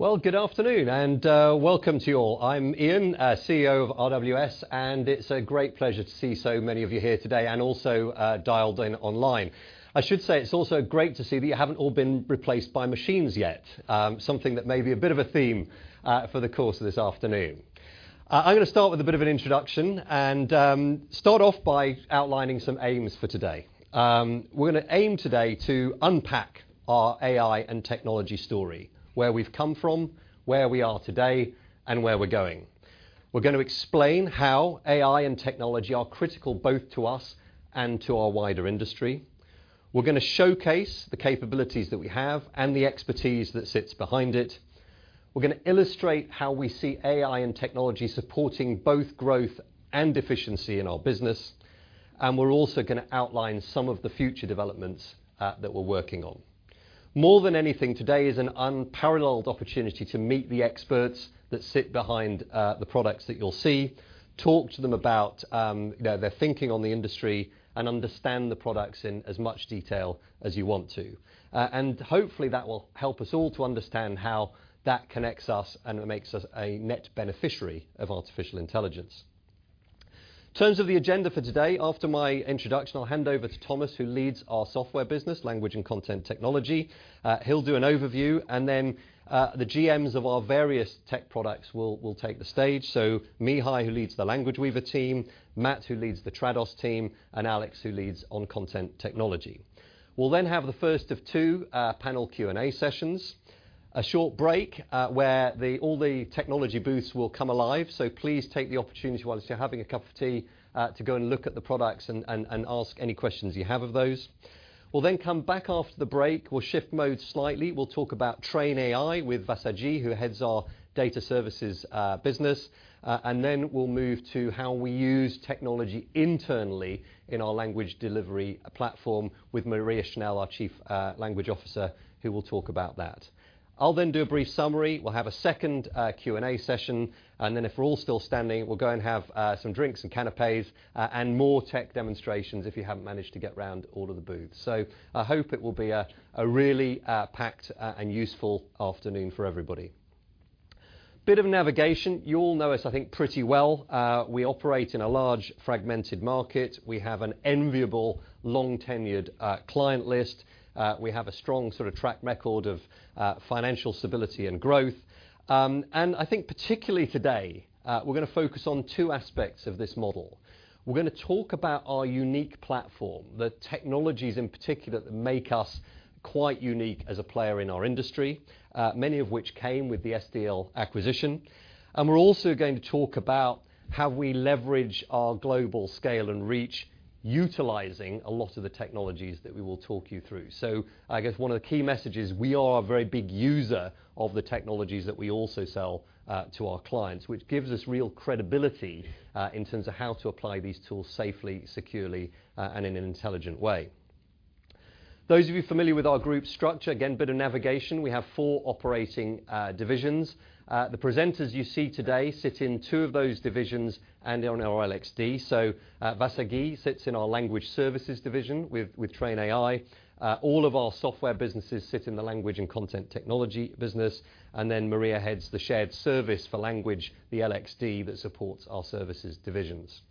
Well, good afternoon, and welcome to you all. I'm Ian, CEO of RWS, and it's a great pleasure to see so many of you here today, and also dialed in online. I should say it's also great to see that you haven't all been replaced by machines yet, something that may be a bit of a theme for the course of this afternoon. I'm gonna start with a bit of an introduction, and start off by outlining some aims for today. We're gonna aim today to unpack our AI and technology story, where we've come from, where we are today, and where we're going. We're gonna explain how AI and technology are critical both to us and to our wider industry. We're gonna showcase the capabilities that we have and the expertise that sits behind it. We're gonna illustrate how we see AI and technology supporting both growth and efficiency in our business, and we're also gonna outline some of the future developments that we're working on. More than anything, today is an unparalleled opportunity to meet the experts that sit behind the products that you'll see, talk to them about, you know, their thinking on the industry, and understand the products in as much detail as you want to. Hopefully that will help us all to understand how that connects us, and it makes us a net beneficiary of artificial intelligence. In terms of the agenda for today, after my introduction, I'll hand over to Thomas, who leads our software business, Language and Content Technology. He'll do an overview, and then the GMs of our various tech products will take the stage. Mihai, who leads the Language Weaver team, Matt, who leads the Trados team, and Alex, who leads on content technology. We'll then have the first of two panel Q&A sessions, a short break, where all the technology booths will come alive. Please take the opportunity whilst you're having a cup of tea to go and look at the products and ask any questions you have of those. We'll then come back after the break. We'll shift mode slightly. We'll talk about TrainAI with Vasagi, who heads our data services business. Then we'll move to how we use technology internally in our language delivery platform with Maria Schnell, our Chief Language Officer, who will talk about that. I'll then do a brief summary. We'll have a second Q&A session, and then if we're all still standing, we'll go and have some drinks and canapés and more tech demonstrations if you haven't managed to get round all of the booths. So I hope it will be a really packed and useful afternoon for everybody. Bit of navigation. You all know us, I think, pretty well. We operate in a large, fragmented market. We have an enviable, long-tenured client list. We have a strong sort of track record of financial stability and growth. And I think particularly today, we're gonna focus on two aspects of this model. We're gonna talk about our unique platform, the technologies in particular, that make us quite unique as a player in our industry, many of which came with the SDL acquisition. We're also going to talk about how we leverage our global scale and reach, utilizing a lot of the technologies that we will talk you through. I guess one of the key messages, we are a very big user of the technologies that we also sell to our clients, which gives us real credibility in terms of how to apply these tools safely, securely, and in an intelligent way. Those of you familiar with our group structure, again, a bit of navigation. We have four operating divisions. The presenters you see today sit in two of those divisions and on our LXD. Vasagi sits in our Language Services division with TrainAI. All of our software businesses sit in the Language and Content Technology business, and then Maria heads the shared service for language, the LXD, that supports our services divisions.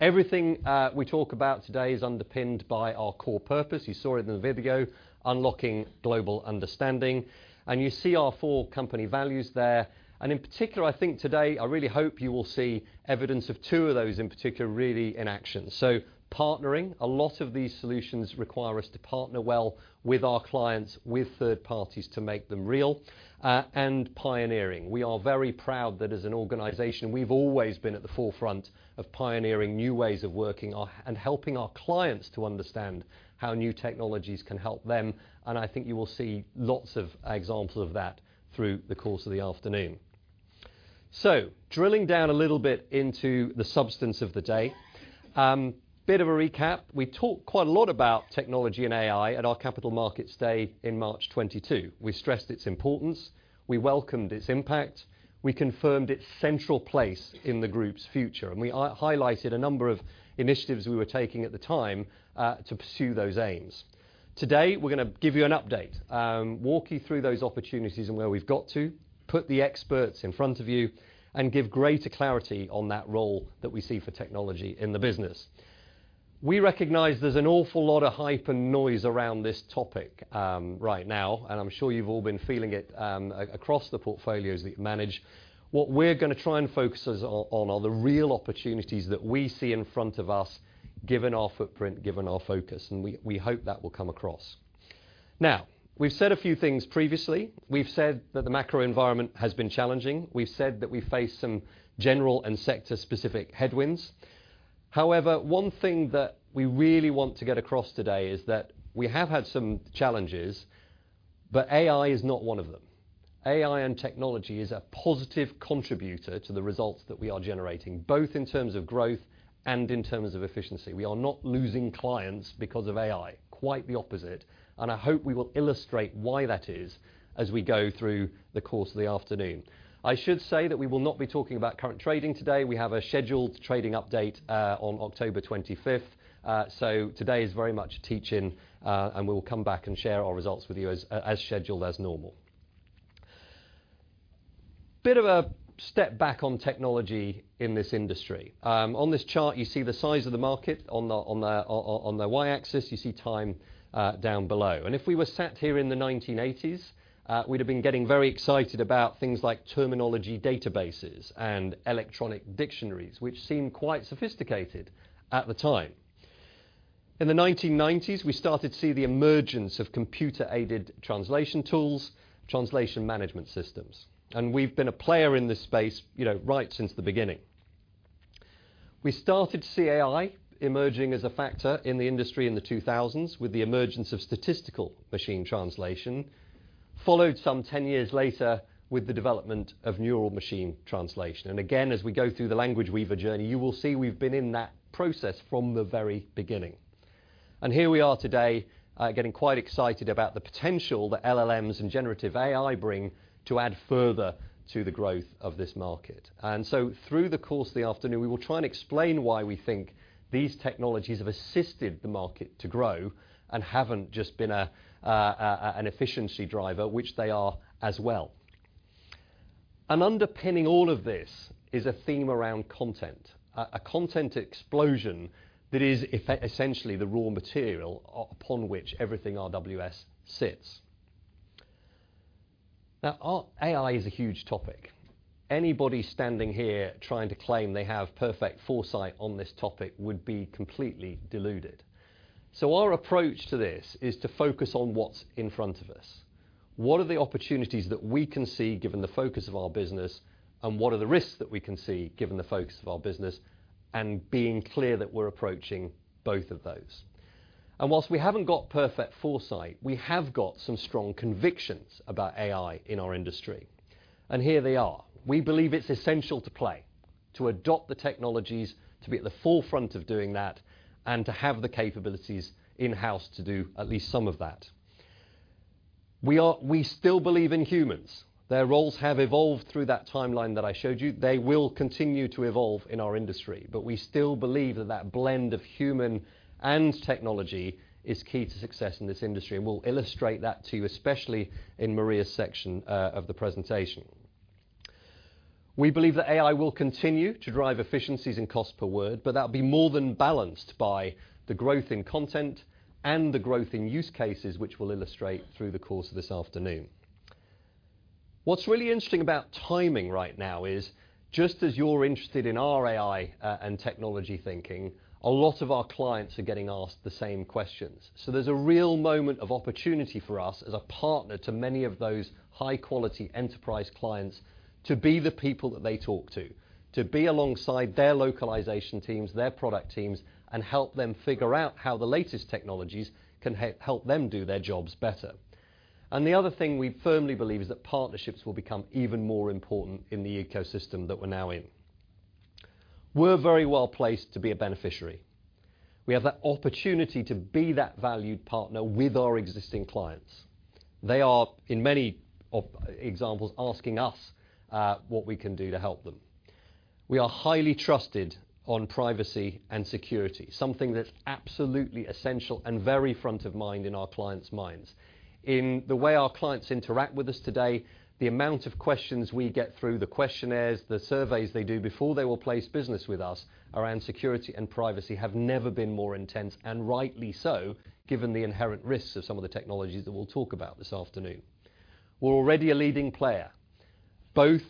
Everything we talk about today is underpinned by our core purpose, you saw it in the video, unlocking global understanding, and you see our four company values there. And in particular, I think today, I really hope you will see evidence of two of those in particular, really in action. So partnering, a lot of these solutions require us to partner well with our clients, with third parties to make them real. And pioneering. We are very proud that as an organization, we've always been at the forefront of pioneering new ways of working our... and helping our clients to understand how new technologies can help them, and I think you will see lots of examples of that through the course of the afternoon. So drilling down a little bit into the substance of the day, bit of a recap: We talked quite a lot about technology and AI at our Capital Markets Day in March 2022. We stressed its importance, we welcomed its impact, we confirmed its central place in the group's future, and we highlighted a number of initiatives we were taking at the time, to pursue those aims. Today, we're gonna give you an update, walk you through those opportunities and where we've got to, put the experts in front of you, and give greater clarity on that role that we see for technology in the business. We recognize there's an awful lot of hype and noise around this topic, right now, and I'm sure you've all been feeling it, across the portfolios that you manage. What we're gonna try and focus us on are the real opportunities that we see in front of us, given our footprint, given our focus, and we hope that will come across. Now, we've said a few things previously. We've said that the macro environment has been challenging. We've said that we face some general and sector-specific headwinds. However, one thing that we really want to get across today is that we have had some challenges, but AI is not one of them. AI and technology is a positive contributor to the results that we are generating, both in terms of growth and in terms of efficiency. We are not losing clients because of AI, quite the opposite, and I hope we will illustrate why that is as we go through the course of the afternoon. I should say that we will not be talking about current trading today. We have a scheduled trading update on October 25th. So today is very much teach-in, and we'll come back and share our results with you as scheduled, as normal. Bit of a step back on technology in this industry. On this chart, you see the size of the market on the Y-axis, you see time down below. And if we were sat here in the 1980s, we'd have been getting very excited about things like terminology databases and electronic dictionaries, which seemed quite sophisticated at the time. In the 1990s, we started to see the emergence of computer-aided translation tools, translation management systems, and we've been a player in this space, you know, right since the beginning. We started to see AI emerging as a factor in the industry in the 2000s with the emergence of statistical machine translation, followed some 10 years later with the development of neural machine translation. And again, as we go through the Language Weaver journey, you will see we've been in that process from the very beginning. And here we are today, getting quite excited about the potential that LLMs and generative AI bring to add further to the growth of this market. Through the course of the afternoon, we will try and explain why we think these technologies have assisted the market to grow and haven't just been a, an efficiency driver, which they are as well. Underpinning all of this is a theme around content, a content explosion that is essentially the raw material upon which everything RWS sits. Now, our AI is a huge topic. Anybody standing here trying to claim they have perfect foresight on this topic would be completely deluded. So our approach to this is to focus on what's in front of us. What are the opportunities that we can see, given the focus of our business, and what are the risks that we can see, given the focus of our business, and being clear that we're approaching both of those. While we haven't got perfect foresight, we have got some strong convictions about AI in our industry, and here they are. We believe it's essential to play, to adopt the technologies, to be at the forefront of doing that, and to have the capabilities in-house to do at least some of that. We still believe in humans. Their roles have evolved through that timeline that I showed you. They will continue to evolve in our industry, but we still believe that that blend of human and technology is key to success in this industry, and we'll illustrate that to you, especially in Maria's section of the presentation. We believe that AI will continue to drive efficiencies in cost per word, but that will be more than balanced by the growth in content and the growth in use cases, which we'll illustrate through the course of this afternoon. What's really interesting about timing right now is, just as you're interested in our AI and technology thinking, a lot of our clients are getting asked the same questions. So there's a real moment of opportunity for us as a partner to many of those high-quality enterprise clients to be the people that they talk to, to be alongside their localization teams, their product teams, and help them figure out how the latest technologies can help them do their jobs better. And the other thing we firmly believe is that partnerships will become even more important in the ecosystem that we're now in. We're very well placed to be a beneficiary. We have the opportunity to be that valued partner with our existing clients. They are, in many of examples, asking us, what we can do to help them. We are highly trusted on privacy and security, something that's absolutely essential and very front of mind in our clients' minds. In the way our clients interact with us today, the amount of questions we get through the questionnaires, the surveys they do before they will place business with us around security and privacy, have never been more intense, and rightly so, given the inherent risks of some of the technologies that we'll talk about this afternoon. We're already a leading player, both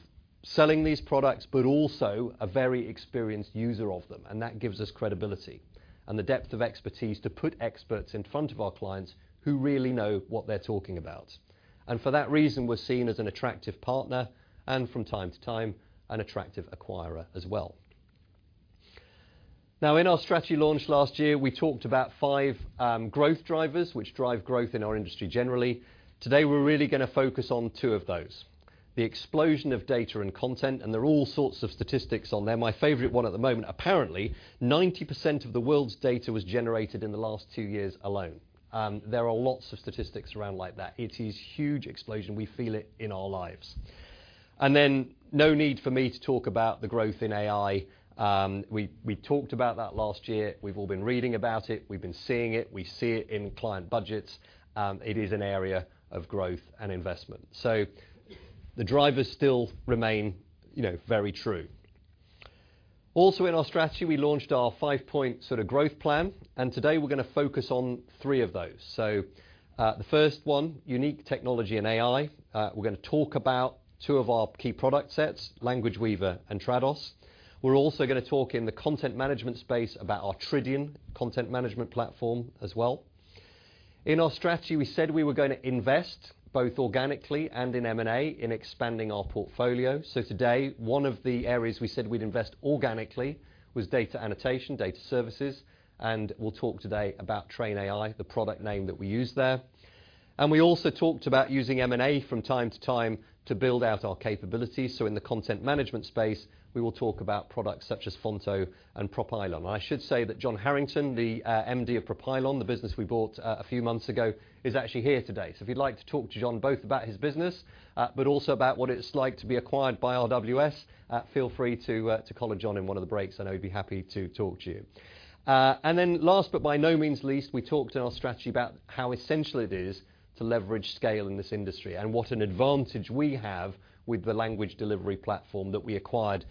selling these products but also a very experienced user of them, and that gives us credibility and the depth of expertise to put experts in front of our clients who really know what they're talking about. For that reason, we're seen as an attractive partner and from time to time, an attractive acquirer as well. Now, in our strategy launch last year, we talked about five growth drivers, which drive growth in our industry generally. Today, we're really gonna focus on two of those, the explosion of data and content, and there are all sorts of statistics on there. My favorite one at the moment, apparently, 90% of the world's data was generated in the last two years alone. There are lots of statistics around like that. It is huge explosion. We feel it in our lives. Then no need for me to talk about the growth in AI. We talked about that last year. We've all been reading about it. We've been seeing it. We see it in client budgets. It is an area of growth and investment. The drivers still remain, you know, very true. Also in our strategy, we launched our five-point sort of growth plan, and today we're gonna focus on three of those. The first one, unique technology and AI. We're gonna talk about two of our key product sets, Language Weaver and Trados. We're also gonna talk in the content management space about our Tridion content management platform as well. In our strategy, we said we were gonna invest, both organically and in M&A, in expanding our portfolio. So today, one of the areas we said we'd invest organically was data annotation, data services, and we'll talk today about TrainAI, the product name that we use there. And we also talked about using M&A from time to time to build out our capabilities. So in the content management space, we will talk about products such as Fonto and Propylon. I should say that John Harrington, the MD of Propylon, the business we bought a few months ago, is actually here today. So if you'd like to talk to John both about his business but also about what it's like to be acquired by RWS, feel free to call on John in one of the breaks. I know he'd be happy to talk to you. And then last, but by no means least, we talked in our strategy about how essential it is to leverage scale in this industry and what an advantage we have with the language delivery platform that we acquired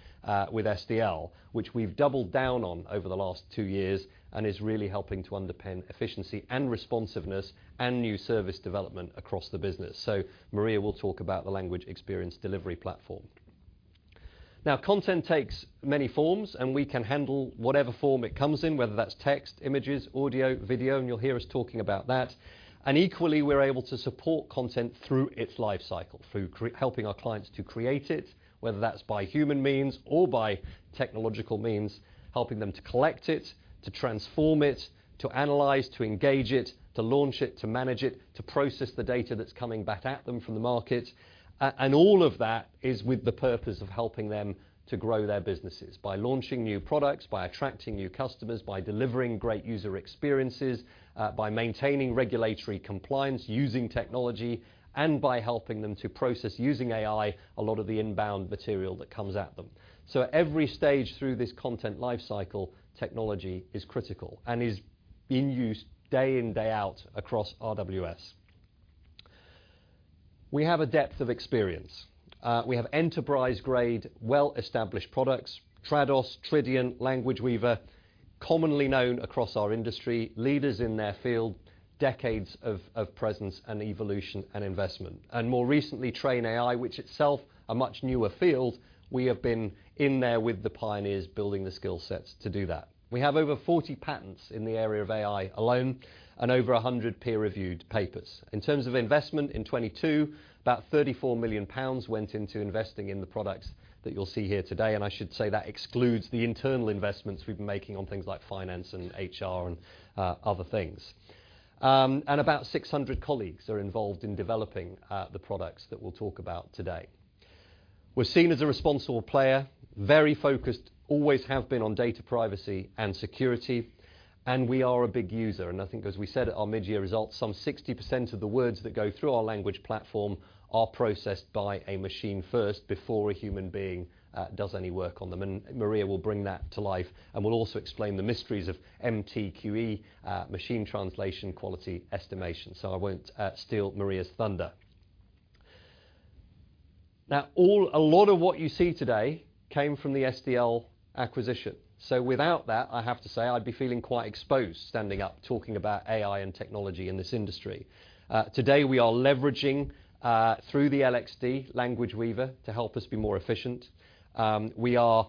with SDL, which we've doubled down on over the last two years and is really helping to underpin efficiency and responsiveness and new service development across the business. So Maria Language Experience Delivery platform. now, content takes many forms, and we can handle whatever form it comes in, whether that's text, images, audio, video, and you'll hear us talking about that. And equally, we're able to support content through its life cycle, helping our clients to create it, whether that's by human means or by technological means, helping them to collect it, to transform it, to analyze, to engage it, to launch it, to manage it, to process the data that's coming back at them from the market. And all of that is with the purpose of helping them to grow their businesses by launching new products, by attracting new customers, by delivering great user experiences, by maintaining regulatory compliance using technology, and by helping them to process, using AI, a lot of the inbound material that comes at them. So at every stage through this content life cycle, technology is critical and is in use day in, day out across RWS. We have a depth of experience. We have enterprise-grade, well-established products, Trados, Tridion, Language Weaver, commonly known across our industry, leaders in their field, decades of presence, and evolution, and investment. And more recently, TrainAI, which itself, a much newer field, we have been in there with the pioneers, building the skill sets to do that. We have over 40 patents in the area of AI alone and over 100 peer-reviewed papers. In terms of investment, in 2022, about 34 million pounds went into investing in the products that you'll see here today, and I should say that excludes the internal investments we've been making on things like finance and HR and other things. And about 600 colleagues are involved in developing the products that we'll talk about today. We're seen as a responsible player, very focused, always have been on data privacy and security, and we are a big user. I think, as we said at our mid-year results, some 60% of the words that go through our language platform are processed by a machine first before a human being does any work on them, and Maria will bring that to life, and will also explain the mysteries of MTQE, Machine Translation Quality Estimation, so I won't steal Maria's thunder. Now, a lot of what you see today came from the SDL acquisition. Without that, I have to say, I'd be feeling quite exposed, standing up, talking about AI and technology in this industry. Today we are leveraging through the LXD, Language Weaver, to help us be more efficient. We are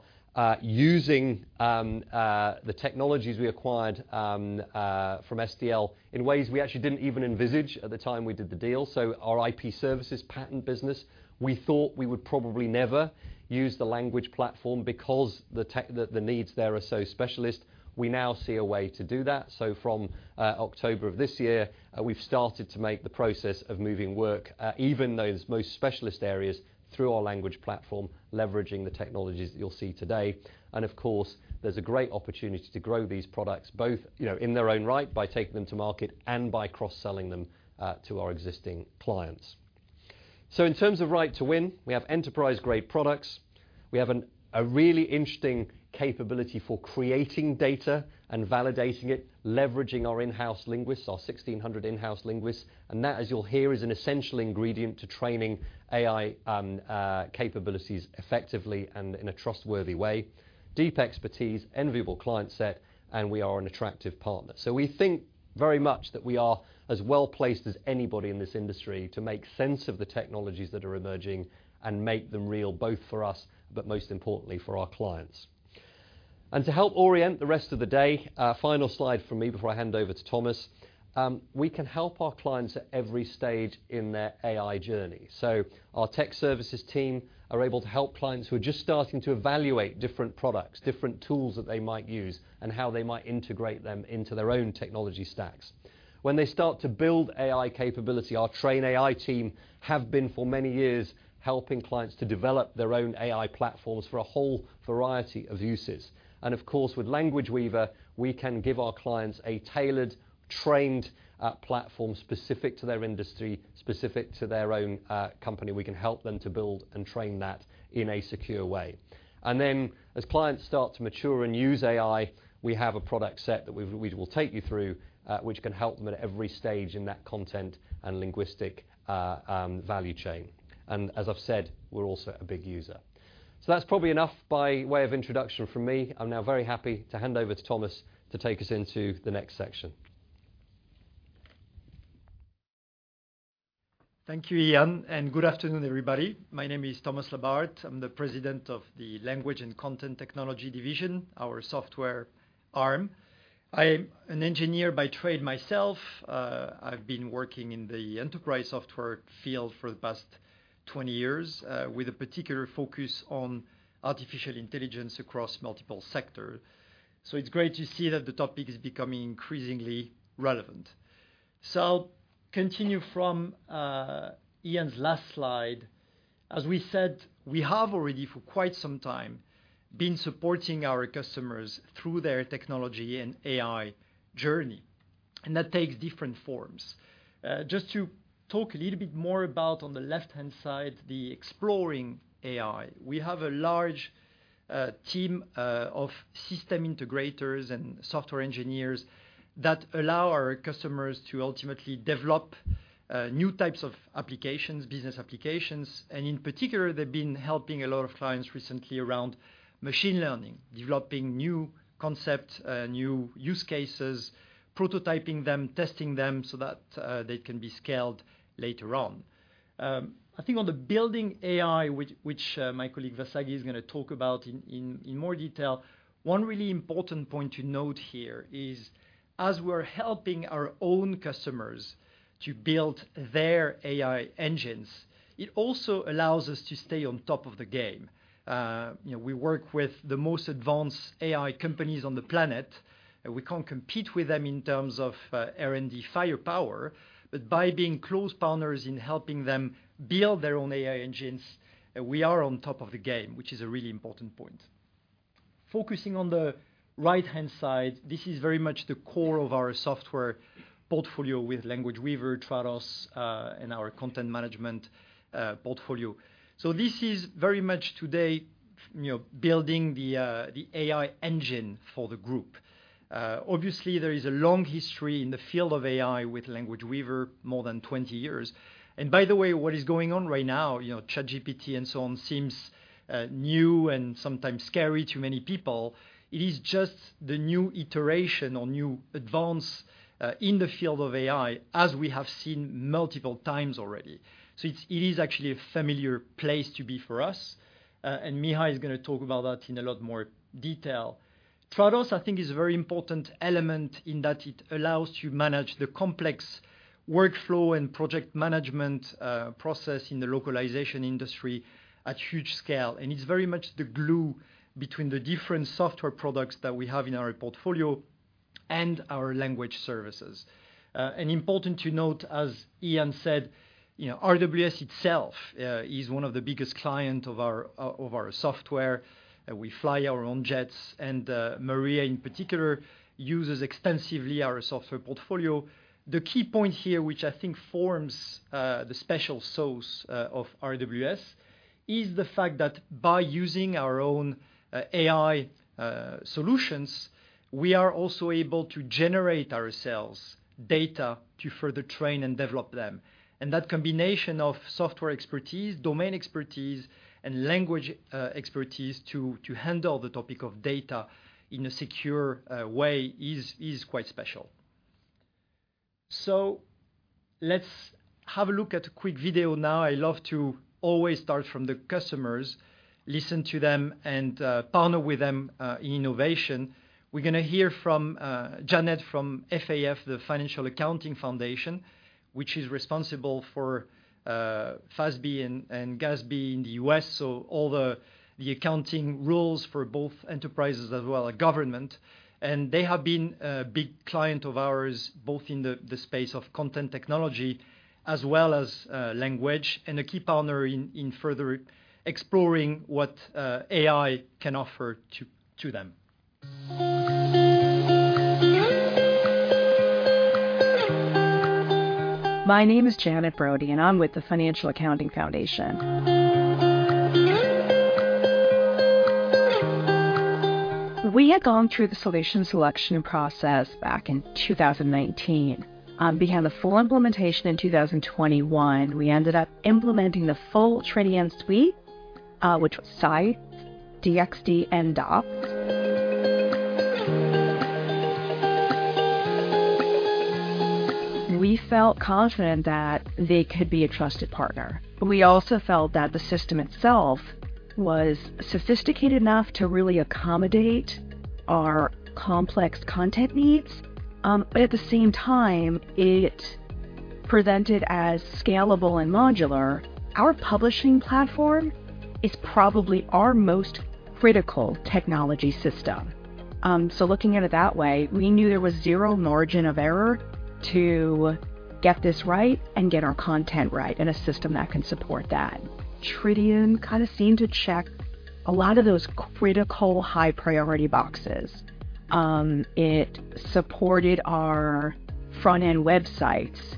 using the technologies we acquired from SDL in ways we actually didn't even envisage at the time we did the deal. So our IP Services patent business, we thought we would probably never use the language platform because the needs there are so specialist. We now see a way to do that. So from October of this year, we've started to make the process of moving work, even those most specialist areas, through our language platform, leveraging the technologies that you'll see today. And of course, there's a great opportunity to grow these products, both, you know, in their own right, by taking them to market and by cross-selling them to our existing clients. So in terms of right to win, we have enterprise-grade products. We have a really interesting capability for creating data and validating it, leveraging our in-house linguists, our 1,600 in-house linguists, and that, as you'll hear, is an essential ingredient to training AI capabilities effectively and in a trustworthy way. Deep expertise, enviable client set, and we are an attractive partner. So we think very much that we are as well-placed as anybody in this industry to make sense of the technologies that are emerging and make them real, both for us, but most importantly, for our clients. To help orient the rest of the day, our final slide from me before I hand over to Thomas, we can help our clients at every stage in their AI journey. So our tech services team are able to help clients who are just starting to evaluate different products, different tools that they might use, and how they might integrate them into their own technology stacks. When they start to build AI capability, our TrainAI team have been, for many years, helping clients to develop their own AI platforms for a whole variety of uses. And of course, with Language Weaver, we can give our clients a tailored, trained platform specific to their industry, specific to their own company. We can help them to build and train that in a secure way. And then, as clients start to mature and use AI, we have a product set that we, we will take you through, which can help them at every stage in that content and linguistic value chain. As I've said, we're also a big user. That's probably enough by way of introduction from me. I'm now very happy to hand over to Thomas to take us into the next section. Thank you, Ian, and good afternoon, everybody. My name is Thomas Labarthe. I'm the president of the Language and Content Technology division, our software arm. I am an engineer by trade myself. I've been working in the enterprise software field for the past 20 years, with a particular focus on artificial intelligence across multiple sector. It's great to see that the topic is becoming increasingly relevant. I'll continue from Ian's last slide. As we said, we have already, for quite some time, been supporting our customers through their technology and AI journey, and that takes different forms. Just to talk a little bit more about, on the left-hand side, the exploring AI, we have a large team of system integrators and software engineers that allow our customers to ultimately develop new types of applications, business applications, and in particular, they've been helping a lot of clients recently around machine learning, developing new concepts, new use cases, prototyping them, testing them so that they can be scaled later on. I think on the building AI, which my colleague, Vasagi, is gonna talk about in more detail, one really important point to note here is as we're helping our own customers to build their AI engines, it also allows us to stay on top of the game. You know, we work with the most advanced AI companies on the planet, and we can't compete with them in terms of R&D firepower, but by being close partners in helping them build their own AI engines, we are on top of the game, which is a really important point. Focusing on the right-hand side, this is very much the core of our software portfolio with Language Weaver, Trados, and our content management portfolio. So this is very much today, you know, building the AI engine for the group. Obviously, there is a long history in the field of AI with Language Weaver, more than 20 years. And by the way, what is going on right now, you know, ChatGPT and so on, seems new and sometimes scary to many people. It is just the new iteration or new advance in the field of AI, as we have seen multiple times already. So it is actually a familiar place to be for us, and Mihai is gonna talk about that in a lot more detail. Trados, I think, is a very important element in that it allows to manage the complex workflow and project management process in the localization industry at huge scale. And it's very much the glue between the different software products that we have in our portfolio and our Language Services. And important to note, as Ian said, you know, RWS itself is one of the biggest client of our software. We fly our own jets, and Maria, in particular, uses extensively our software portfolio. The key point here, which I think forms the special source of RWS, is the fact that by using our own AI solutions, we are also able to generate ourselves data to further train and develop them. And that combination of software expertise, domain expertise, and language expertise to handle the topic of data in a secure way is quite special. So let's have a look at a quick video now. I love to always start from the customers, listen to them, and partner with them in innovation. We're gonna hear from Janet, from FAF, the Financial Accounting Foundation, which is responsible for FASB and GASB in the US, so all the accounting rules for both enterprises as well as government. They have been a big client of ours, both in the space of content technology as well as language, and a key partner in further exploring what AI can offer to them. My name is Janet Brody, and I'm with the Financial Accounting Foundation. We had gone through the solution selection process back in 2019. We had the full implementation in 2021. We ended up implementing the full Tridion Suite, which was Sites, DXD and Docs. We felt confident that they could be a trusted partner. We also felt that the system itself was sophisticated enough to really accommodate our complex content needs, but at the same time, it presented as scalable and modular. Our publishing platform is probably our most critical technology system. So looking at it that way, we knew there was zero margin of error to get this right and get our content right, and a system that can support that. Tridion kind of seemed to check a lot of those critical, high-priority boxes. It supported our front-end websites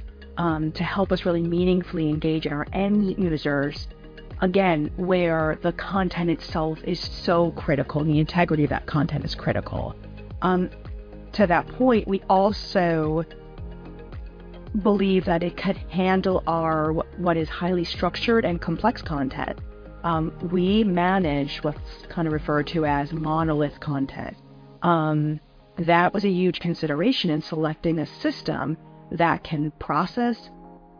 to help us really meaningfully engage our end users, again, where the content itself is so critical, and the integrity of that content is critical. To that point, we also believe that it could handle our... what is highly structured and complex content. We manage what's kind of referred to as monolith content. That was a huge consideration in selecting a system that can process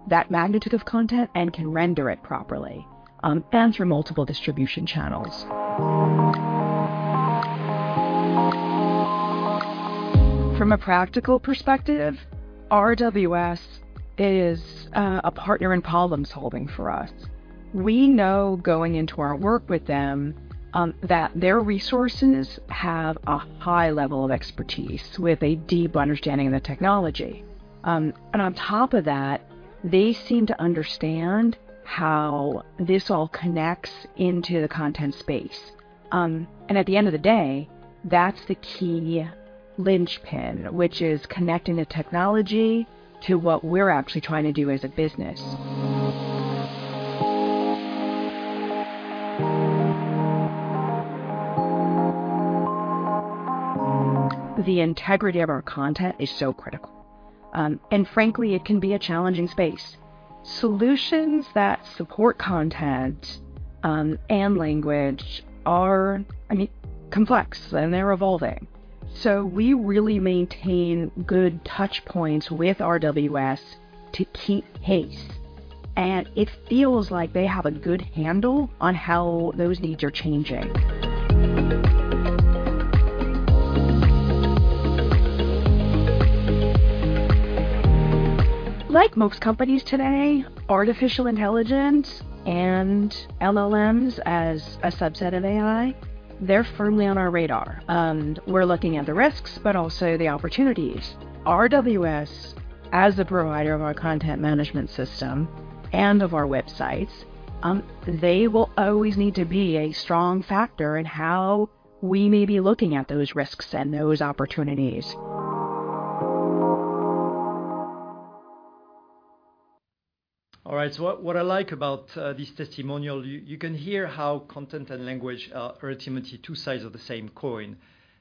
that magnitude of content and can render it properly, and through multiple distribution channels. From a practical perspective, RWS is a partner in problem-solving for us. We know going into our work with them that their resources have a high level of expertise with a deep understanding of the technology. On top of that, they seem to understand how this all connects into the content space. And at the end of the day, that's the key linchpin, which is connecting the technology to what we're actually trying to do as a business. The integrity of our content is so critical, and frankly, it can be a challenging space. Solutions that support content and language are, I mean, complex, and they're evolving. So we really maintain good touch points with RWS to keep pace, and it feels like they have a good handle on how those needs are changing. Like most companies today, artificial intelligence and LLMs, as a subset of AI, they're firmly on our radar. We're looking at the risks but also the opportunities. RWS, as a provider of our content management system and of our websites, they will always need to be a strong factor in how we may be looking at those risks and those opportunities. All right, what I like about this testimonial, you can hear how content and language are ultimately two sides of the same coin.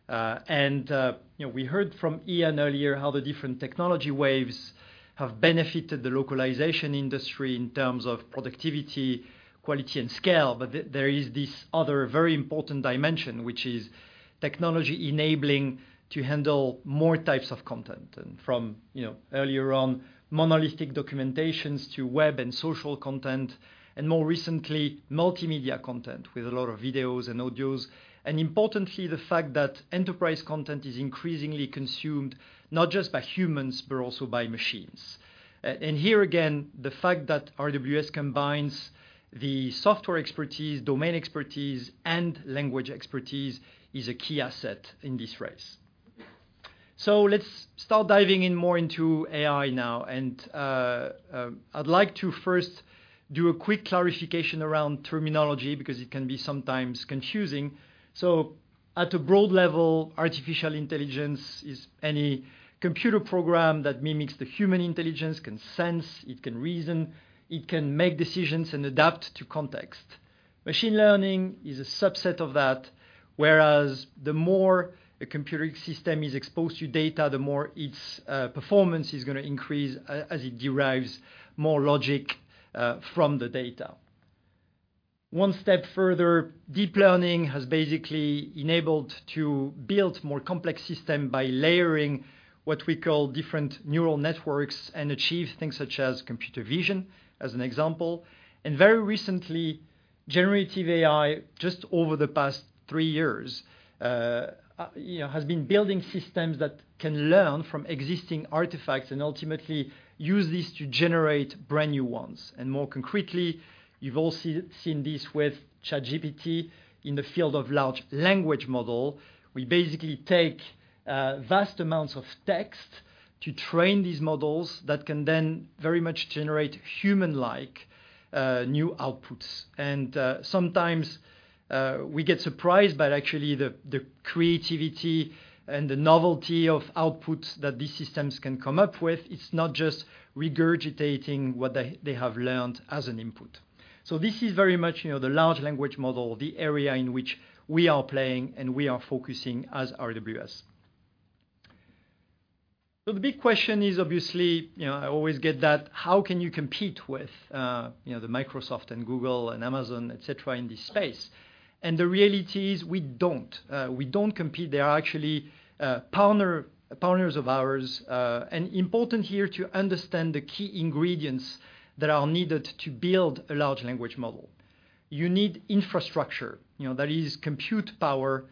You know, we heard from Ian earlier how the different technology waves have benefited the localization industry in terms of productivity, quality, and scale. There is this other very important dimension, which is technology enabling to handle more types of content, and from, you know, earlier on, monolithic documentations to web and social content, and more recently, multimedia content, with a lot of videos and audios. Importantly, the fact that enterprise content is increasingly consumed not just by humans, but also by machines. Here again, the fact that RWS combines the software expertise, domain expertise, and language expertise is a key asset in this race. So let's start diving in more into AI now, and, I'd like to first do a quick clarification around terminology because it can be sometimes confusing. So at a broad level, artificial intelligence is any computer program that mimics the human intelligence, can sense, it can reason, it can make decisions, and adapt to context. Machine learning is a subset of that, whereas the more a computer system is exposed to data, the more its performance is gonna increase as it derives more logic from the data. One step further, deep learning has basically enabled to build more complex system by layering what we call different neural networks and achieve things such as computer vision, as an example. Very recently, generative AI, just over the past three years, you know, has been building systems that can learn from existing artifacts and ultimately use these to generate brand-new ones. More concretely, you've also seen this with ChatGPT in the field of large language model. We basically take vast amounts of text to train these models that can then very much generate human-like new outputs. Sometimes, we get surprised by actually the creativity and the novelty of outputs that these systems can come up with. It's not just regurgitating what they have learned as an input. So this is very much, you know, the large language model, the area in which we are playing and we are focusing as RWS. So the big question is obviously, you know, I always get that: How can you compete with, you know, the Microsoft and Google and Amazon, et cetera, in this space? And the reality is, we don't. We don't compete. They are actually partners of ours. And important here to understand the key ingredients that are needed to build a large language model. You need infrastructure, you know, that is compute power,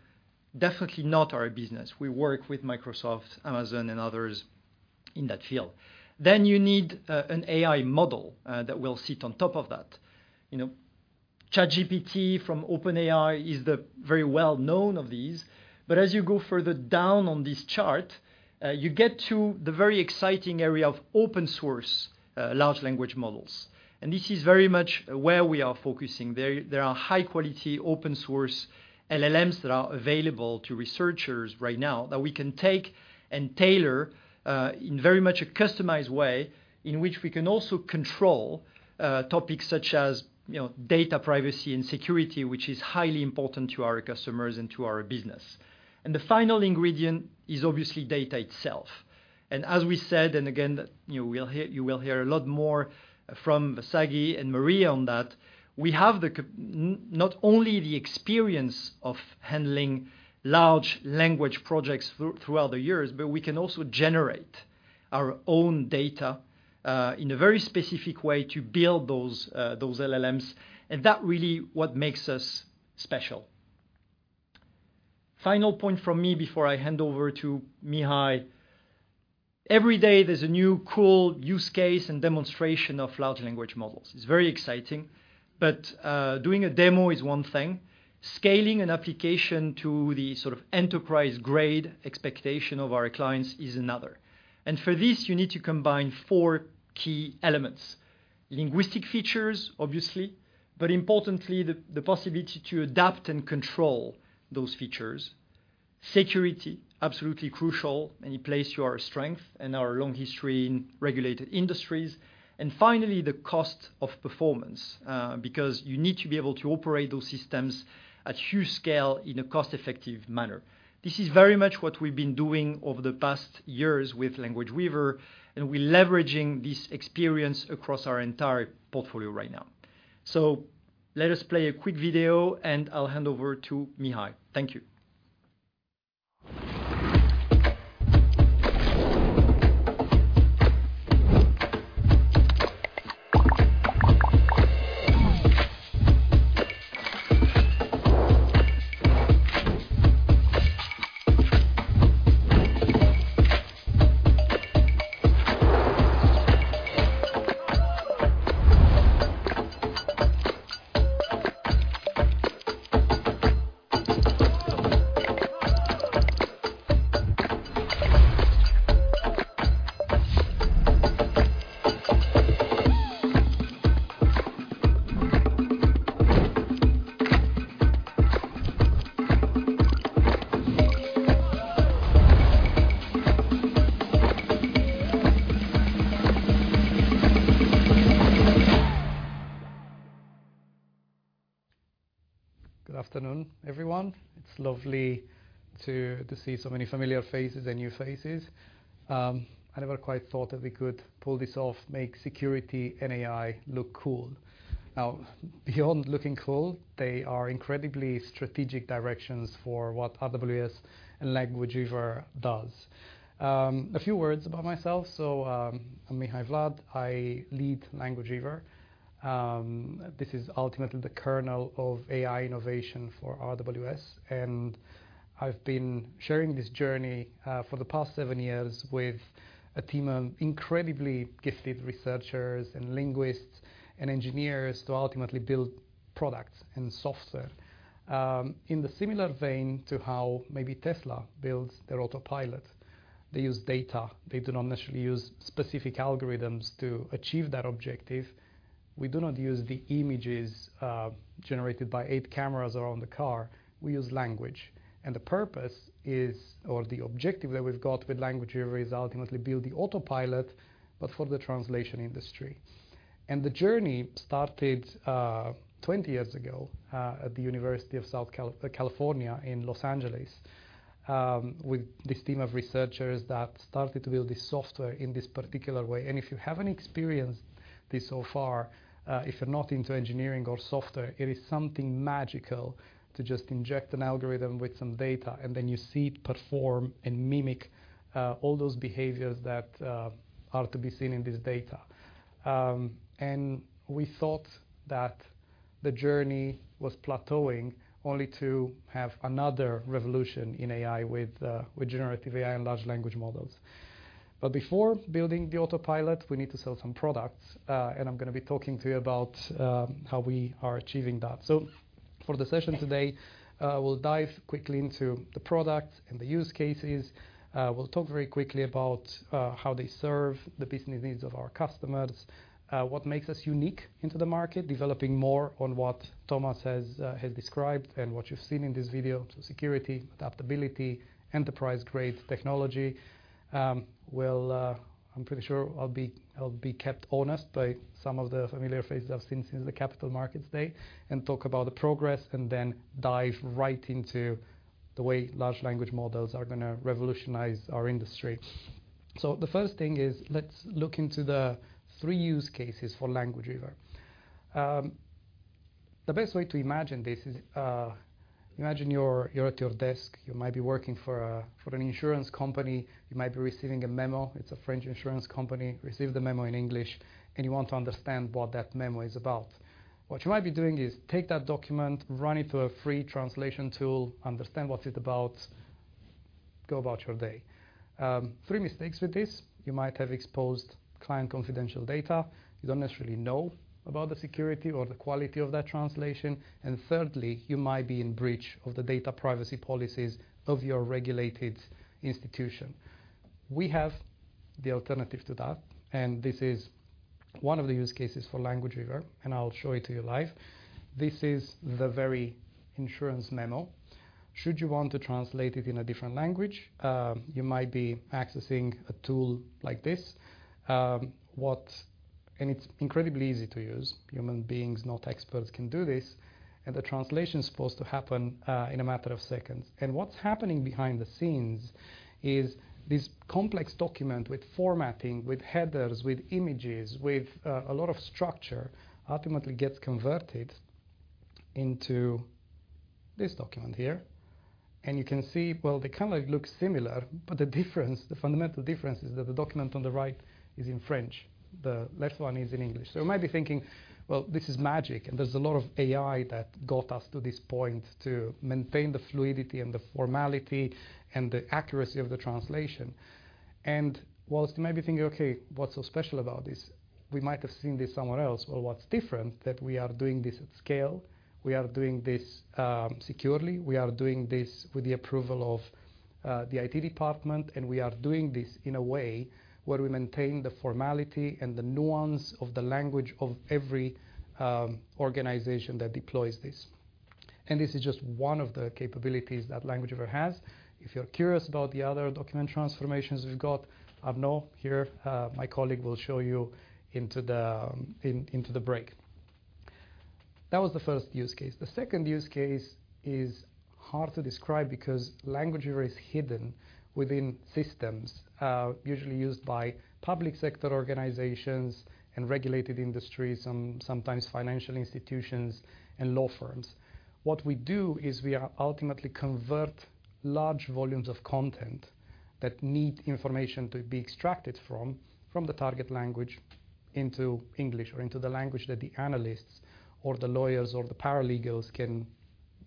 definitely not our business. We work with Microsoft, Amazon, and others in that field. Then you need an AI model that will sit on top of that. You know, ChatGPT from OpenAI is the very well known of these, but as you go further down on this chart, you get to the very exciting area of open source large language models. And this is very much where we are focusing. There are high-quality, open-source LLMs that are available to researchers right now that we can take and tailor in very much a customized way, in which we can also control topics such as, you know, data privacy and security, which is highly important to our customers and to our business. And the final ingredient is obviously data itself. And as we said, and again, you know, you will hear a lot more from Sagi and Maria on that, we have not only the experience of handling large language projects throughout the years, but we can also generate our own data in a very specific way to build those LLMs, and that really what makes us special. Final point from me before I hand over to Mihai. Every day there's a new cool use case and demonstration of large language models. It's very exciting, but, doing a demo is one thing, scaling an application to the sort of enterprise-grade expectation of our clients is another. And for this, you need to combine four key elements: linguistic features, obviously, but importantly, the possibility to adapt and control those features. Security, absolutely crucial, and it plays to our strength and our long history in regulated industries. And finally, the cost of performance, because you need to be able to operate those systems at huge scale in a cost-effective manner. This is very much what we've been doing over the past years with Language Weaver, and we're leveraging this experience across our entire portfolio right now. So let us play a quick video, and I'll hand over to Mihai. Thank you. Good afternoon, everyone. It's lovely to see so many familiar faces and new faces. I never quite thought that we could pull this off, make security and AI look cool. Now, beyond looking cool, they are incredibly strategic directions for what RWS and Language Weaver does. A few words about myself. So, I'm Mihai Vlad. I lead Language Weaver. This is ultimately the kernel of AI innovation for RWS, and I've been sharing this journey for the past seven years with a team of incredibly gifted researchers and linguists and engineers to ultimately build products and software. In the similar vein to how maybe Tesla builds their autopilot, they use data. They do not necessarily use specific algorithms to achieve that objective. We do not use the images generated by eight cameras around the car. We use language, and the purpose is... Our objective with Language Weaver is ultimately to build the autopilot, but for the translation industry. The journey started 20 years ago at the University of Southern California in Los Angeles with this team of researchers that started to build this software in this particular way. If you haven't experienced this so far, if you're not into engineering or software, it is something magical to just inject an algorithm with some data, and then you see it perform and mimic all those behaviors that are to be seen in this data. We thought that the journey was plateauing, only to have another revolution in AI with generative AI and large language models. But before building the autopilot, we need to sell some products, and I'm gonna be talking to you about how we are achieving that. So for the session today, we'll dive quickly into the product and the use cases. We'll talk very quickly about how they serve the business needs of our customers, what makes us unique into the market, developing more on what Thomas has described and what you've seen in this video. So security, adaptability, enterprise-grade technology. I'm pretty sure I'll be kept honest by some of the familiar faces I've seen since the Capital Markets Day, and talk about the progress, and then dive right into the way large language models are gonna revolutionize our industry. So the first thing is, let's look into the three use cases for Language Weaver. The best way to imagine this is, imagine you're at your desk, you might be working for an insurance company. You might be receiving a memo. It's a French insurance company. Receive the memo in English, and you want to understand what that memo is about. What you might be doing is take that document, run it through a free translation tool, understand what it's about, go about your day. Three mistakes with this, you might have exposed client confidential data, you don't necessarily know about the security or the quality of that translation, and thirdly, you might be in breach of the data privacy policies of your regulated institution. We have the alternative to that, and this is one of the use cases for Language Weaver, and I'll show it to you live. This is the very insurance memo. Should you want to translate it in a different language, you might be accessing a tool like this. It's incredibly easy to use. Human beings, not experts, can do this, and the translation is supposed to happen in a matter of seconds. What's happening behind the scenes is this complex document with formatting, with headers, with images, with a lot of structure, ultimately gets converted into this document here. You can see, well, they kind of look similar, but the difference, the fundamental difference is that the document on the right is in French, the left one is in English. So you might be thinking, "Well, this is magic," and there's a lot of AI that got us to this point to maintain the fluidity and the formality and the accuracy of the translation. While you might be thinking, "Okay, what's so special about this? We might have seen this somewhere else." Well, what's different, that we are doing this at scale, we are doing this securely, we are doing this with the approval of the IT department, and we are doing this in a way where we maintain the formality and the nuance of the language of every organization that deploys this. This is just one of the capabilities that Language Weaver has. If you're curious about the other document transformations we've got, Arno here, my colleague, will show you into the break. That was the first use case. The second use case is hard to describe because Language Weaver is hidden within systems usually used by public sector organizations and regulated industries, sometimes financial institutions and law firms. What we do is we ultimately convert large volumes of content that need information to be extracted from, from the target language into English or into the language that the analysts or the lawyers or the paralegals can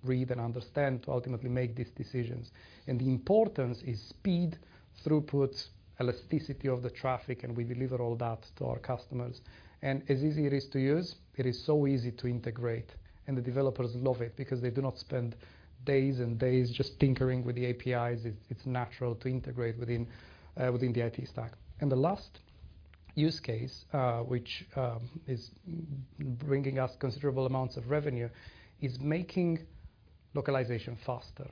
read and understand to ultimately make these decisions. The importance is speed, throughput, elasticity of the traffic, and we deliver all that to our customers. As easy it is to use, it is so easy to integrate, and the developers love it because they do not spend days and days just tinkering with the APIs. It's, it's natural to integrate within the IT stack. The last use case, which is bringing us considerable amounts of revenue, is making localization faster.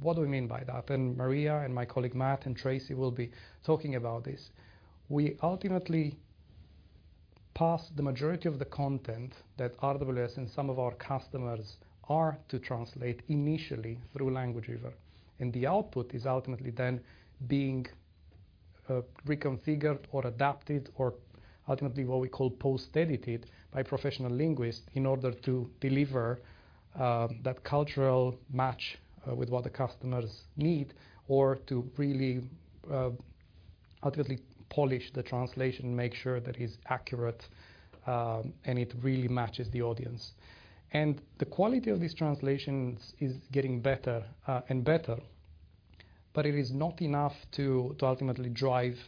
What do we mean by that? Maria and my colleague, Matt, and Tracey will be talking about this. We ultimately pass the majority of the content that RWS and some of our customers are to translate initially through Language Weaver, and the output is ultimately then being reconfigured or adapted or ultimately what we call post-edited by professional linguists in order to deliver that cultural match with what the customers need, or to really ultimately polish the translation, make sure that it's accurate, and it really matches the audience. The quality of these translations is getting better and better, but it is not enough to ultimately drive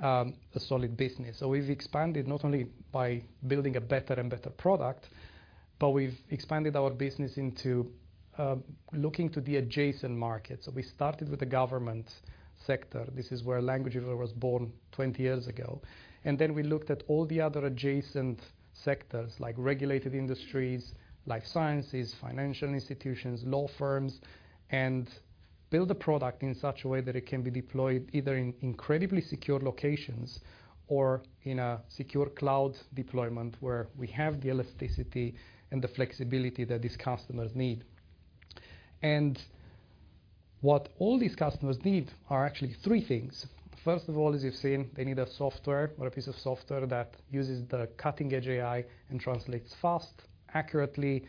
a solid business. We've expanded not only by building a better and better product, but we've expanded our business into looking to the adjacent market. We started with the government sector. This is where Language Weaver was born 20 years ago. We looked at all the other adjacent sectors, like regulated industries, life sciences, financial institutions, law firms, and build a product in such a way that it can be deployed either in incredibly secure locations or in a secure cloud deployment, where we have the elasticity and the flexibility that these customers need. What all these customers need are actually three things. First of all, as you've seen, they need a software or a piece of software that uses the cutting-edge AI and translates fast, accurately,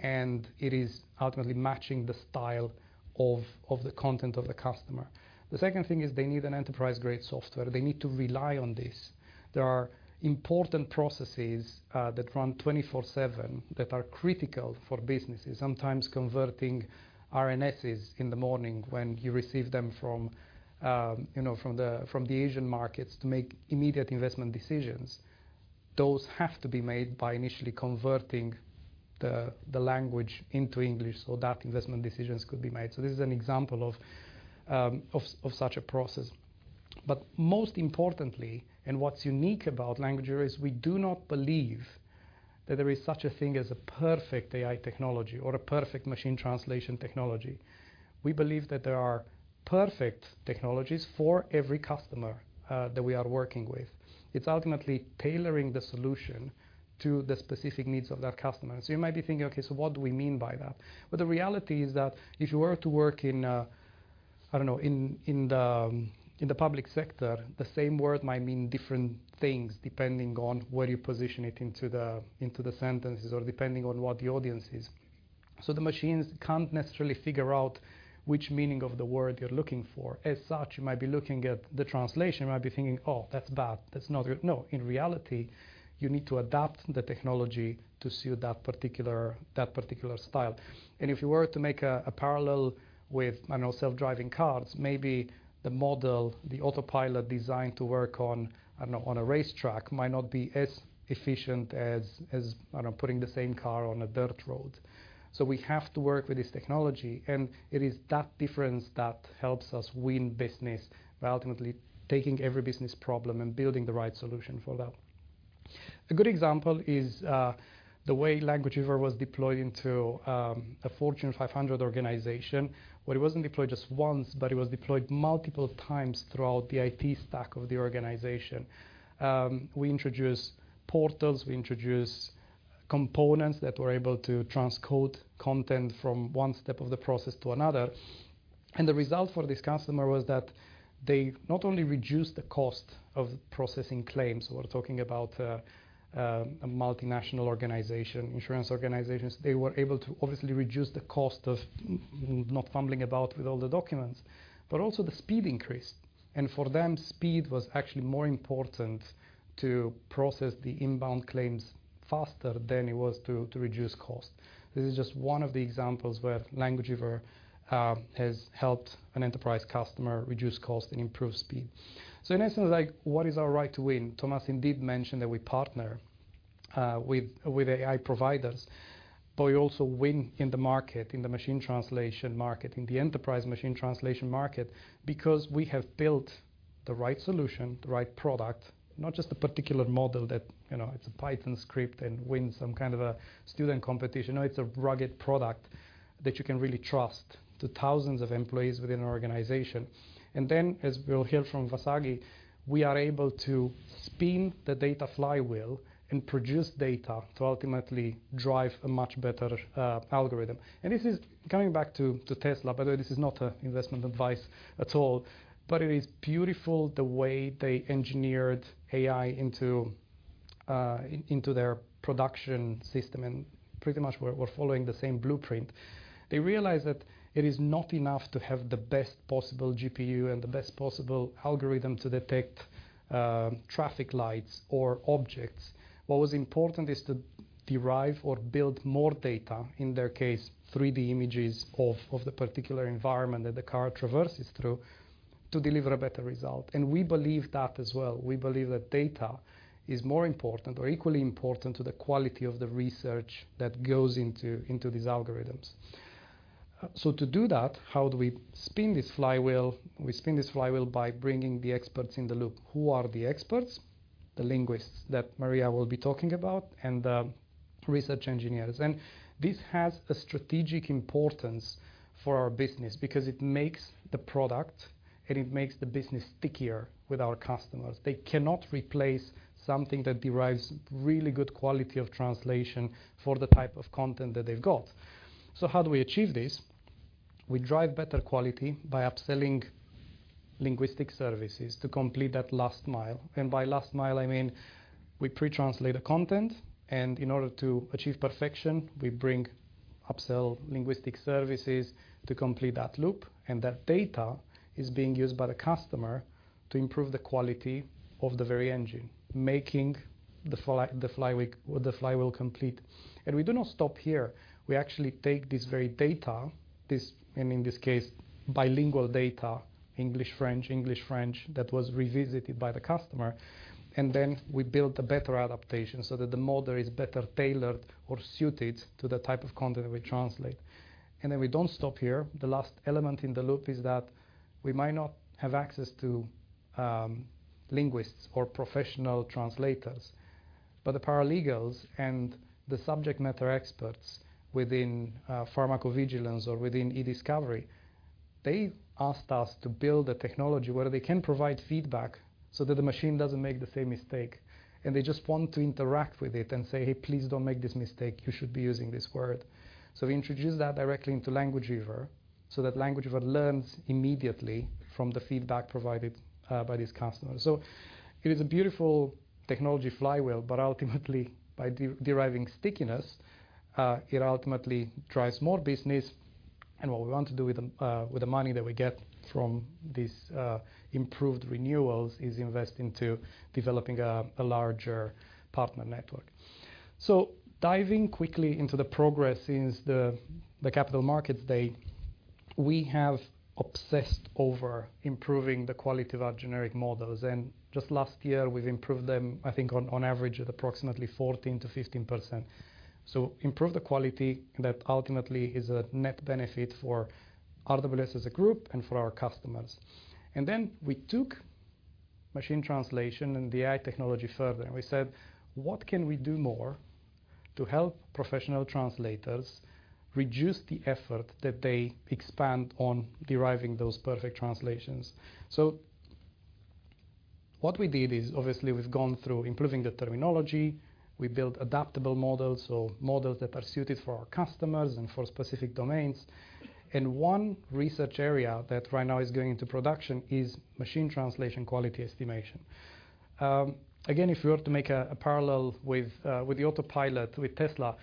and it is ultimately matching the style of, of the content of the customer. The second thing is they need an enterprise-grade software. They need to rely on this. There are important processes that run 24/7, that are critical for businesses, sometimes converting RNSs in the morning when you receive them from, you know, from the Asian markets to make immediate investment decisions. Those have to be made by initially converting the language into English so that investment decisions could be made. So this is an example of such a process. But most importantly, and what's unique about Language Weaver, is we do not believe that there is such a thing as a perfect AI technology or a perfect machine translation technology. We believe that there are perfect technologies for every customer that we are working with. It's ultimately tailoring the solution to the specific needs of that customer. So you might be thinking: Okay, so what do we mean by that? But the reality is that if you were to work in the public sector, the same word might mean different things depending on where you position it into the sentences or depending on what the audience is. So the machines can't necessarily figure out which meaning of the word you're looking for. As such, you might be looking at the translation, you might be thinking, "Oh, that's bad. That's not good." No, in reality, you need to adapt the technology to suit that particular style. And if you were to make a parallel with self-driving cars, maybe the model, the autopilot designed to work on a racetrack, might not be as efficient as putting the same car on a dirt road. So we have to work with this technology, and it is that difference that helps us win business by ultimately taking every business problem and building the right solution for that. A good example is the way Language Weaver was deployed into a Fortune 500 organization, where it wasn't deployed just once, but it was deployed multiple times throughout the IT stack of the organization. We introduced portals, we introduced components that were able to transcode content from one step of the process to another. And the result for this customer was that they not only reduced the cost of processing claims, we're talking about a multinational organization, insurance organizations. They were able to obviously reduce the cost of not fumbling about with all the documents, but also the speed increased. And for them, speed was actually more important to process the inbound claims faster than it was to reduce cost. This is just one of the examples where Language Weaver has helped an enterprise customer reduce cost and improve speed. So in essence, like, what is our right to win? Thomas indeed mentioned that we partner with AI providers, but we also win in the market, in the machine translation market, in the enterprise machine translation market, because we have built the right solution, the right product, not just a particular model that, you know, it's a Python script and win some kind of a student competition. No, it's a rugged product that you can really trust to thousands of employees within an organization. And then, as we'll hear from Vasagi, we are able to spin the data flywheel and produce data to ultimately drive a much better algorithm. And this is... Coming back to Tesla, by the way, this is not an investment advice at all, but it is beautiful the way they engineered AI into their production system, and pretty much we're following the same blueprint. They realized that it is not enough to have the best possible GPU and the best possible algorithm to detect traffic lights or objects. What was important is to derive or build more data, in their case, 3D images of the particular environment that the car traverses through, to deliver a better result, and we believe that as well. We believe that data is more important or equally important to the quality of the research that goes into these algorithms. So to do that, how do we spin this flywheel? We spin this flywheel by bringing the experts in the loop. Who are the experts? The linguists that Maria will be talking about and the research engineers. This has a strategic importance for our business because it makes the product, and it makes the business stickier with our customers. They cannot replace something that derives really good quality of translation for the type of content that they've got. So how do we achieve this? We drive better quality by upselling linguistic services to complete that last mile, and by last mile, I mean, we pre-translate the content, and in order to achieve perfection, we bring upsell linguistic services to complete that loop, and that data is being used by the customer to improve the quality of the very engine, making the flywheel complete. And we do not stop here. We actually take this very data, this... and in this case, bilingual data, English, French, English, French, that was revisited by the customer, and then we built a better adaptation so that the model is better tailored or suited to the type of content that we translate. And then we don't stop here. The last element in the loop is that we might not have access to linguists or professional translators, but the paralegals and the subject matter experts within pharmacovigilance or within e-Discovery, they asked us to build a technology where they can provide feedback so that the machine doesn't make the same mistake, and they just want to interact with it and say, "Hey, please don't make this mistake. You should be using this word." So we introduced that directly into Language Weaver, so that Language Weaver learns immediately from the feedback provided by these customers. So it is a beautiful technology flywheel, but ultimately, by deriving stickiness, it ultimately drives more business. And what we want to do with the money that we get from these improved renewals, is invest into developing a larger partner network. So diving quickly into the progress since the Capital Markets Day, we have obsessed over improving the quality of our generic models, and just last year, we've improved them, I think, on average, at approximately 14%-15%. So improve the quality that ultimately is a net benefit for RWS as a group and for our customers. And then we took machine translation and AI technology further, and we said: What can we do more to help professional translators reduce the effort that they expand on deriving those perfect translations? So what we did is, obviously, we've gone through improving the terminology. We built adaptable models, so models that are suited for our customers and for specific domains. And one research area that right now is going into production is Machine Translation Quality Estimation. Again, if we were to make a parallel with the autopilot, with Tesla,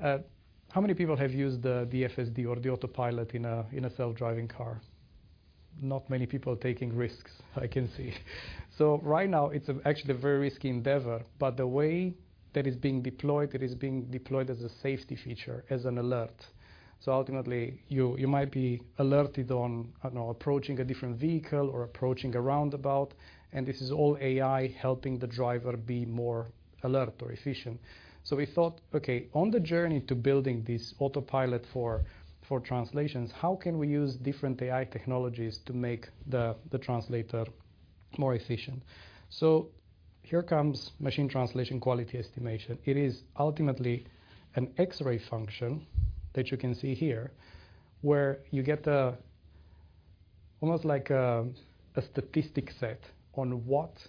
how many people have used the FSD or the autopilot in a self-driving car? Not many people taking risks, I can see. So right now, it's actually a very risky endeavor, but the way that it's being deployed, it is being deployed as a safety feature, as an alert. So ultimately, you might be alerted on, I don't know, approaching a different vehicle or approaching a roundabout, and this is all AI helping the driver be more alert or efficient. So we thought, okay, on the journey to building this autopilot for translations, how can we use different AI technologies to make the translator more efficient? So here comes Machine Translation Quality Estimation. It is ultimately an X-ray function that you can see here, where you get almost like a statistic set on what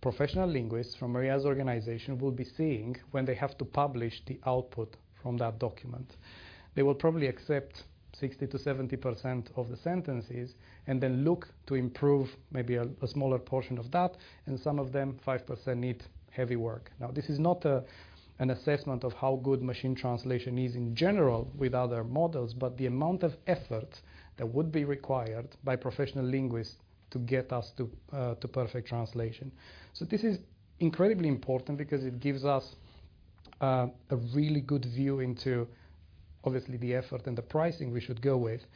professional linguists from Maria's organization will be seeing when they have to publish the output from that document. They will probably accept 60%-70% of the sentences, and then look to improve maybe a smaller portion of that, and some of them, 5%, need heavy work. Now, this is not an assessment of how good machine translation is in general with other models, but the amount of effort that would be required by professional linguists to get us to perfect translation. So this is incredibly important because it gives us a really good view into, obviously, the effort and the pricing we should go with,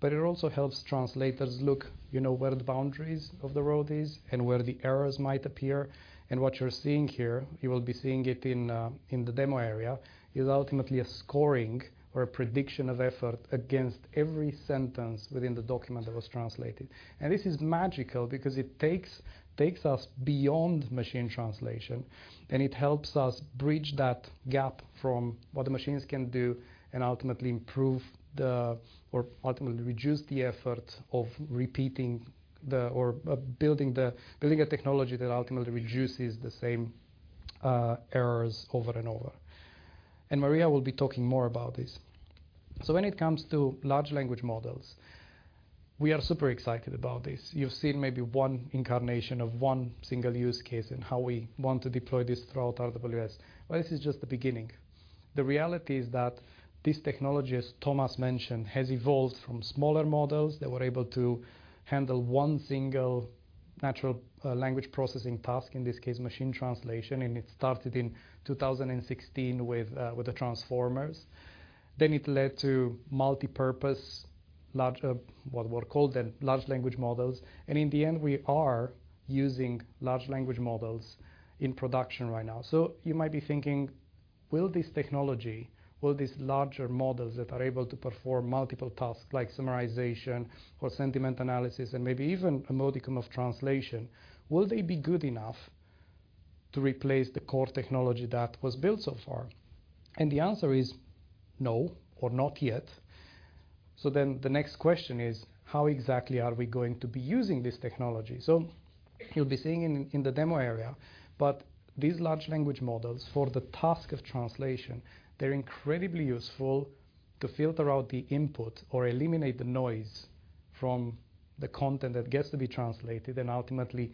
but it also helps translators look, you know, where the boundaries of the road is and where the errors might appear. And what you're seeing here, you will be seeing it in the demo area, is ultimately a scoring or a prediction of effort against every sentence within the document that was translated. And this is magical because it takes us beyond machine translation, and it helps us bridge that gap from what the machines can do and ultimately improve the... or ultimately reduce the effort of repeating the or building a technology that ultimately reduces the same errors over and over. And Maria will be talking more about this. So when it comes to large language models, we are super excited about this. You've seen maybe one incarnation of one single use case, and how we want to deploy this throughout RWS. Well, this is just the beginning. The reality is that this technology, as Thomas mentioned, has evolved from smaller models that were able to handle one single natural language processing task, in this case, machine translation, and it started in 2016 with the Transformers. Then it led to multipurpose large, what were called then large language models, and in the end, we are using large language models in production right now. So you might be thinking: Will this technology, will these larger models that are able to perform multiple tasks like summarization or sentiment analysis, and maybe even a modicum of translation, will they be good enough to replace the core technology that was built so far? And the answer is no, or not yet. So then the next question is, how exactly are we going to be using this technology? So you'll be seeing in the demo area, but these large language models for the task of translation, they're incredibly useful to filter out the input or eliminate the noise from the content that gets to be translated, and ultimately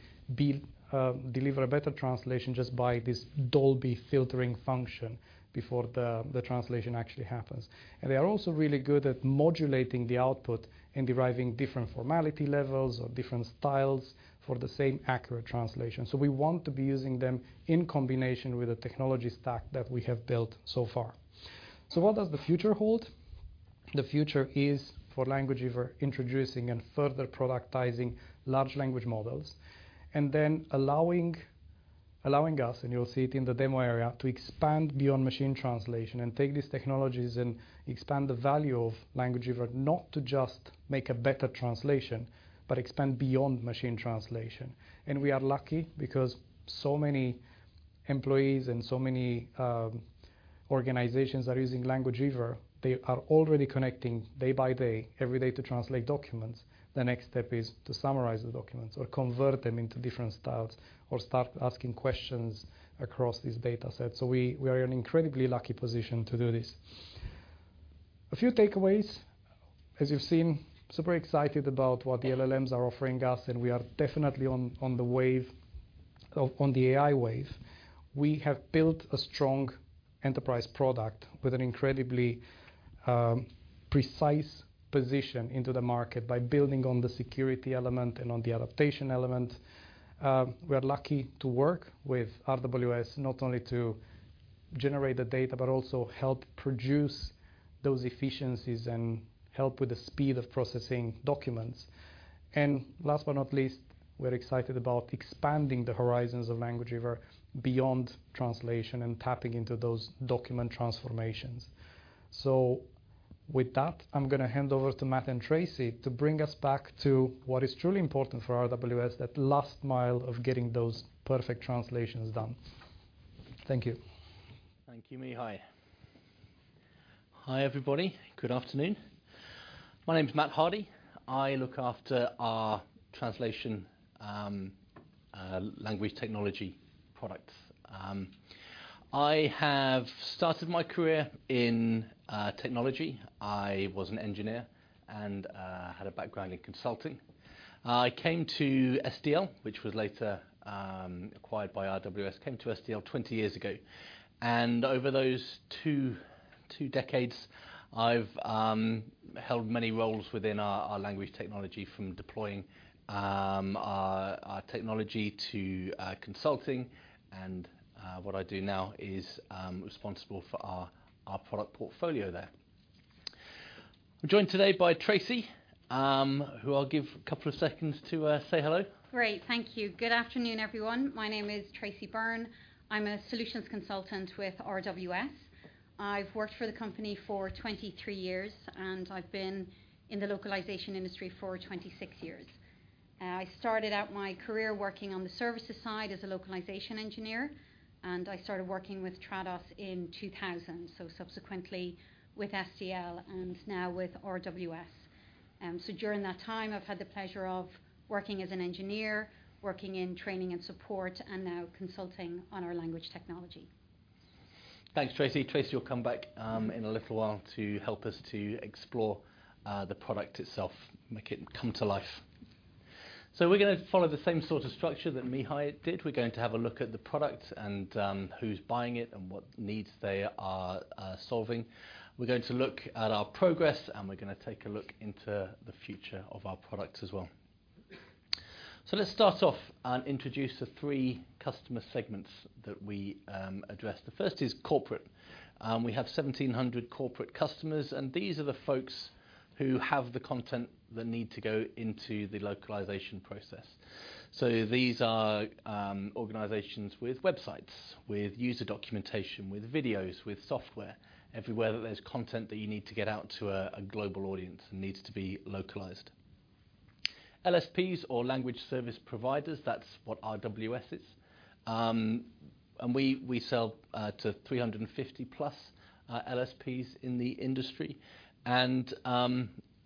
deliver a better translation just by this Dolby filtering function before the translation actually happens. They are also really good at modulating the output and deriving different formality levels or different styles for the same accurate translation. So we want to be using them in combination with the technology stack that we have built so far. So what does the future hold? The future is for Language Weaver introducing and further productizing large language models, and then allowing, allowing us, and you'll see it in the demo area, to expand beyond machine translation and take these technologies and expand the value of Language Weaver, not to just make a better translation, but expand beyond machine translation. And we are lucky because so many employees and so many organizations are using Language Weaver. They are already connecting day by day, every day to translate documents. The next step is to summarize the documents or convert them into different styles, or start asking questions across these data sets. So we, we are in an incredibly lucky position to do this. A few takeaways, as you've seen, super excited about what the LLMs are offering us, and we are definitely on the wave... on the AI wave. We have built a strong enterprise product with an incredibly precise position into the market by building on the security element and on the adaptation element. We are lucky to work with RWS, not only to generate the data, but also help produce those efficiencies and help with the speed of processing documents. And last but not least, we're excited about expanding the horizons of Language Weaver beyond translation and tapping into those document transformations. With that, I'm going to hand over to Matt and Tracey to bring us back to what is truly important for RWS, that last mile of getting those perfect translations done. Thank you. Thank you, Mihai. Hi, everybody. Good afternoon. My name is Matt Hardy. I look after our translation, language technology products. I have started my career in technology. I was an engineer and had a background in consulting. I came to SDL, which was later acquired by RWS, came to SDL 20 years ago, and over those two decades, I've held many roles within our language technology from deploying our technology to consulting. What I do now is, I'm responsible for our product portfolio there. I'm joined today by Tracey, who I'll give a couple of seconds to say hello. Great. Thank you. Good afternoon, everyone. My name is Tracey Byrne. I'm a solutions consultant with RWS. I've worked for the company for 23 years, and I've been in the localization industry for 26 years. I started out my career working on the services side as a localization engineer, and I started working with Trados in 2000, so subsequently with SDL and now with RWS. So during that time, I've had the pleasure of working as an engineer, working in training and support, and now consulting on our language technology. Thanks, Tracey. Tracey will come back in a little while to help us to explore the product itself, make it come to life. So we're gonna follow the same sort of structure that Mihai did. We're going to have a look at the product and who's buying it and what needs they are solving. We're going to look at our progress, and we're gonna take a look into the future of our products as well. So let's start off and introduce the three customer segments that we address. The first is corporate. We have 1,700 corporate customers, and these are the folks who have the content that need to go into the localization process. So these are organizations with websites, with user documentation, with videos, with software. Everywhere that there's content that you need to get out to a global audience, it needs to be localized. LSPs or language service providers, that's what RWS is. And we sell to 350+ LSPs in the industry. And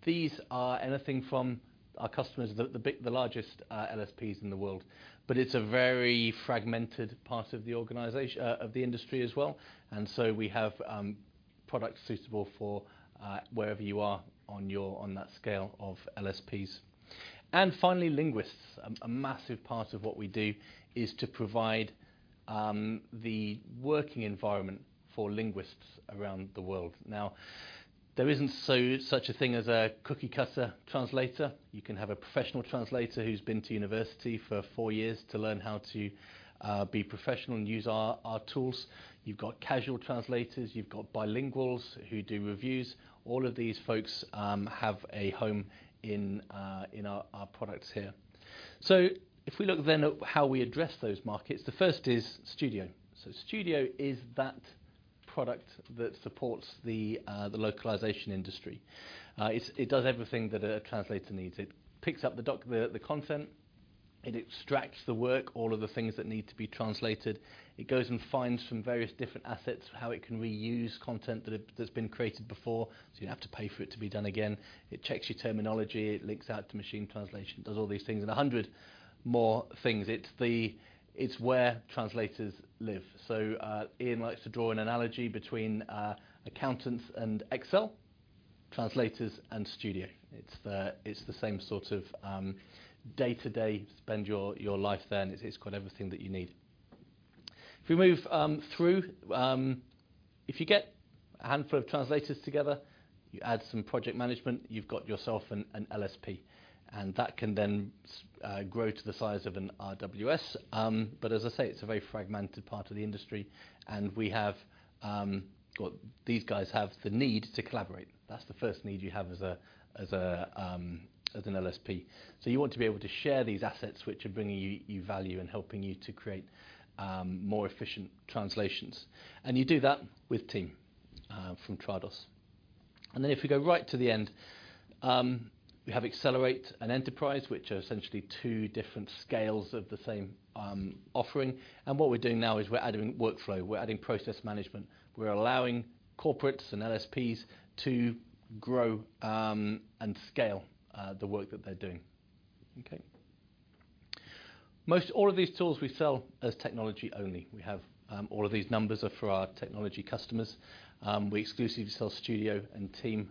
these are anything from our customers, the largest LSPs in the world. But it's a very fragmented part of the industry as well, and so we have products suitable for wherever you are on that scale of LSPs. And finally, linguists. A massive part of what we do is to provide the working environment for linguists around the world. Now, there isn't such a thing as a cookie-cutter translator. You can have a professional translator who's been to university for four years to learn how to be professional and use our tools. You've got casual translators, you've got bilinguals who do reviews. All of these folks have a home in our products here. If we look then at how we address those markets, the first is Studio. Studio is that product that supports the localization industry. It does everything that a translator needs. It picks up the doc... the content, it extracts the work, all of the things that need to be translated. It goes and finds from various different assets how it can reuse content that has been created before, so you have to pay for it to be done again. It checks your terminology, it links out to machine translation, does all these things, and 100 more things. It's where translators live. So, Ian likes to draw an analogy between accountants and Excel, translators and Studio. It's the same sort of day-to-day, spend your life there, and it's got everything that you need. If we move through, if you get a handful of translators together, you add some project management, you've got yourself an LSP, and that can then grow to the size of an RWS. But as I say, it's a very fragmented part of the industry, and we have, or these guys have the need to collaborate. That's the first need you have as an LSP. So you want to be able to share these assets which are bringing you value and helping you to create more efficient translations. And you do that with Team from Trados. And then if we go right to the end, we have Accelerate and Enterprise, which are essentially two different scales of the same offering. And what we're doing now is we're adding workflow, we're adding process management. We're allowing corporates and LSPs to grow and scale the work that they're doing. Okay. Most all of these tools we sell as technology only. We have all of these numbers are for our technology customers. We exclusively sell Studio and Team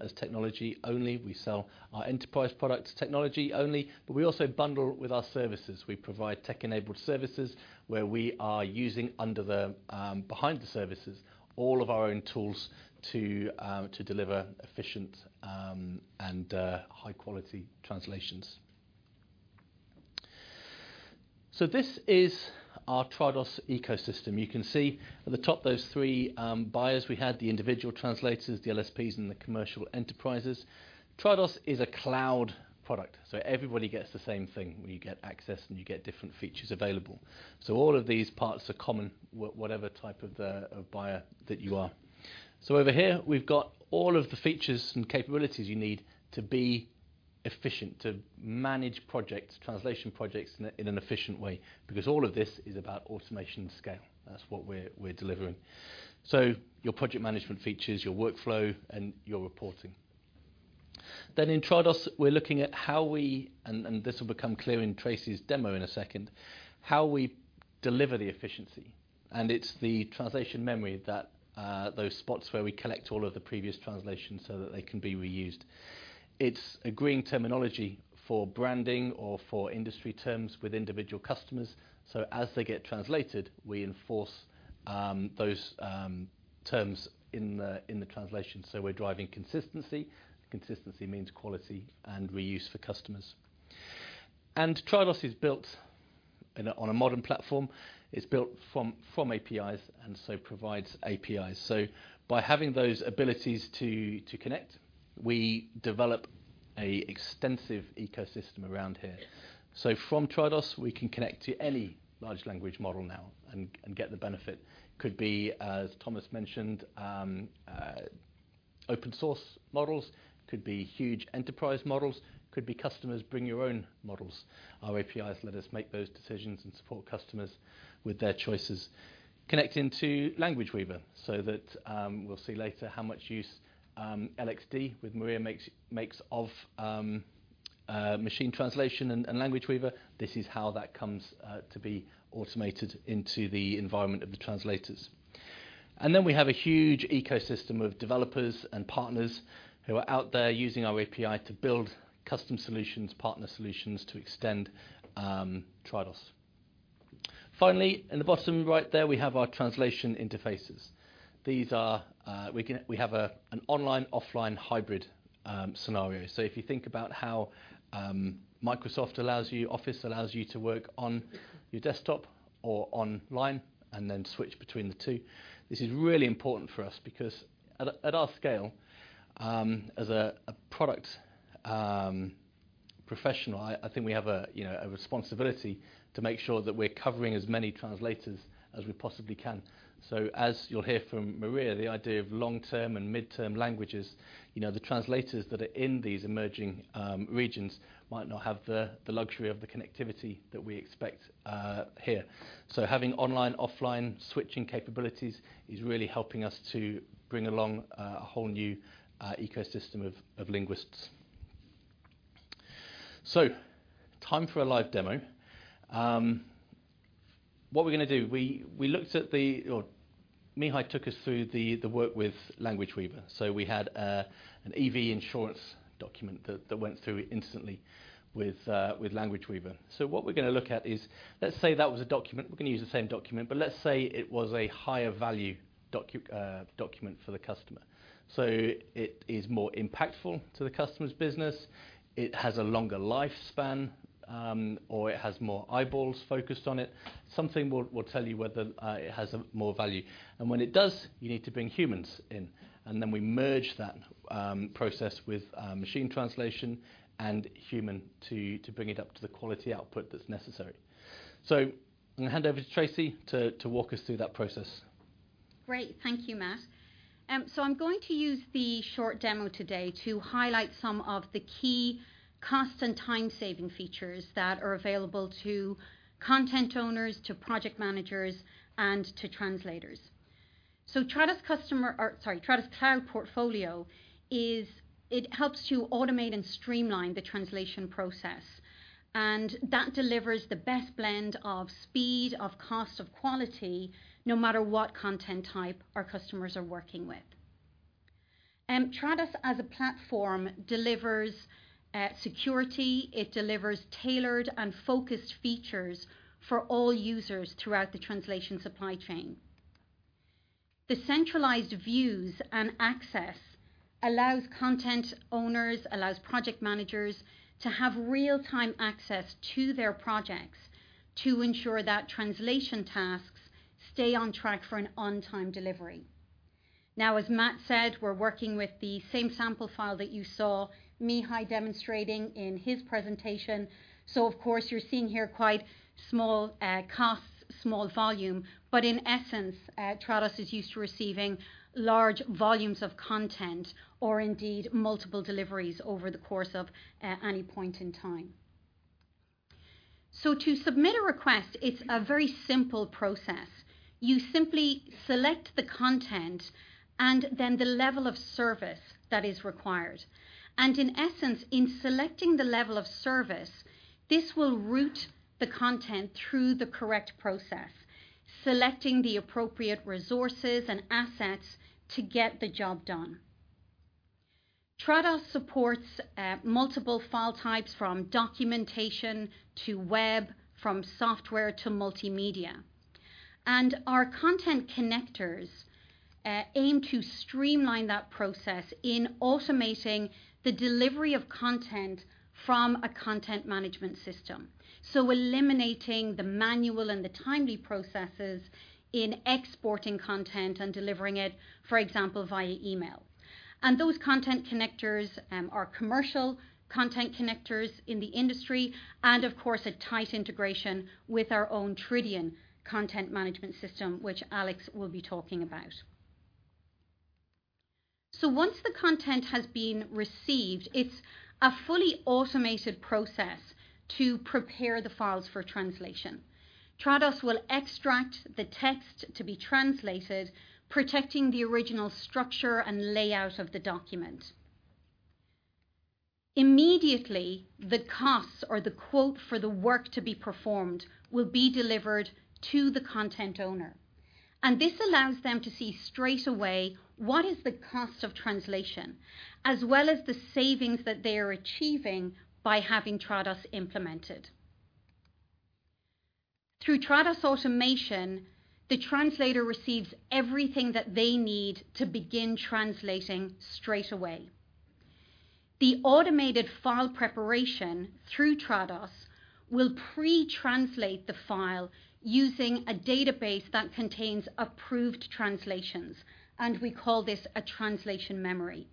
as technology only. We sell our enterprise products, technology only, but we also bundle with our services. We provide tech-enabled services, where we are using behind the services, all of our own tools to deliver efficient and high-quality translations. So this is our Trados ecosystem. You can see at the top those three buyers we had, the individual translators, the LSPs, and the commercial enterprises. Trados is a cloud product, so everybody gets the same thing, where you get access, and you get different features available. So all of these parts are common, whatever type of buyer that you are. So over here, we've got all of the features and capabilities you need to be efficient, to manage projects, translation projects in an efficient way, because all of this is about automation and scale. That's what we're delivering. So your project management features, your workflow, and your reporting. In Trados, we're looking at how we... and this will become clear in Tracey's demo in a second, how we deliver the efficiency, and it's the translation memory that, those spots where we collect all of the previous translations so that they can be reused. It's agreeing terminology for branding or for industry terms with individual customers, so as they get translated, we enforce those terms in the translation, so we're driving consistency. Consistency means quality and reuse for customers. Trados is built in a, on a modern platform. It's built from APIs, and so provides APIs. By having those abilities to connect, we develop an extensive ecosystem around here. From Trados, we can connect to any large language model now and get the benefit. Could be, as Thomas mentioned, open source models, could be huge enterprise models, could be customers bring your own models. Our APIs let us make those decisions and support customers with their choices. Connecting to Language Weaver, so that, we'll see later how much use LXD with Maria makes, makes of, machine translation and, and Language Weaver. This is how that comes, to be automated into the environment of the translators. We have a huge ecosystem of developers and partners who are out there using our API to build custom solutions, partner solutions, to extend Trados. Finally, in the bottom right there, we have our translation interfaces. These are, we get-- we have a, an online/offline hybrid, scenario. If you think about how, Microsoft allows you... Office allows you to work on your desktop or online and then switch between the two, this is really important for us because at our scale, as a product professional, I think we have a, you know, a responsibility to make sure that we're covering as many translators as we possibly can. As you'll hear from Maria, the idea of long-term and midterm languages, you know, the translators that are in these emerging, you know, regions might not have the luxury of the connectivity that we expect here. Having online/offline switching capabilities is really helping us to bring along a whole new ecosystem of linguists. Time for a live demo. What we're going to do, we looked at the—or Mihai took us through the work with Language Weaver. So we had an EV insurance document that went through instantly with Language Weaver. So what we're going to look at is, let's say that was a document, we're going to use the same document, but let's say it was a higher value document for the customer. So it is more impactful to the customer's business, it has a longer lifespan, or it has more eyeballs focused on it. Something will tell you whether it has more value. And when it does, you need to bring humans in, and then we merge that process with machine translation and human to bring it up to the quality output that's necessary. So I'm going to hand over to Tracey to walk us through that process. Great. Thank you, Matt. So I'm going to use the short demo today to highlight some of the key cost and time-saving features that are available to content owners, to project managers, and to translators. So Trados Cloud Portfolio is... It helps to automate and streamline the translation process, and that delivers the best blend of speed, of cost, of quality, no matter what content type our customers are working with. Trados as a platform delivers security, it delivers tailored and focused features for all users throughout the translation supply chain. The centralized views and access allows content owners, allows project managers to have real-time access to their projects to ensure that translation tasks stay on track for an on-time delivery. Now, as Matt said, we're working with the same sample file that you saw Mihai demonstrating in his presentation. So of course, you're seeing here quite small, costs, small volume, but in essence, Trados is used to receiving large volumes of content or indeed multiple deliveries over the course of, any point in time. So to submit a request, it's a very simple process. You simply select the content and then the level of service that is required. And in essence, in selecting the level of service, this will route the content through the correct process, selecting the appropriate resources and assets to get the job done. Trados supports, multiple file types, from documentation to web, from software to multimedia. And our content connectors, aim to streamline that process in automating the delivery of content from a content management system. So eliminating the manual and the timely processes in exporting content and delivering it, for example, via email. Those content connectors are commercial content connectors in the industry, and of course, a tight integration with our own Tridion content management system, which Alex will be talking about. So once the content has been received, it's a fully automated process to prepare the files for translation. Trados will extract the text to be translated, protecting the original structure and layout of the document. Immediately, the costs or the quote for the work to be performed will be delivered to the content owner, and this allows them to see straight away what is the cost of translation, as well as the savings that they are achieving by having Trados implemented. Through Trados automation, the translator receives everything that they need to begin translating straight away. The automated file preparation through Trados will pre-translate the file using a database that contains approved translations, and we call this a translation memory.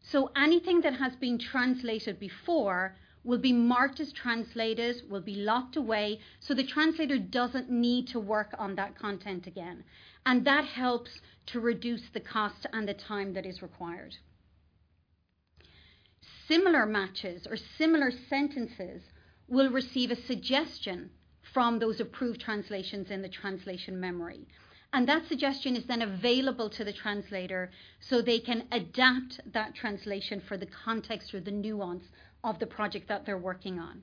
So anything that has been translated before will be marked as translated, will be locked away, so the translator doesn't need to work on that content again, and that helps to reduce the cost and the time that is required. Similar matches or similar sentences will receive a suggestion from those approved translations in the translation memory, and that suggestion is then available to the translator, so they can adapt that translation for the context or the nuance of the project that they're working on.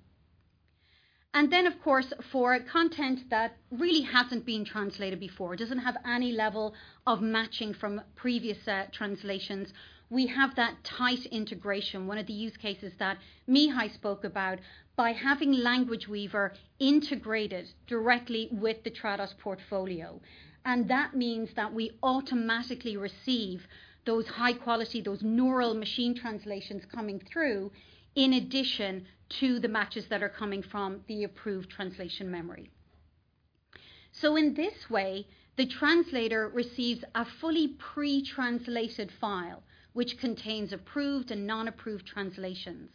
And then, of course, for content that really hasn't been translated before, doesn't have any level of matching from previous translations, we have that tight integration, one of the use cases that Mihai spoke about, by having Language Weaver integrated directly with the Trados portfolio. And that means that we automatically receive those high quality, those neural machine translations coming through, in addition to the matches that are coming from the approved translation memory. So in this way, the translator receives a fully pre-translated file, which contains approved and non-approved translations.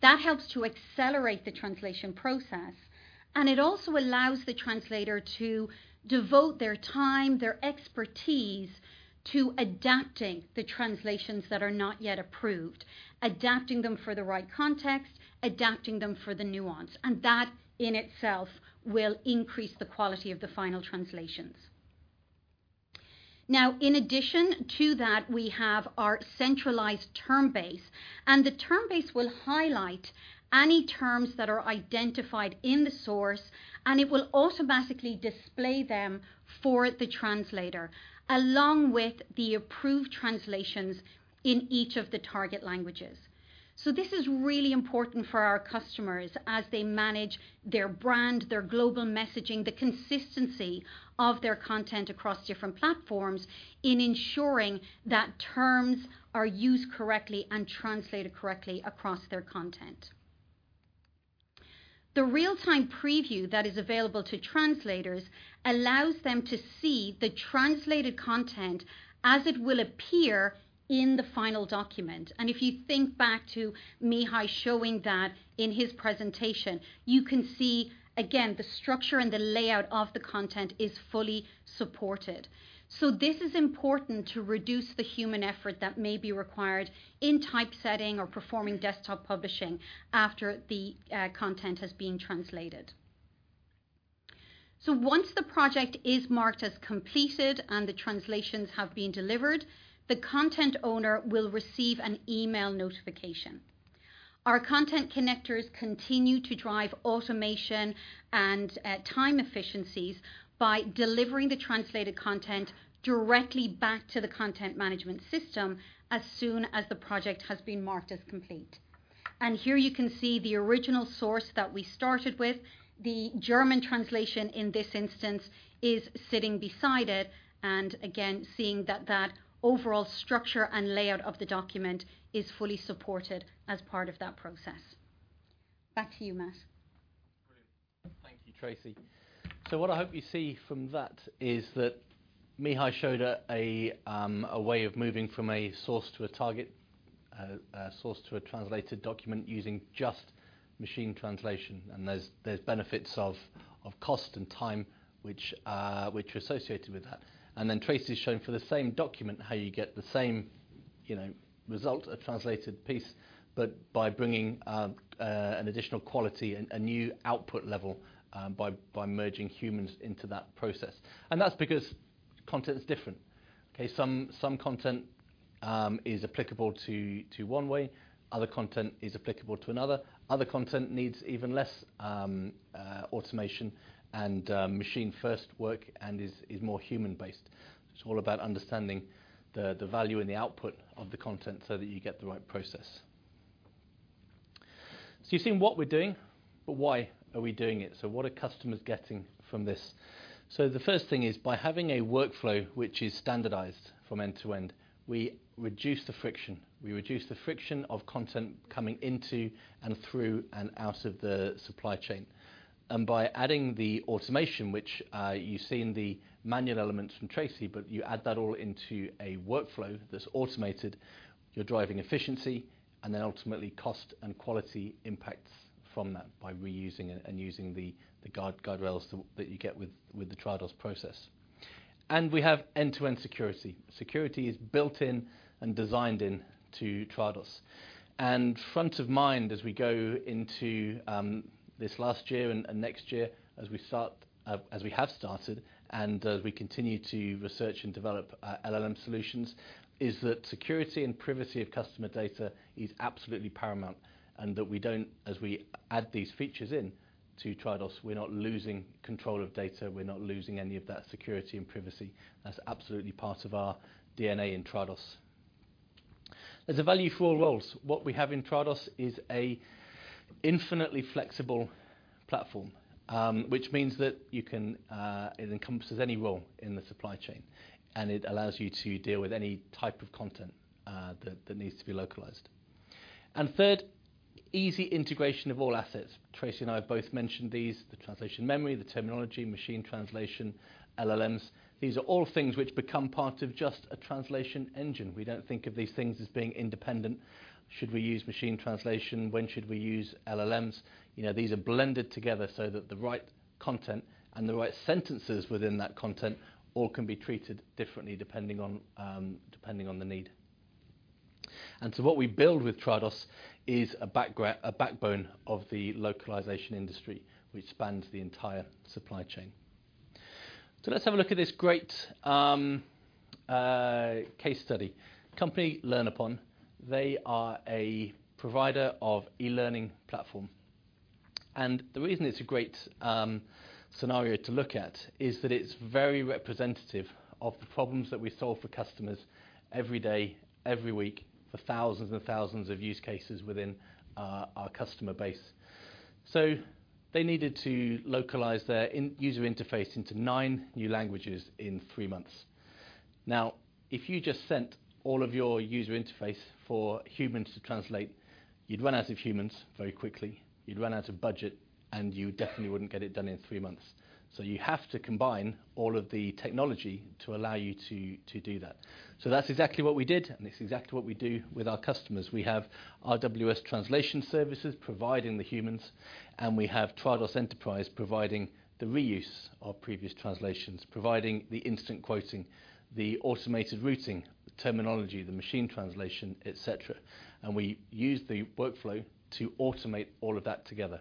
That helps to accelerate the translation process, and it also allows the translator to devote their time, their expertise to adapting the translations that are not yet approved, adapting them for the right context, adapting them for the nuance, and that in itself will increase the quality of the final translations. Now, in addition to that, we have our centralized term base, and the term base will highlight any terms that are identified in the source, and it will automatically display them for the translator, along with the approved translations in each of the target languages. So this is really important for our customers as they manage their brand, their global messaging, the consistency of their content across different platforms, in ensuring that terms are used correctly and translated correctly across their content. The real-time preview that is available to translators allows them to see the translated content as it will appear in the final document. And if you think back to Mihai showing that in his presentation, you can see, again, the structure and the layout of the content is fully supported. So this is important to reduce the human effort that may be required in typesetting or performing desktop publishing after the content has been translated. So once the project is marked as completed and the translations have been delivered, the content owner will receive an email notification. Our content connectors continue to drive automation and time efficiencies by delivering the translated content directly back to the content management system as soon as the project has been marked as complete. And here you can see the original source that we started with. The German translation in this instance is sitting beside it, and again, seeing that that overall structure and layout of the document is fully supported as part of that process. Back to you, Matt. Brilliant. Thank you, Tracey. What I hope you see from that is that Mihai showed a way of moving from a source to a target, a source to a translated document using just machine translation, and there's benefits of cost and time which are associated with that. Tracey has shown for the same document how you get the same, you know, result, a translated piece, but by bringing an additional quality and a new output level by merging humans into that process. That's because content is different, okay? Some content is applicable to one way, other content is applicable to another, other content needs even less automation and machine-first work, and is more human-based. It's all about understanding the value in the output of the content so that you get the right process. So you've seen what we're doing, but why are we doing it? So what are customers getting from this? So the first thing is by having a workflow which is standardized from end to end, we reduce the friction. We reduce the friction of content coming into and through and out of the supply chain. And by adding the automation, which you see in the manual elements from Tracey, but you add that all into a workflow that's automated, you're driving efficiency and then ultimately cost and quality impacts from that by reusing it and using the guardrails that you get with the Tridion process. And we have end-to-end security. Security is built in and designed in to Tridion. Front of mind as we go into this last year and next year, as we have started, and as we continue to research and develop LLM solutions, is that security and privacy of customer data is absolutely paramount, and that we don't... as we add these features in to Tridion, we're not losing control of data, we're not losing any of that security and privacy. That's absolutely part of our DNA in Tridion. There's a value for all roles. What we have in Tridion is an infinitely flexible platform, which means that you can, it encompasses any role in the supply chain, and it allows you to deal with any type of content that needs to be localized. And third, easy integration of all assets. Tracey and I have both mentioned these, the translation memory, the terminology, machine translation, LLMs. These are all things which become part of just a translation engine. We don't think of these things as being independent. Should we use machine translation? When should we use LLMs? You know, these are blended together so that the right content and the right sentences within that content all can be treated differently, depending on, depending on the need. And so what we build with Trados is a backbone of the localization industry, which spans the entire supply chain. So let's have a look at this great case study. Company LearnUpon, they are a provider of e-learning platform. The reason it's a great scenario to look at is that it's very representative of the problems that we solve for customers every day, every week, for thousands and thousands of use cases within our customer base. They needed to localize their user interface into nine new languages in three months. Now, if you just sent all of your user interface for humans to translate, you'd run out of humans very quickly, you'd run out of budget, and you definitely wouldn't get it done in three months. You have to combine all of the technology to allow you to do that. That's exactly what we did, and it's exactly what we do with our customers. We have RWS translation services providing the humans, and we have Trados Enterprise providing the reuse of previous translations, providing the instant quoting, the automated routing, the terminology, the machine translation, et cetera, and we use the workflow to automate all of that together,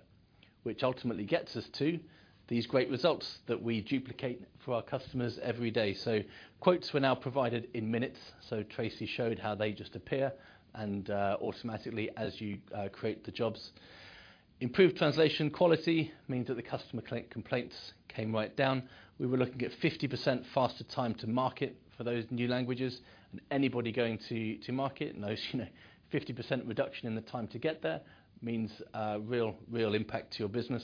which ultimately gets us to these great results that we duplicate for our customers every day. So quotes were now provided in minutes, so Tracey showed how they just appear, and automatically as you create the jobs. Improved translation quality means that the customer complaints came right down. We were looking at 50% faster time to market for those new languages. And anybody going to market knows, you know, 50% reduction in the time to get there means real, real impact to your business.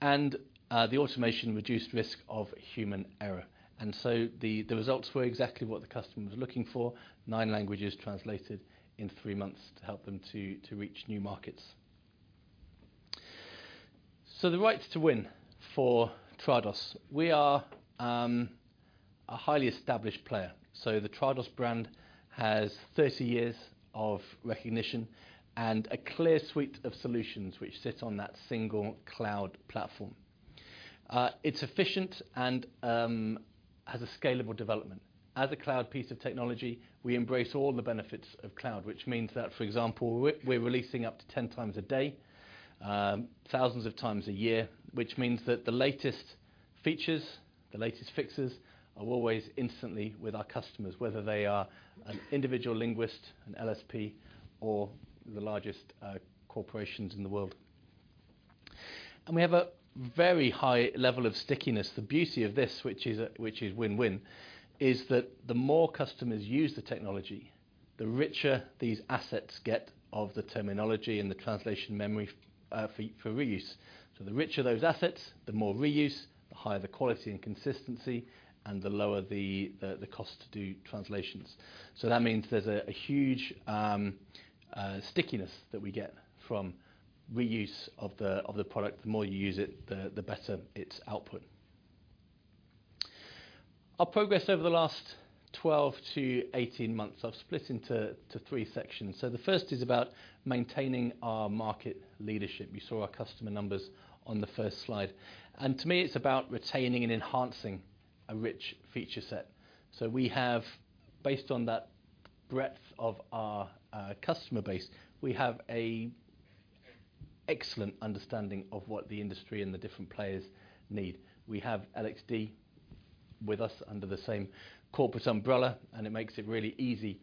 And the automation reduced risk of human error. The results were exactly what the customer was looking for. Nine languages translated in three months to help them to reach new markets. The right to win for Trados. We are a highly established player, so the Trados brand has 30 years of recognition and a clear suite of solutions which sit on that single cloud platform. It's efficient and has scalable development. As a cloud piece of technology, we embrace all the benefits of cloud, which means that, for example, we're releasing up to 10x a day, thousands of times a year, which means that the latest features, the latest fixes, are always instantly with our customers, whether they are an individual linguist, an LSP or the largest corporations in the world. We have a very high level of stickiness. The beauty of this, which is win-win, is that the more customers use the technology, the richer these assets get of the terminology and the translation memory for reuse. So the richer those assets, the more reuse, the higher the quality and consistency, and the lower the cost to do translations. So that means there's a huge stickiness that we get from reuse of the product. The more you use it, the better its output. Our progress over the last 12-18 months, I've split into three sections. So the first is about maintaining our market leadership. We saw our customer numbers on the first slide, and to me, it's about retaining and enhancing a rich feature set. So we have... Based on that breadth of our customer base, we have a excellent understanding of what the industry and the different players need. We have LXD with us under the same corpus umbrella, and it makes it really easy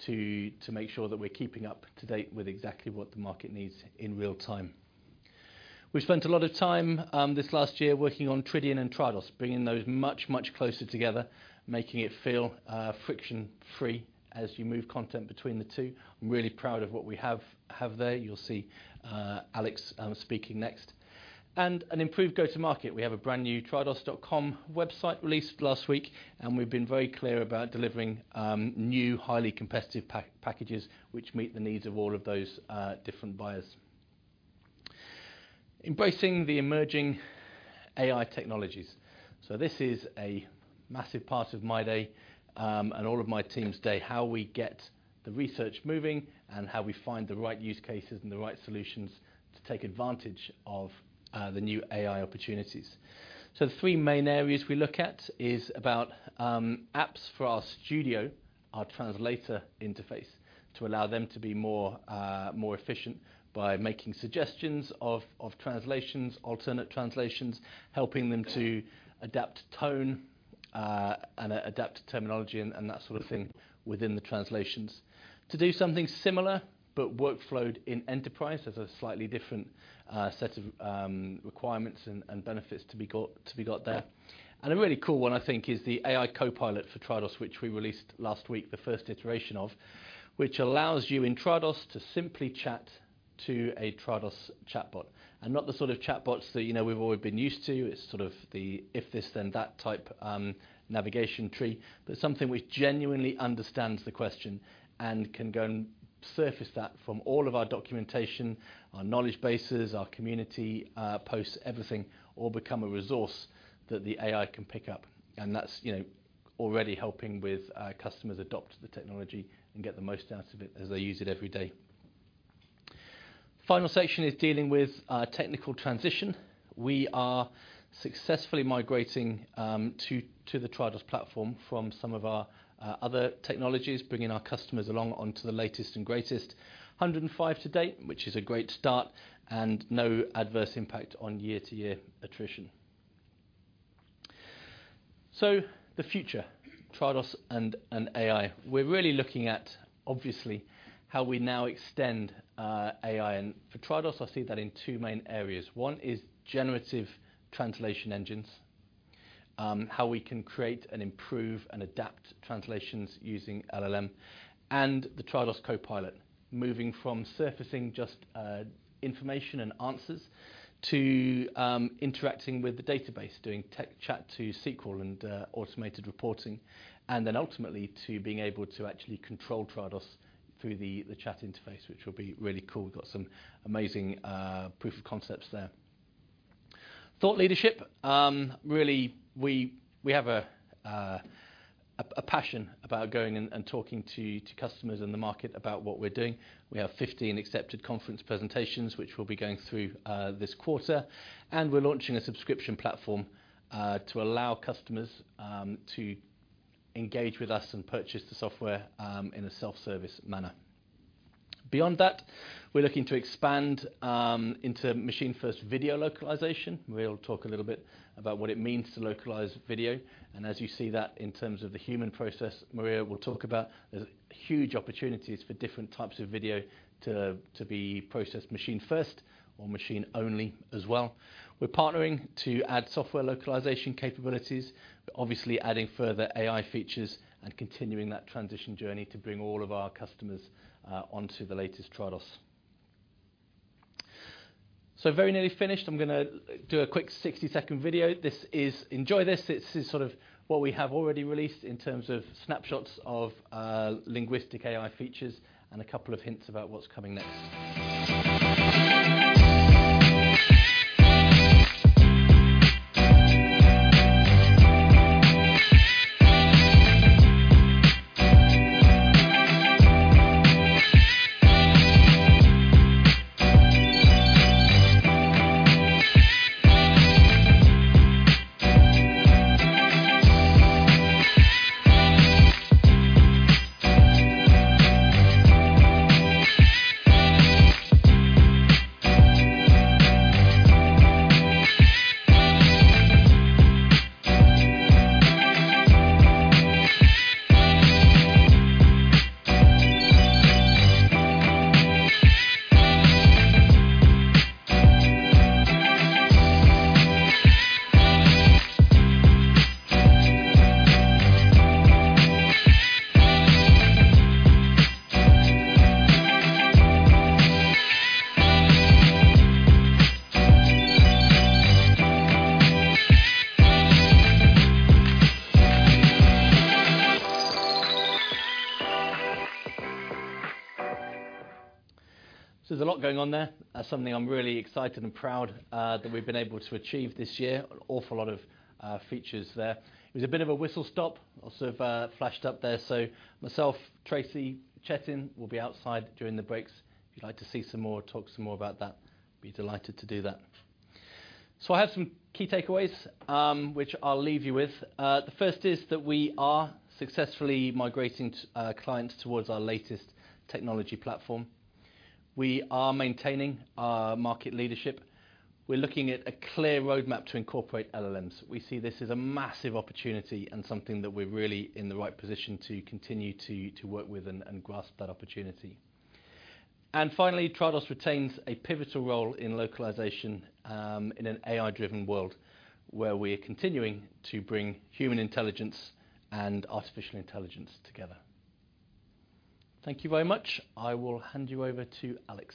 to make sure that we're keeping up-to-date with exactly what the market needs in real time. We spent a lot of time this last year working on Tridion and Trados, bringing those much, much closer together, making it feel friction-free as you move content between the two. I'm really proud of what we have there. You'll see Alex speaking next. An improved go-to-market. We have a brand new Trados.com website released last week, and we've been very clear about delivering new, highly competitive packages, which meet the needs of all of those different buyers. Embracing the emerging AI technologies. So this is a massive part of my day, and all of my team's day, how we get the research moving and how we find the right use cases and the right solutions to take advantage of, the new AI opportunities. So the three main areas we look at is about, apps for our Studio, our translator interface, to allow them to be more, more efficient by making suggestions of, of translations, alternate translations, helping them to adapt tone, and adapt to terminology and, and that sort of thing within the translations. To do something similar, but workflowed in enterprise as a slightly different, set of, requirements and, and benefits to be got, to be got there. A really cool one, I think, is the AI copilot for Tridion, which we released last week, the first iteration of, which allows you in Tridion to simply chat to a Tridion chatbot. Not the sort of chatbots that, you know, we've always been used to. It's sort of the if this, then that type, navigation tree, but something which genuinely understands the question and can go and surface that from all of our documentation, our knowledge bases, our community, posts, everything, or become a resource that the AI can pick up. That's, you know, already helping with our customers adopt the technology and get the most out of it as they use it every day. Final section is dealing with, technical transition. We are successfully migrating to the Trados platform from some of our other technologies, bringing our customers along onto the latest and greatest. 105 to date, which is a great start, and no adverse impact on year-to-year attrition. The future, Trados and AI. We're really looking at, obviously, how we now extend AI, and for Trados, I see that in two main areas. One is generative translation engines, how we can create and improve and adapt translations using LLM, and the Trados Copilot. Moving from surfacing just information and answers to interacting with the database, doing Tech-to-SQL and automated reporting, and then ultimately to being able to actually control Trados through the chat interface, which will be really cool. We've got some amazing proof of concepts there. Thought leadership. Really, we have a passion about going and talking to customers in the market about what we're doing. We have 15 accepted conference presentations, which we'll be going through this quarter, and we're launching a subscription platform to allow customers to engage with us and purchase the software in a self-service manner. Beyond that, we're looking to expand into machine-first video localization. We'll talk a little bit about what it means to localize video, and as you see that in terms of the human process, Maria will talk about the huge opportunities for different types of video to be processed machine-first or machine-only as well. We're partnering to add software localization capabilities, but obviously adding further AI features and continuing that transition journey to bring all of our customers onto the latest Trados. Very nearly finished. I'm gonna do a quick 60-second video. This is-- enjoy this. It's sort of what we have already released in terms of snapshots of, linguistic AI features, and a couple of hints about what's coming next. There's a lot going on there. That's something I'm really excited and proud that we've been able to achieve this year. An awful lot of features there. It was a bit of a whistle-stop, also, sort of, flashed up there. Myself, Tracey, Chetan will be outside during the breaks. If you'd like to see some more, talk some more about that, I'd be delighted to do that. I have some key takeaways, which I'll leave you with. The first is that we are successfully migrating clients towards our latest technology platform. We are maintaining our market leadership. We're looking at a clear roadmap to incorporate LLMs. We see this as a massive opportunity and something that we're really in the right position to continue to work with and grasp that opportunity. And finally, Trados retains a pivotal role in localization, in an AI-driven world, where we are continuing to bring human intelligence and artificial intelligence together. Thank you very much. I will hand you over to Alex.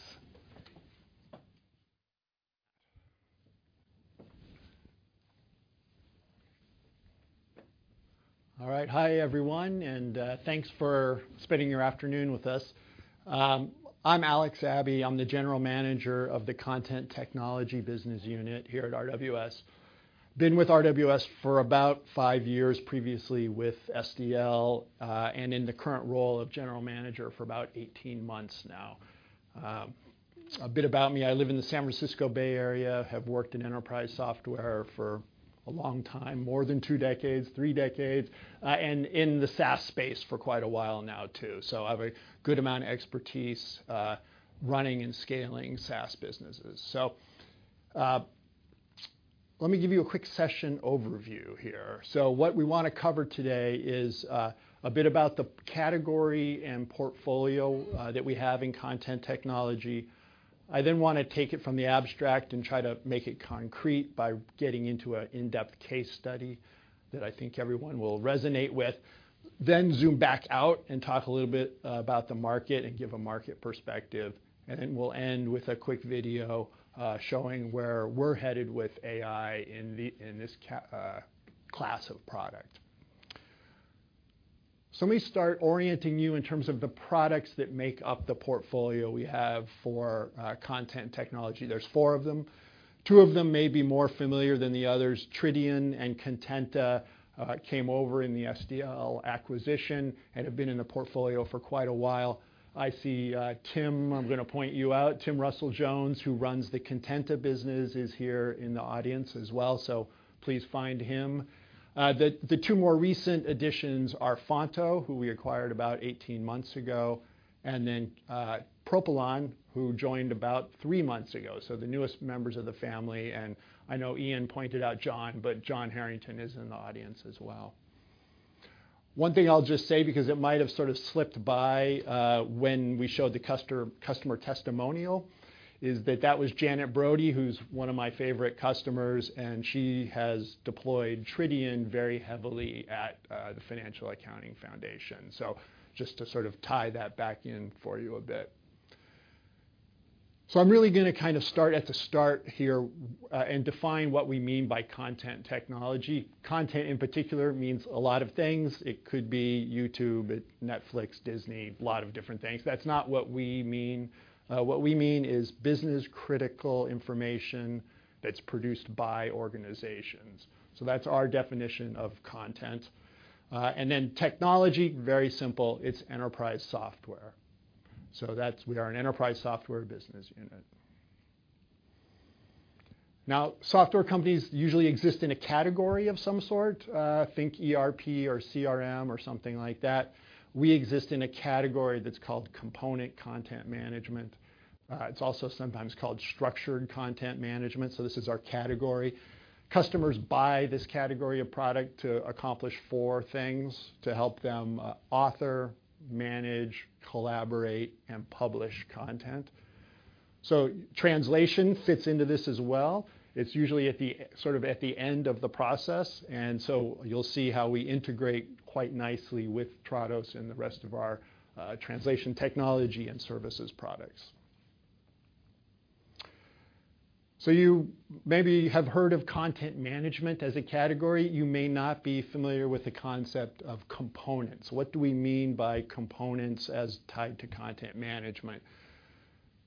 All right. Hi, everyone, and thanks for spending your afternoon with us. I'm Alex Abey. I'm the General Manager of the Content Technology Business Unit here at RWS. Been with RWS for about five years, previously with SDL, and in the current role of General Manager for about 18 months now. A bit about me, I live in the San Francisco Bay Area. I have worked in enterprise software for a long time, more than two decades, three decades, and in the SaaS space for quite a while now, too. I have a good amount of expertise running and scaling SaaS businesses. Let me give you a quick session overview here. What we want to cover today is a bit about the category and portfolio that we have in content technology. I then want to take it from the abstract and try to make it concrete by getting into an in-depth case study that I think everyone will resonate with. Then zoom back out and talk a little bit about the market and give a market perspective. And then we'll end with a quick video showing where we're headed with AI in this class of product. So let me start orienting you in terms of the products that make up the portfolio we have for content technology. There's four of them. Two of them may be more familiar than the others. Tridion and Contenta came over in the SDL acquisition and have been in the portfolio for quite a while. I see, Tim, I'm going to point you out. Tim Russell-Jones, who runs the Contenta business, is here in the audience as well, so please find him. The two more recent additions are Fonto, who we acquired about 18 months ago, and then Propylon, who joined about three months ago, so the newest members of the family. I know Ian pointed out John, but John Harrington is in the audience as well. One thing I'll just say, because it might have sort of slipped by when we showed the customer testimonial, is that that was Janet Brodie, who's one of my favorite customers, and she has deployed Tridion very heavily at the Financial Accounting Foundation. Just to sort of tie that back in for you a bit. I'm really going to kind of start at the start here and define what we mean by content technology. Content, in particular, means a lot of things. It could be YouTube, Netflix, Disney, a lot of different things. That's not what we mean. What we mean is business-critical information that's produced by organizations. So that's our definition of content. And then technology, very simple, it's enterprise software. So that's. We are an enterprise software business unit. Now, software companies usually exist in a category of some sort, think ERP or CRM or something like that. We exist in a category that's called component content management. It's also sometimes called structured content management, so this is our category. Customers buy this category of product to accomplish four things, to help them author, manage, collaborate, and publish content. So translation fits into this as well. It's usually sort of at the end of the process, and so you'll see how we integrate quite nicely with Trados and the rest of our translation technology and services products. So you maybe have heard of content management as a category. You may not be familiar with the concept of components. What do we mean by components as tied to content management?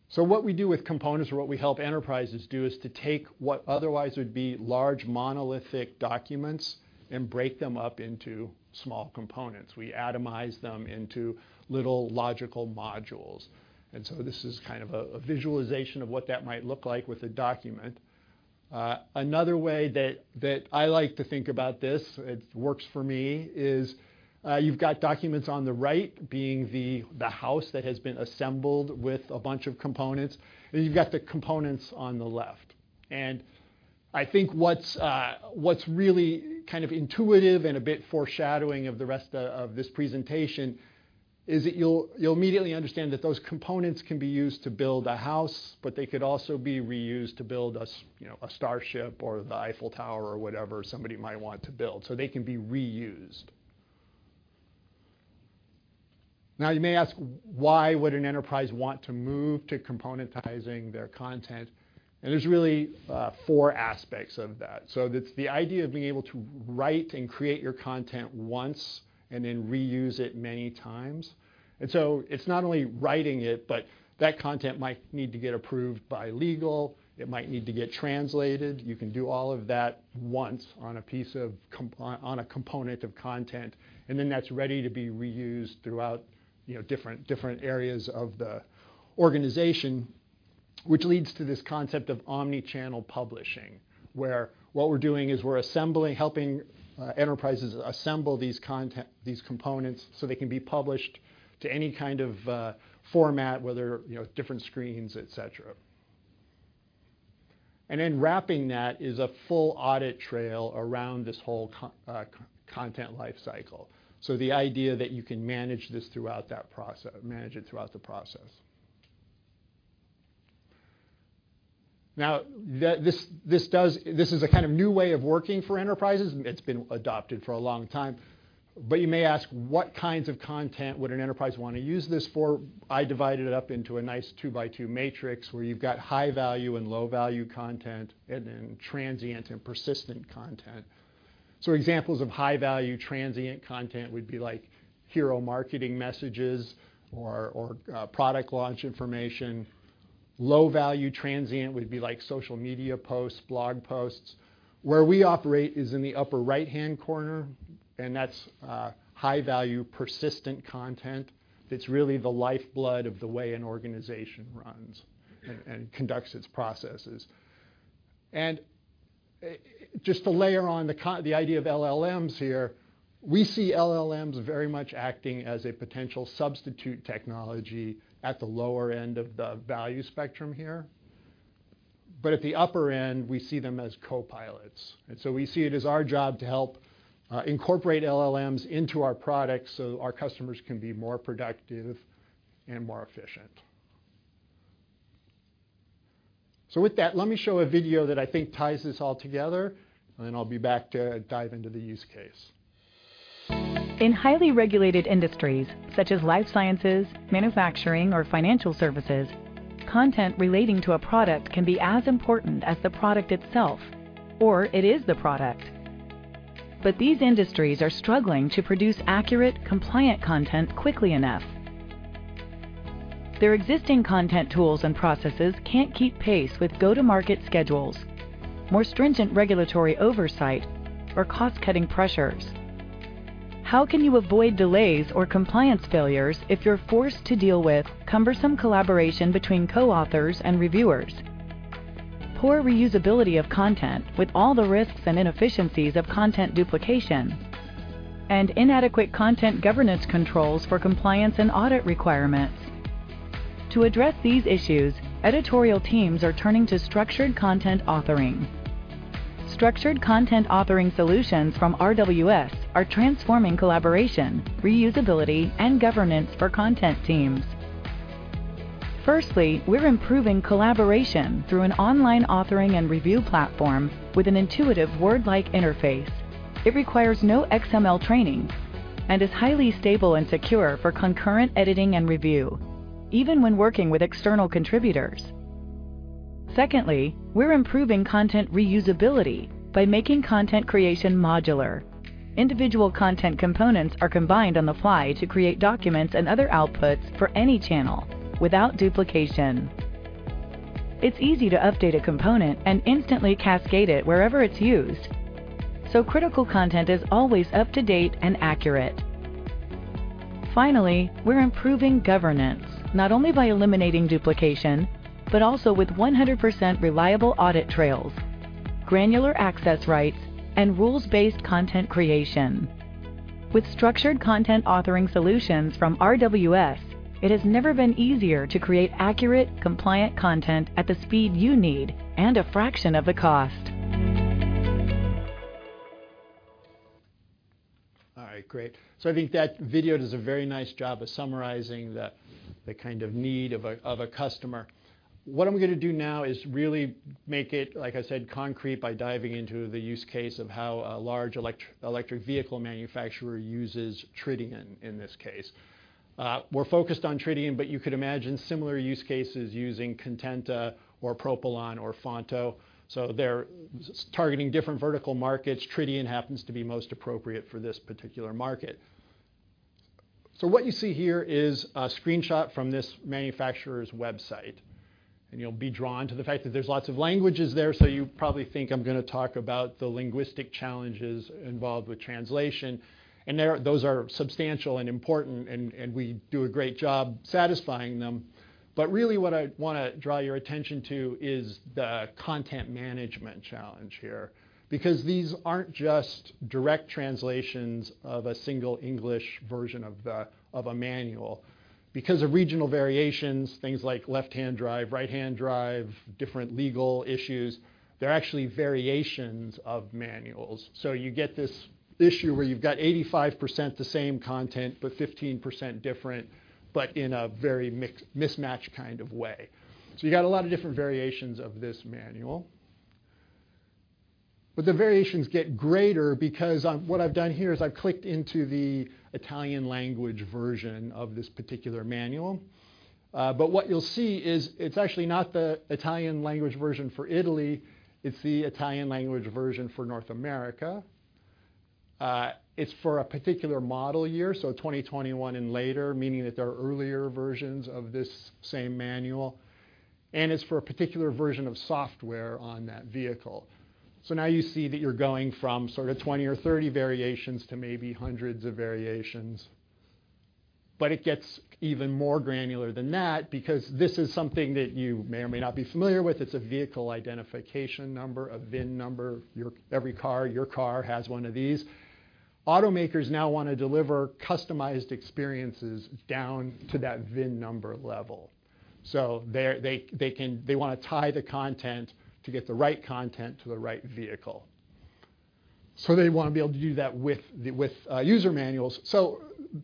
So what we do with components, or what we help enterprises do, is to take what otherwise would be large, monolithic documents and break them up into small components. We atomize them into little logical modules, and so this is kind of a visualization of what that might look like with a document. Another way that I like to think about this, it works for me, is you've got documents on the right being the house that has been assembled with a bunch of components, and you've got the components on the left. And I think what's really kind of intuitive and a bit foreshadowing of the rest of this presentation is that you'll immediately understand that those components can be used to build a house, but they could also be reused to build a, you know, starship or the Eiffel Tower or whatever somebody might want to build, so they can be reused. Now, you may ask, "Why would an enterprise want to move to componentizing their content?" And there's really four aspects of that. So it's the idea of being able to write and create your content once and then reuse it many times. And so it's not only writing it, but that content might need to get approved by legal, it might need to get translated. You can do all of that once on a component of content, and then that's ready to be reused throughout, you know, different areas of the organization, which leads to this concept of omni-channel publishing, where what we're doing is we're helping enterprises assemble these content, these components, so they can be published to any kind of format, whether, you know, different screens, et cetera. And then wrapping that is a full audit trail around this whole content life cycle. So the idea that you can manage this throughout that process, manage it throughout the process. Now, this is a kind of new way of working for enterprises. It's been adopted for a long time, but you may ask, "What kinds of content would an enterprise want to use this for?" I divided it up into a nice two-by-two matrix, where you've got high-value and low-value content and then transient and persistent content. So examples of high-value, transient content would be like hero marketing messages or, product launch information. Low-value transient would be like social media posts, blog posts. Where we operate is in the upper right-hand corner, and that's high-value, persistent content. It's really the lifeblood of the way an organization runs and conducts its processes. Just to layer on the idea of LLMs here, we see LLMs very much acting as a potential substitute technology at the lower end of the value spectrum here. But at the upper end, we see them as copilots, and so we see it as our job to help incorporate LLMs into our products, so our customers can be more productive and more efficient. So with that, let me show a video that I think ties this all together, and then I'll be back to dive into the use case. In highly regulated industries such as life sciences, manufacturing, or financial services, content relating to a product can be as important as the product itself, or it is the product. But these industries are struggling to produce accurate, compliant content quickly enough. Their existing content tools and processes can't keep pace with go-to-market schedules, more stringent regulatory oversight, or cost-cutting pressures. How can you avoid delays or compliance failures if you're forced to deal with cumbersome collaboration between co-authors and reviewers, poor reusability of content with all the risks and inefficiencies of content duplication, and inadequate content governance controls for compliance and audit requirements? To address these issues, editorial teams are turning to structured content authoring. Structured content authoring solutions from RWS are transforming collaboration, reusability, and governance for content teams. Firstly, we're improving collaboration through an online authoring and review platform with an intuitive Word-like interface. It requires no XML training and is highly stable and secure for concurrent editing and review, even when working with external contributors. Secondly, we're improving content reusability by making content creation modular. Individual content components are combined on the fly to create documents and other outputs for any channel without duplication. It's easy to update a component and instantly cascade it wherever it's used, so critical content is always up-to-date and accurate. Finally, we're improving governance, not only by eliminating duplication, but also with 100% reliable audit trails, granular access rights, and rules-based content creation. With structured content authoring solutions from RWS, it has never been easier to create accurate, compliant content at the speed you need and a fraction of the cost. All right, great. So I think that video does a very nice job of summarizing the kind of need of a customer. What I'm gonna do now is really make it, like I said, concrete by diving into the use case of how a large electric vehicle manufacturer uses Tridion in this case. We're focused on Tridion, but you could imagine similar use cases using Contenta or Propylon or Fonto. So they're targeting different vertical markets. Tridion happens to be most appropriate for this particular market. So what you see here is a screenshot from this manufacturer's website, and you'll be drawn to the fact that there's lots of languages there. So you probably think I'm gonna talk about the linguistic challenges involved with translation, and they're, those are substantial and important, and we do a great job satisfying them. But really, what I want to draw your attention to is the content management challenge here, because these aren't just direct translations of a single English version of a manual. Because of regional variations, things like left-hand drive, right-hand drive, different legal issues, they're actually variations of manuals. So you get this issue where you've got 85% the same content, but 15% different, but in a very mixed, mismatched kind of way. So you got a lot of different variations of this manual. But the variations get greater because what I've done here is I've clicked into the Italian language version of this particular manual. But what you'll see is it's actually not the Italian language version for Italy, it's the Italian language version for North America. It's for a particular model year, so 2021 and later, meaning that there are earlier versions of this same manual, and it's for a particular version of software on that vehicle. So now you see that you're going from sort of 20 or 30 variations to maybe hundreds of variations. But it gets even more granular than that because this is something that you may or may not be familiar with. It's a vehicle identification number, a VIN number. Your... Every car, your car, has one of these. Automakers now want to deliver customized experiences down to that VIN number level. So they're they can they want to tie the content to get the right content to the right vehicle. So they want to be able to do that with the, with, user manuals.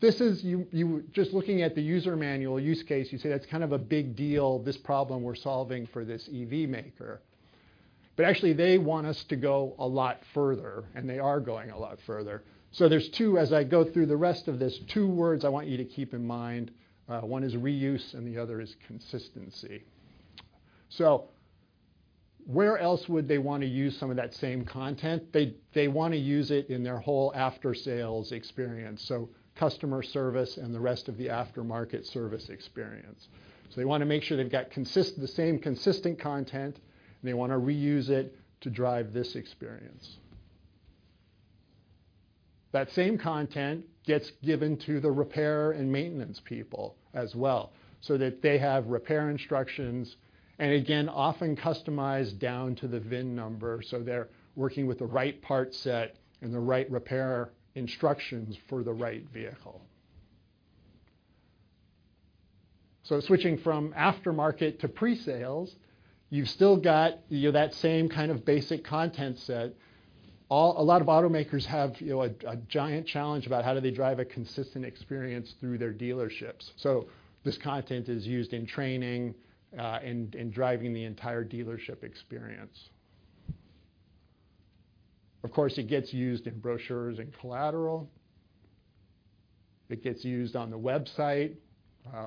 This is-- you, you just looking at the user manual use case, you say that's kind of a big deal, this problem we're solving for this EV maker. Actually, they want us to go a lot further, and they are going a lot further. There's two, as I go through the rest of this, two words I want you to keep in mind. One is reuse, and the other is consistency. Where else would they want to use some of that same content? They, they want to use it in their whole after-sales experience, so customer service and the rest of the aftermarket service experience. They want to make sure they've got consist-- the same consistent content, and they want to reuse it to drive this experience. That same content gets given to the repair and maintenance people as well, so that they have repair instructions, and again, often customized down to the VIN number, so they're working with the right part set and the right repair instructions for the right vehicle. So switching from aftermarket to pre-sales, you've still got, you know, that same kind of basic content set. A lot of automakers have, you know, a giant challenge about how do they drive a consistent experience through their dealerships. So this content is used in training, and driving the entire dealership experience. Of course, it gets used in brochures and collateral. It gets used on the website,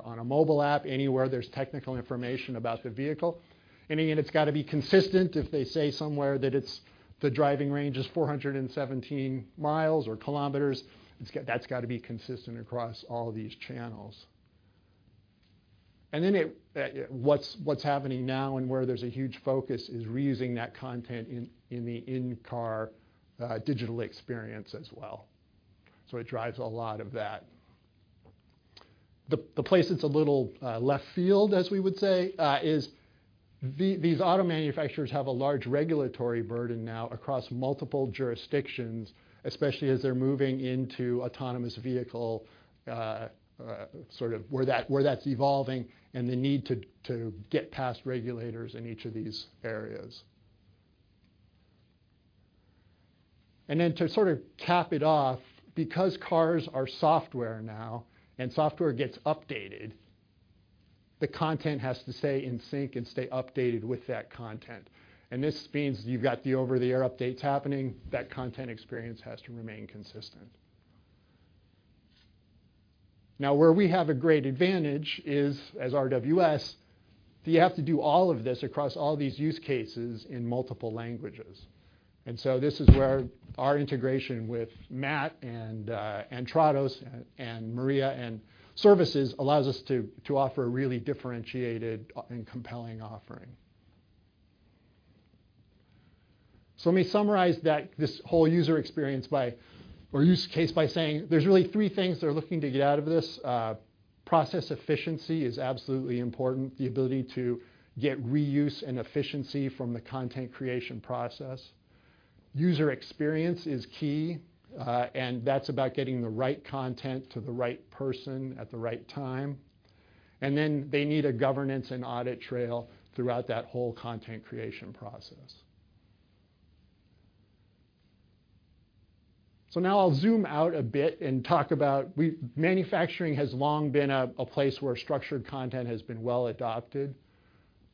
on a mobile app, anywhere there's technical information about the vehicle. And again, it's got to be consistent. If they say somewhere that it's the driving range is 417 miles or kilometers, it's got, that's got to be consistent across all these channels. And then it, what's happening now and where there's a huge focus is reusing that content in the in-car digital experience as well. So it drives a lot of that. The place that's a little left field, as we would say, is these auto manufacturers have a large regulatory burden now across multiple jurisdictions, especially as they're moving into autonomous vehicle sort of where that's evolving and the need to get past regulators in each of these areas. And then to sort of cap it off, because cars are software now and software gets updated, the content has to stay in sync and stay updated with that content. And this means you've got the over-the-air updates happening, that content experience has to remain consistent. Now, where we have a great advantage is, as RWS, you have to do all of this across all these use cases in multiple languages. And so this is where our integration with Matt and Trados and Maria and services allows us to offer a really differentiated and compelling offering.... So let me summarize that this whole user experience by, or use case, by saying there's really three things they're looking to get out of this. Process efficiency is absolutely important, the ability to get reuse and efficiency from the content creation process. User experience is key, and that's about getting the right content to the right person at the right time. And then they need a governance and audit trail throughout that whole content creation process. So now I'll zoom out a bit and talk about manufacturing has long been a place where structured content has been well adopted.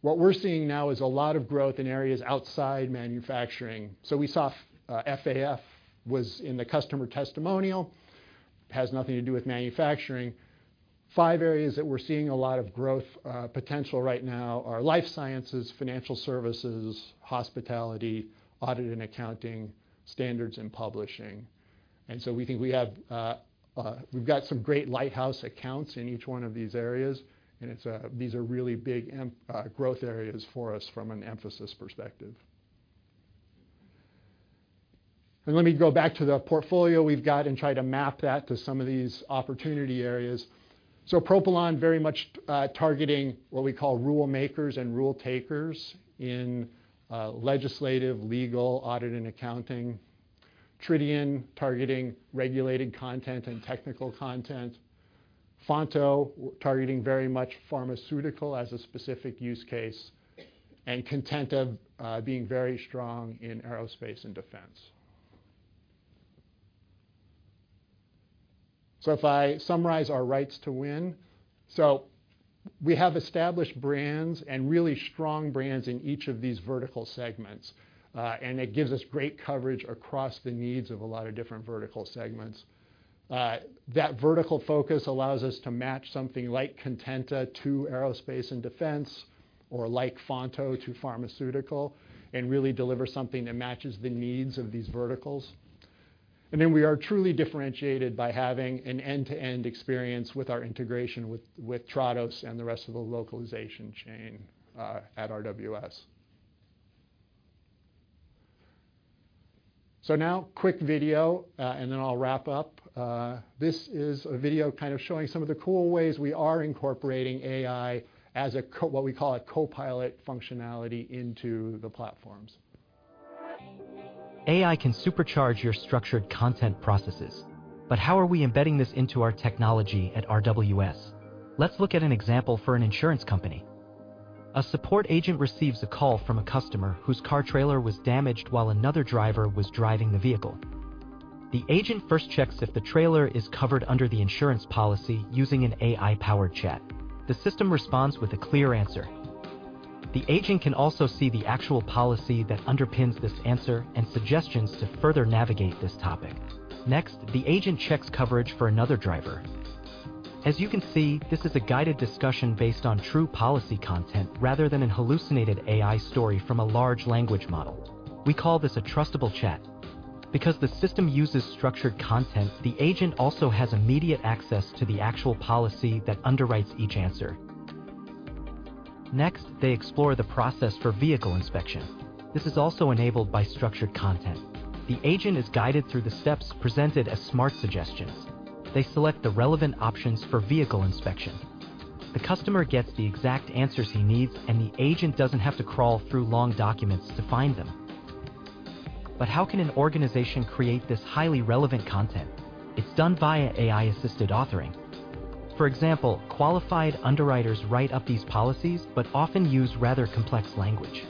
What we're seeing now is a lot of growth in areas outside manufacturing. So we saw FAF was in the customer testimonial, has nothing to do with manufacturing. Five areas that we're seeing a lot of growth potential right now are life sciences, financial services, hospitality, audit and accounting, standards and publishing. And so we think we've got some great lighthouse accounts in each one of these areas, and it's. These are really big growth areas for us from an emphasis perspective. And let me go back to the portfolio we've got and try to map that to some of these opportunity areas. So Propylon very much targeting what we call rule makers and rule takers in legislative, legal, audit, and accounting. Tridion, targeting regulated content and technical content. Fonto, targeting very much pharmaceutical as a specific use case, and Contenta being very strong in aerospace and defense. So if I summarize our rights to win. So we have established brands and really strong brands in each of these vertical segments, and it gives us great coverage across the needs of a lot of different vertical segments. That vertical focus allows us to match something like Contenta to aerospace and defense, or like Fonto to pharmaceutical, and really deliver something that matches the needs of these verticals. And then we are truly differentiated by having an end-to-end experience with our integration with, with Trados and the rest of the localization chain at RWS. So now, quick video, and then I'll wrap up. This is a video kind of showing some of the cool ways we are incorporating AI as a copilot, what we call a copilot functionality, into the platforms. AI can supercharge your structured content processes, but how are we embedding this into our technology at RWS? Let's look at an example for an insurance company. A support agent receives a call from a customer whose car trailer was damaged while another driver was driving the vehicle. The agent first checks if the trailer is covered under the insurance policy using an AI-powered chat. The system responds with a clear answer. The agent can also see the actual policy that underpins this answer and suggestions to further navigate this topic. Next, the agent checks coverage for another driver. As you can see, this is a guided discussion based on true policy content rather than a hallucinated AI story from a large language model. We call this a trustable chat. Because the system uses structured content, the agent also has immediate access to the actual policy that underwrites each answer. Next, they explore the process for vehicle inspection. This is also enabled by structured content. The agent is guided through the steps presented as smart suggestions. They select the relevant options for vehicle inspection. The customer gets the exact answers he needs, and the agent doesn't have to crawl through long documents to find them. But how can an organization create this highly relevant content? It's done via AI-assisted authoring. For example, qualified underwriters write up these policies but often use rather complex language.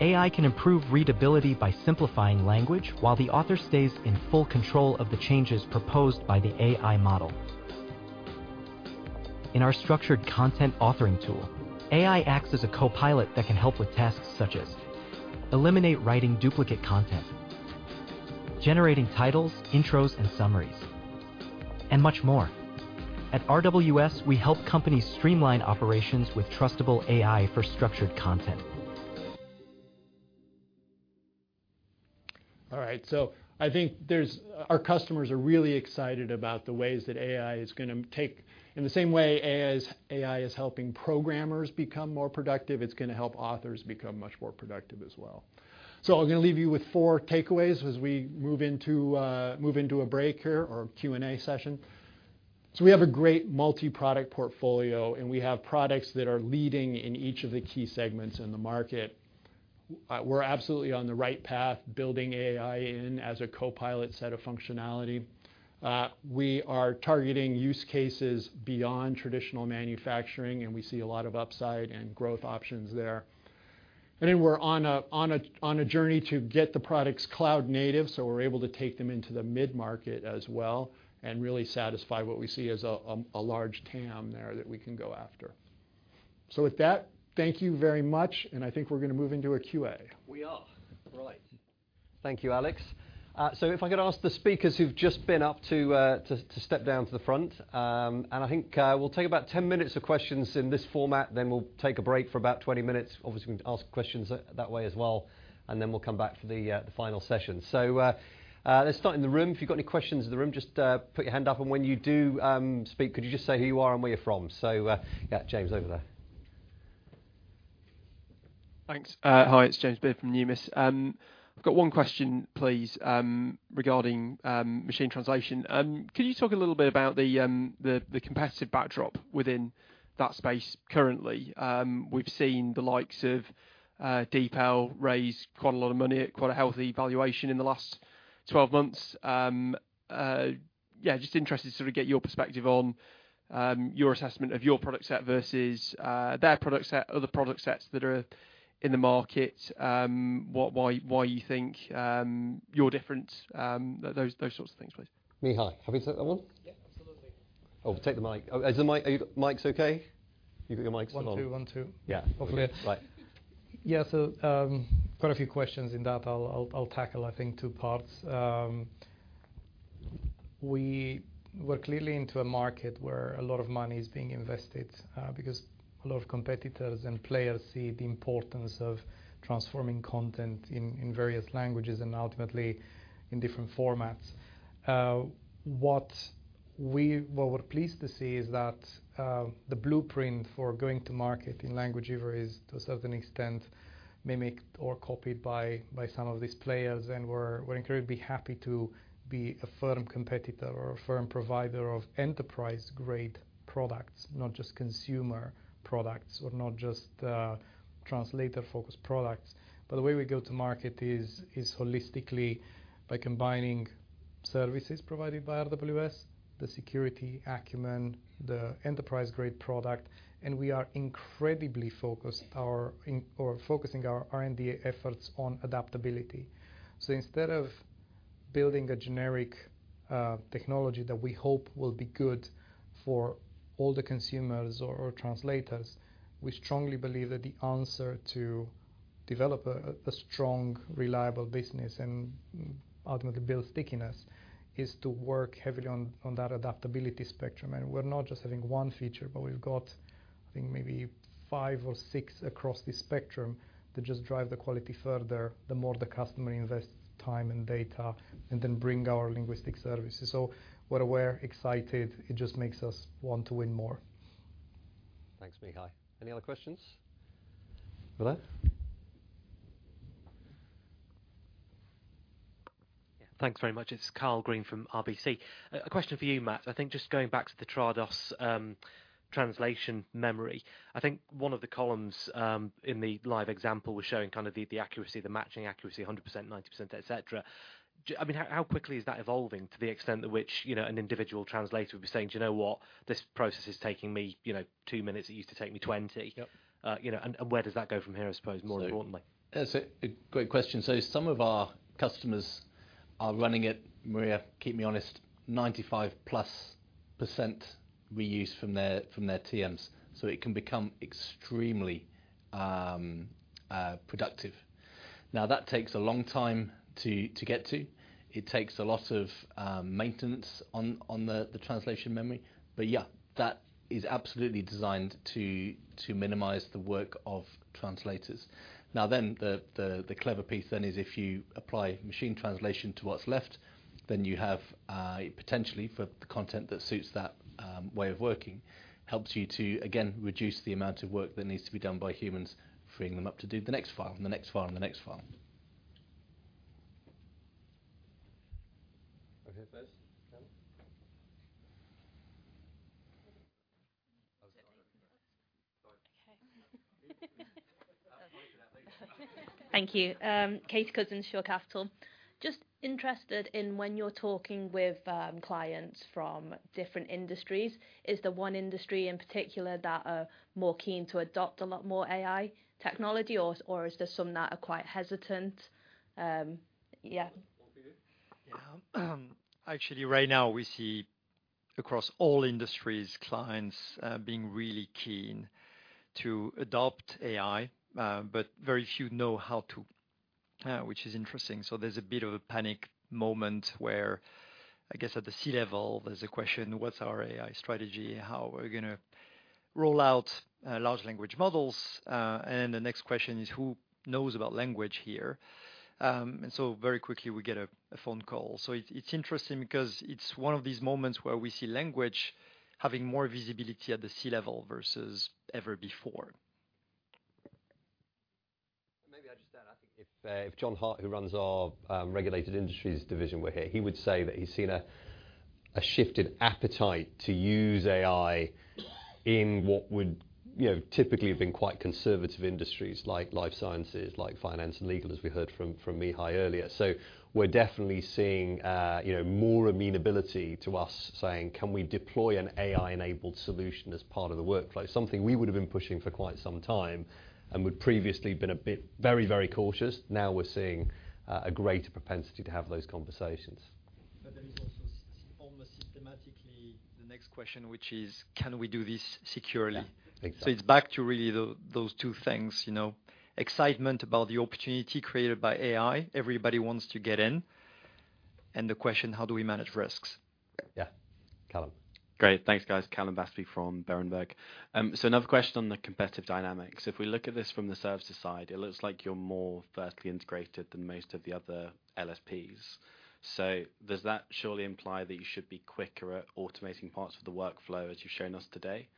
AI can improve readability by simplifying language, while the author stays in full control of the changes proposed by the AI model. In our structured content authoring tool, AI acts as a copilot that can help with tasks such as eliminate writing duplicate content, generating titles, intros, and summaries, and much more. At RWS, we help companies streamline operations with trustable AI for structured content. All right, so I think there's... Our customers are really excited about the ways that AI is gonna take. In the same way as AI is helping programmers become more productive, it's gonna help authors become much more productive as well. So I'm gonna leave you with four takeaways as we move into a break here, or a Q&A session. So we have a great multi-product portfolio, and we have products that are leading in each of the key segments in the market. We're absolutely on the right path, building AI in as a copilot set of functionality. We are targeting use cases beyond traditional manufacturing, and we see a lot of upside and growth options there. And then we're on a journey to get the products cloud native, so we're able to take them into the mid-market as well and really satisfy what we see as a large TAM there that we can go after. So with that, thank you very much, and I think we're gonna move into a Q&A. We are. Right. Thank you, Alex. So if I could ask the speakers who've just been up to step down to the front. And I think we'll take about 10 minutes of questions in this format, then we'll take a break for about 20 minutes. Obviously, we can ask questions that way as well, and then we'll come back for the final session. So let's start in the room. If you've got any questions in the room, just put your hand up, and when you do, speak, could you just say who you are and where you're from? So yeah, James, over there.... Thanks. Hi, it's James Beard from Numis. I've got one question, please, regarding machine translation. Could you talk a little bit about the competitive backdrop within that space currently? We've seen the likes of DeepL raise quite a lot of money at quite a healthy valuation in the last 12 months. Yeah, just interested to sort of get your perspective on your assessment of your product set versus their product set, other product sets that are in the market. What, why you think you're different, those sorts of things, please. Mihai, happy to take that one? Yeah, absolutely. Oh, take the mic. Are your mics okay? You got your mics on? one, two. one, two. Yeah. Okay. Right. Yeah, so, quite a few questions in that. I'll tackle, I think, two parts. We're clearly into a market where a lot of money is being invested, because a lot of competitors and players see the importance of transforming content in various languages and ultimately in different formats. What we... What we're pleased to see is that the blueprint for going to market in language evaluators, to a certain extent, mimic or copied by some of these players. We're incredibly happy to be a firm competitor or a firm provider of enterprise-grade products, not just consumer products, or not just translator-focused products. The way we go to market is holistically by combining services provided by RWS, the security acumen, the enterprise-grade product, and we are incredibly focused or focusing our R&D efforts on adaptability. So instead of building a generic technology that we hope will be good for all the consumers or translators, we strongly believe that the answer to develop a strong, reliable business and ultimately build stickiness, is to work heavily on that adaptability spectrum. And we're not just adding one feature, but we've got, I think, maybe five or six across this spectrum that just drive the quality further, the more the customer invests time and data, and then bring our linguistic services. So what we're excited, it just makes us want to win more. Thanks, Mihai. Any other questions? Hello? Yeah. Thanks very much. It's Karl Green from RBC. A question for you, Matt. I think just going back to the Trados translation memory, I think one of the columns in the live example was showing kind of the, the accuracy, the matching accuracy, 100%, 90%, et cetera. I mean, how quickly is that evolving to the extent to which, you know, an individual translator would be saying, "Do you know what? This process is taking me, you know, 2 minutes. It used to take me 20. Yep. You know, where does that go from here, I suppose, more importantly? So that's a great question. So some of our customers are running it... Maria, keep me honest, 95%+ reuse from their TMs, so it can become extremely productive. Now, that takes a long time to get to. It takes a lot of maintenance on the translation memory. But yeah, that is absolutely designed to minimize the work of translators. Now, the clever piece then is if you apply machine translation to what's left, then you have potentially for the content that suits that way of working, helps you to, again, reduce the amount of work that needs to be done by humans, freeing them up to do the next file, and the next file, and the next file. Okay, first. Kelly? Okay. Sorry about that. Thank you. Katie Cousins, Shore Capital. Just interested in when you're talking with clients from different industries, is there one industry in particular that are more keen to adopt a lot more AI technology, or is there some that are quite hesitant? Yeah. Okay. Yeah. Actually, right now, we see across all industries, clients being really keen to adopt AI, but very few know how to, which is interesting. So there's a bit of a panic moment where, I guess, at the C-level, there's a question: What's our AI strategy? How are we gonna roll out large language models? And the next question is: Who knows about language here? And so very quickly, we get a phone call. So it's interesting because it's one of these moments where we see language having more visibility at the C-level versus ever before. Maybe I'll just add, I think if, if John Hart, who runs our regulated industries division, were here, he would say that he's seen a shifted appetite to use AI in what would, you know, typically have been quite conservative industries, like life sciences, like finance and legal, as we heard from Mihai earlier. So we're definitely seeing, you know, more amenability to us saying, "Can we deploy an AI-enabled solution as part of the workflow?" Something we would have been pushing for quite some time and would previously been a bit very, very cautious. Now we're seeing a greater propensity to have those conversations. But then it's also almost systematically the next question, which is: Can we do this securely? Yeah, exactly. So it's back to really those two things, you know. Excitement about the opportunity created by AI. Everybody wants to get in.... and the question: How do we manage risks? Yeah. Calum? Great. Thanks, guys. Calum Battersby from Berenberg. So another question on the competitive dynamics. If we look at this from the services side, it looks like you're more vertically integrated than most of the other LSPs. So does that surely imply that you should be quicker at automating parts of the workflow, as you've shown us today?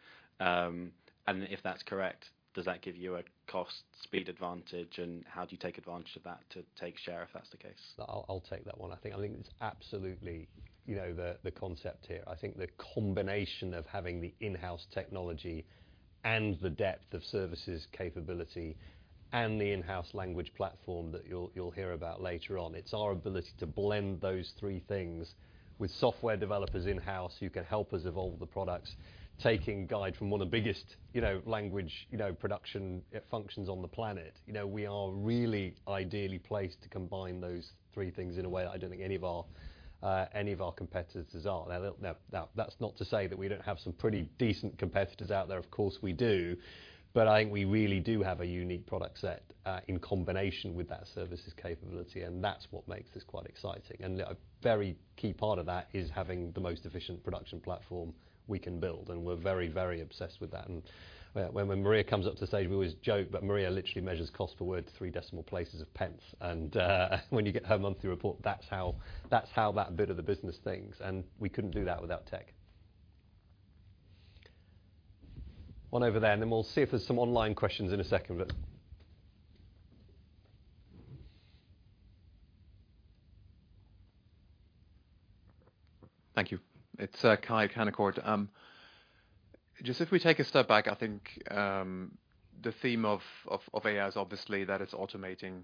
And if that's correct, does that give you a cost speed advantage, and how do you take advantage of that to take share, if that's the case? I'll take that one. I think it's absolutely, you know, the concept here. I think the combination of having the in-house technology and the depth of services capability and the in-house language platform that you'll hear about later on, it's our ability to blend those three things with software developers in-house who can help us evolve the products. Taking guide from one of the biggest, you know, language, you know, production functions on the planet. You know, we are really ideally placed to combine those three things in a way I don't think any of our, any of our competitors are. Now, that's not to say that we don't have some pretty decent competitors out there. Of course, we do, but I think we really do have a unique product set in combination with that services capability, and that's what makes us quite exciting. And a very key part of that is having the most efficient production platform we can build, and we're very, very obsessed with that. And when Maria comes up to stage, we always joke, but Maria literally measures cost per word to three decimal places of pence. And when you get her monthly report, that's how that bit of the business thinks, and we couldn't do that without tech. One over there, and then we'll see if there's some online questions in a second, but... Thank you. It's Kai Korschelt. Just if we take a step back, I think the theme of AI is obviously that it's automating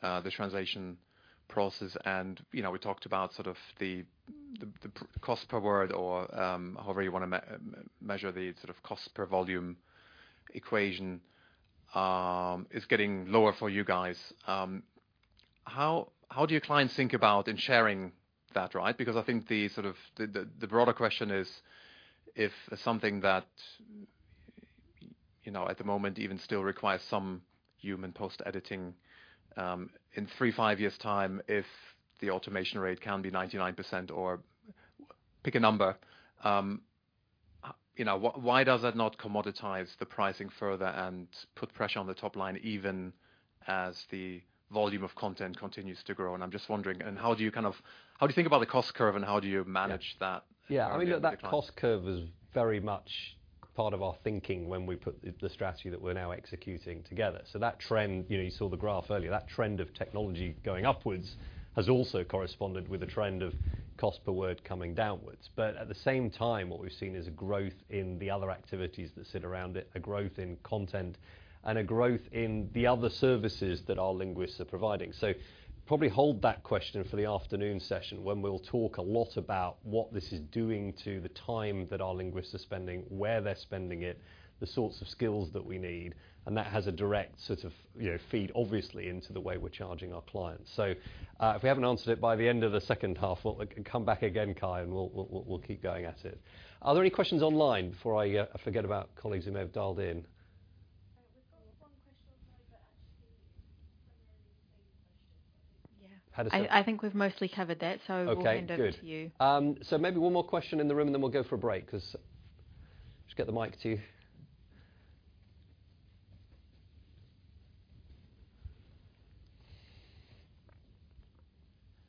the translation process and, you know, we talked about sort of the cost per word or however you wanna measure the sort of cost per volume equation is getting lower for you guys. How do your clients think about in sharing that, right? Because I think the sort of... The broader question is, if something that, you know, at the moment, even still requires some human post-editing, in three-five years' time, if the automation rate can be 99% or pick a number, you know, why, why does that not commoditize the pricing further and put pressure on the top line, even as the volume of content continues to grow? And I'm just wondering, and how do you kind of, how do you think about the cost curve, and how do you manage that? Yeah. I mean, look, that cost curve was very much part of our thinking when we put the strategy that we're now executing together. So that trend, you know, you saw the graph earlier, that trend of technology going upwards has also corresponded with a trend of cost per word coming downwards. But at the same time, what we've seen is a growth in the other activities that sit around it, a growth in content, and a growth in the other services that our linguists are providing. So probably hold that question for the afternoon session, when we'll talk a lot about what this is doing to the time that our linguists are spending, where they're spending it, the sorts of skills that we need, and that has a direct sort of, you know, feed, obviously, into the way we're charging our clients. So, if we haven't answered it by the end of the second half, well, come back again, Kai, and we'll keep going at it. Are there any questions online before I forget about colleagues who may have dialed in? We've got one question online, but actually, it's primarily the same question. Yeah. How does it- I think we've mostly covered that, so- Okay, good. We'll hand over to you. So, maybe one more question in the room, and then we'll go for a break, 'cause... Just get the mic to you.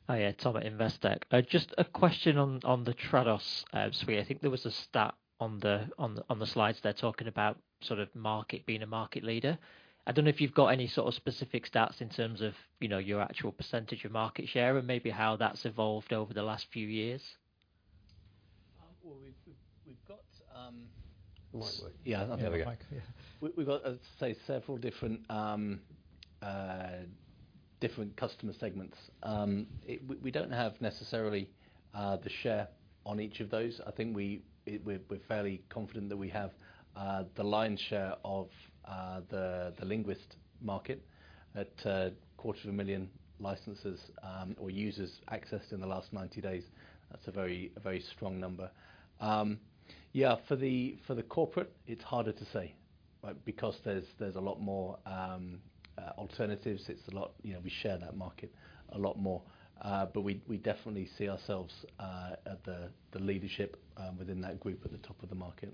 Hi, yeah. Tom at Investec. Just a question on the Trados suite. I think there was a stat on the slides there talking about sort of market, being a market leader. I don't know if you've got any sort of specific stats in terms of, you know, your actual percentage of market share and maybe how that's evolved over the last few years. Well, we've got, The mic. Yeah. There we go. Yeah. We've got, let's say, several different customer segments. We don't have necessarily the share on each of those. I think we're fairly confident that we have the lion's share of the linguist market at 250,000 licenses or users accessed in the last 90 days. That's a very strong number. Yeah, for the corporate, it's harder to say, right? Because there's a lot more alternatives. It's a lot. You know, we share that market a lot more, but we definitely see ourselves at the leadership within that group at the top of the market.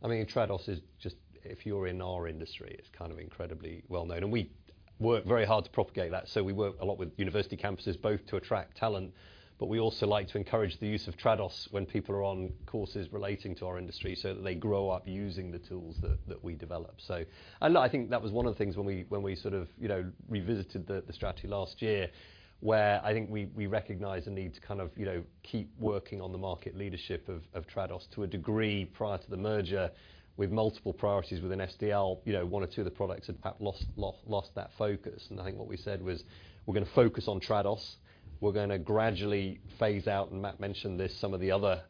I mean, Trados is just, if you're in our industry, it's kind of incredibly well known, and we work very hard to propagate that. So we work a lot with university campuses, both to attract talent, but we also like to encourage the use of Trados when people are on courses relating to our industry, so that they grow up using the tools that we develop. And I think that was one of the things when we sort of, you know, revisited the strategy last year, where I think we recognized the need to kind of, you know, keep working on the market leadership of Trados. To a degree, prior to the merger, with multiple priorities within SDL, you know, one or two of the products had perhaps lost that focus. I think what we said was, "We're gonna focus on Trados. We're gonna gradually phase out," and Matt mentioned this, "some of the other,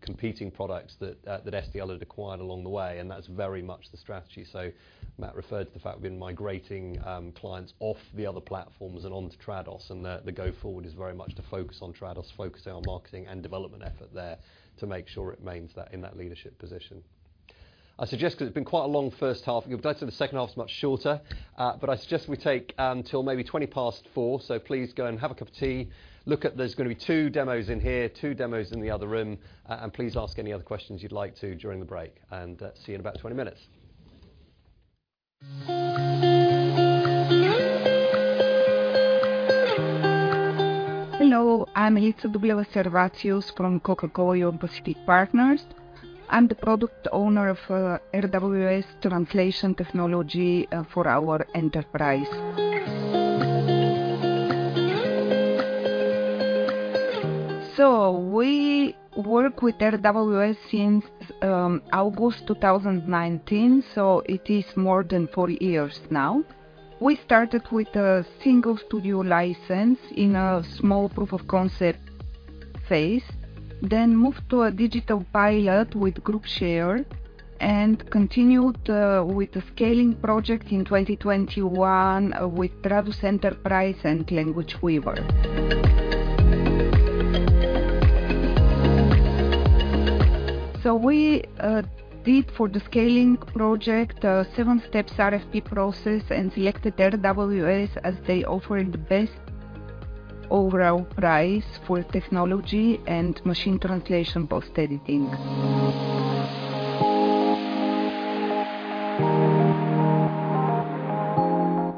competing products that that SDL had acquired along the way," and that's very much the strategy. Matt referred to the fact we've been migrating clients off the other platforms and onto Trados, and the go forward is very much to focus on Trados, focusing on marketing and development effort there, to make sure it remains that in that leadership position. I suggest, because it's been quite a long first half, but the second half is much shorter. I suggest we take till maybe 4:20 PM. Please go and have a cup of tea. Look at... There's gonna be two demos in here, two demos in the other room, and please ask any other questions you'd like to during the break, and see you in about 20 minutes. Hello, I'm Litza Dubleva-Servatius from Coca-Cola Europacific Partners. I'm the Product Owner of RWS Translation Technology for our enterprise. So we work with RWS since August 2019, so it is more than four years now. We started with a single Studio license in a small proof of concept phase, then moved to a digital pilot with GroupShare, and continued with the scaling project in 2021, with Trados Enterprise and Language Weaver. So we did for the scaling project, a seven steps RFP process and selected RWS, as they offered the best overall price for technology and machine translation post-editing.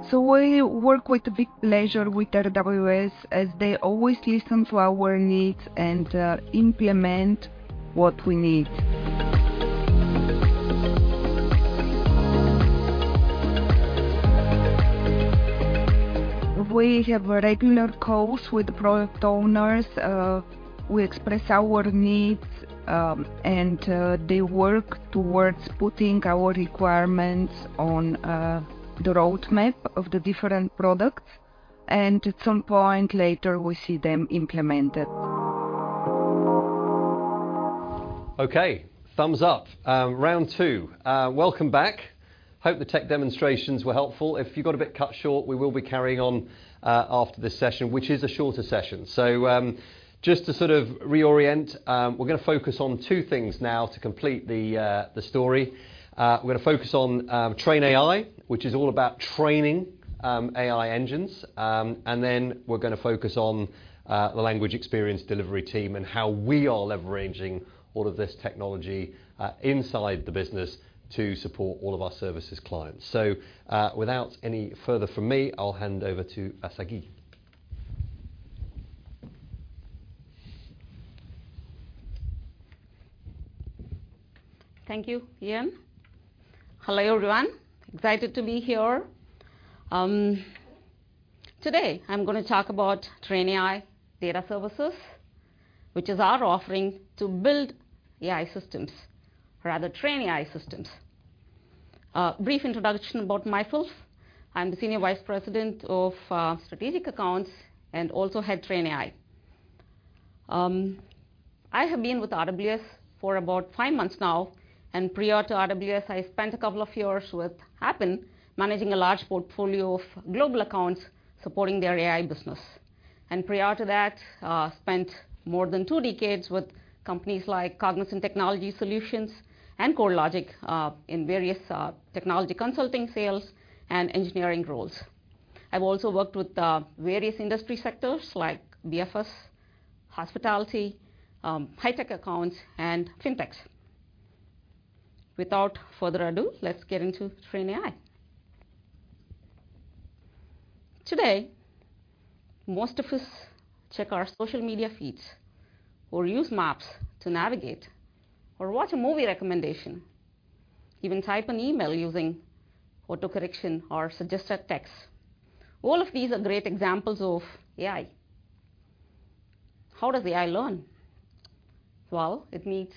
So we work with big pleasure with RWS, as they always listen to our needs and implement what we need. We have regular calls with the product owners. We express our needs, and they work towards putting our requirements on the roadmap of the different products, and at some point later, we see them implemented. Okay, thumbs up. Round two. Welcome back. Hope the tech demonstrations were helpful. If you got a bit cut short, we will be carrying on after this session, which is a shorter session. So, just to sort of reorient, we're gonna focus on two things now to complete the story. We're gonna focus on TrainAI, which is all about training AI engines. And then we're Language Experience Delivery team and how we are leveraging all of this technology inside the business to support all of our services clients. So, without any further from me, I'll hand over to Vasagi. Thank you, Ian. Hello, everyone. Excited to be here. Today I'm gonna talk about TrainAI Data Services, which is our offering to build AI systems, rather TrainAI systems. Brief introduction about myself. I'm the Senior Vice President of Strategic Accounts and also head TrainAI. I have been with RWS for about five months now, and prior to RWS, I spent a couple of years with Appen, managing a large portfolio of global accounts supporting their AI business. And prior to that, spent more than two decades with companies like Cognizant Technology Solutions and CoreLogic in various technology consulting, sales, and engineering roles. I've also worked with various industry sectors like BFS, hospitality, high tech accounts, and Fintechs. Without further ado, let's get into TrainAI. Today, most of us check our social media feeds, or use maps to navigate, or watch a movie recommendation, even type an email using auto-correction or suggested text. All of these are great examples of AI. How does AI learn? Well, it needs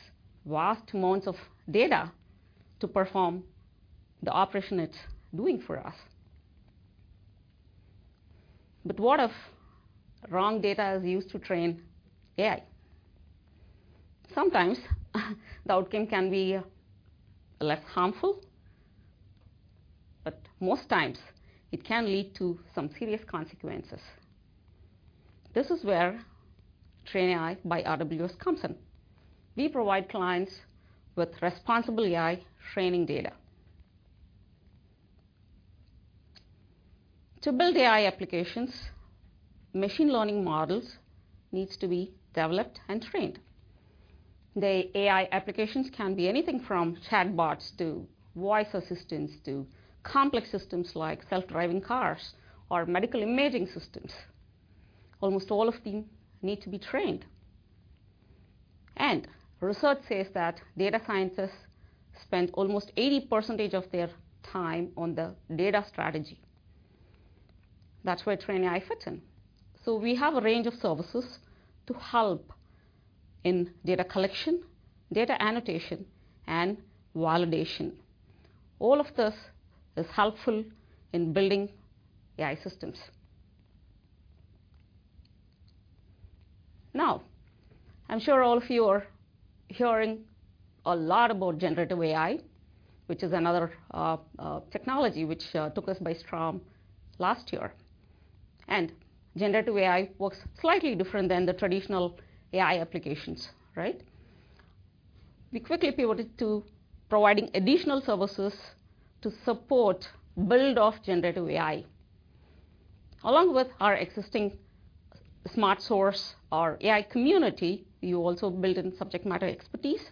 vast amounts of data to perform the operation it's doing for us. But what if wrong data is used to TrainAI? Sometimes, the outcome can be less harmful, but most times it can lead to some serious consequences. This is where TrainAI by RWS comes in. We provide clients with responsible AI training data. To build AI applications, machine learning models needs to be developed and trained. The AI applications can be anything from chatbots to voice assistants, to complex systems like self-driving cars or medical imaging systems. Almost all of them need to be trained. Research says that data scientists spend almost 80% of their time on the data strategy. That's where TrainAI fits in. So we have a range of services to help in data collection, data annotation, and validation. All of this is helpful in building AI systems. Now, I'm sure all of you are hearing a lot about generative AI, which is another technology which took us by storm last year, and generative AI works slightly different than the traditional AI applications, right? We quickly pivoted to providing additional services to support build of generative AI. Along with our existing SmartSource, our AI community, we also built in subject matter expertise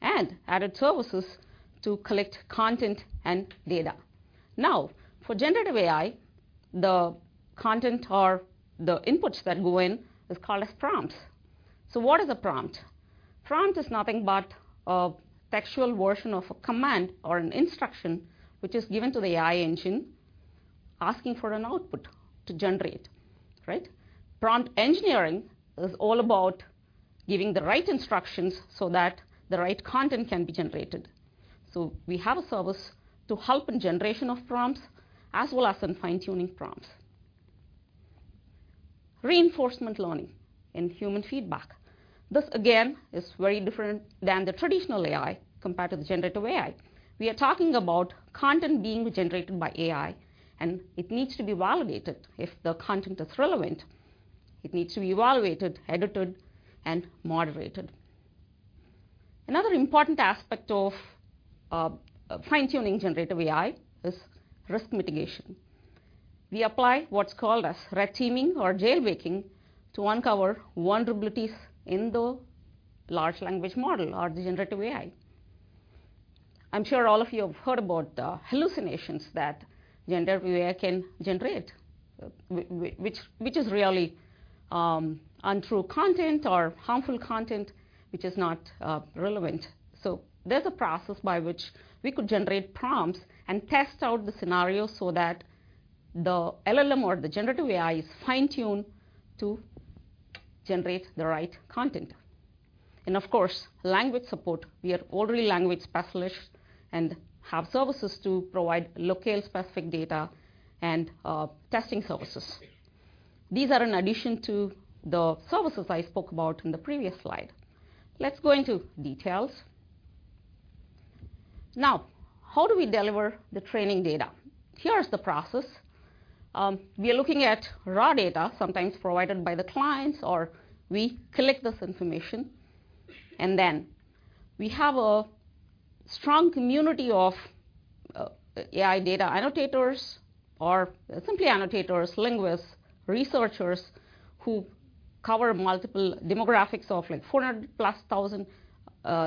and added services to collect content and data. Now, for generative AI, the content or the inputs that go in is called as prompts. So what is a prompt? Prompt is nothing but a textual version of a command or an instruction, which is given to the AI engine, asking for an output to generate, right? Prompt engineering is all about giving the right instructions so that the right content can be generated. So we have a service to help in generation of prompts as well as in fine-tuning prompts. Reinforcement learning and human feedback. This, again, is very different than the traditional AI compared to the generative AI. We are talking about content being generated by AI, and it needs to be validated if the content is relevant. It needs to be evaluated, edited, and moderated. Another important aspect of fine-tuning generative AI is risk mitigation. We apply what's called as red teaming or jailbreaking to uncover vulnerabilities in the large language model or the generative AI. I'm sure all of you have heard about the hallucinations that generative AI can generate, which is really untrue content or harmful content, which is not relevant. So there's a process by which we could generate prompts and test out the scenario so that the LLM or the generative AI is fine-tuned to generate the right content. And of course, language support. We are already language specialists and have services to provide locale-specific data and testing services. These are in addition to the services I spoke about in the previous slide. Let's go into details. Now, how do we deliver the training data? Here is the process. We are looking at raw data, sometimes provided by the clients, or we collect this information, and then we have a strong community of AI data annotators or simply annotators, linguists, researchers who cover multiple demographics of, like, 400+ thousand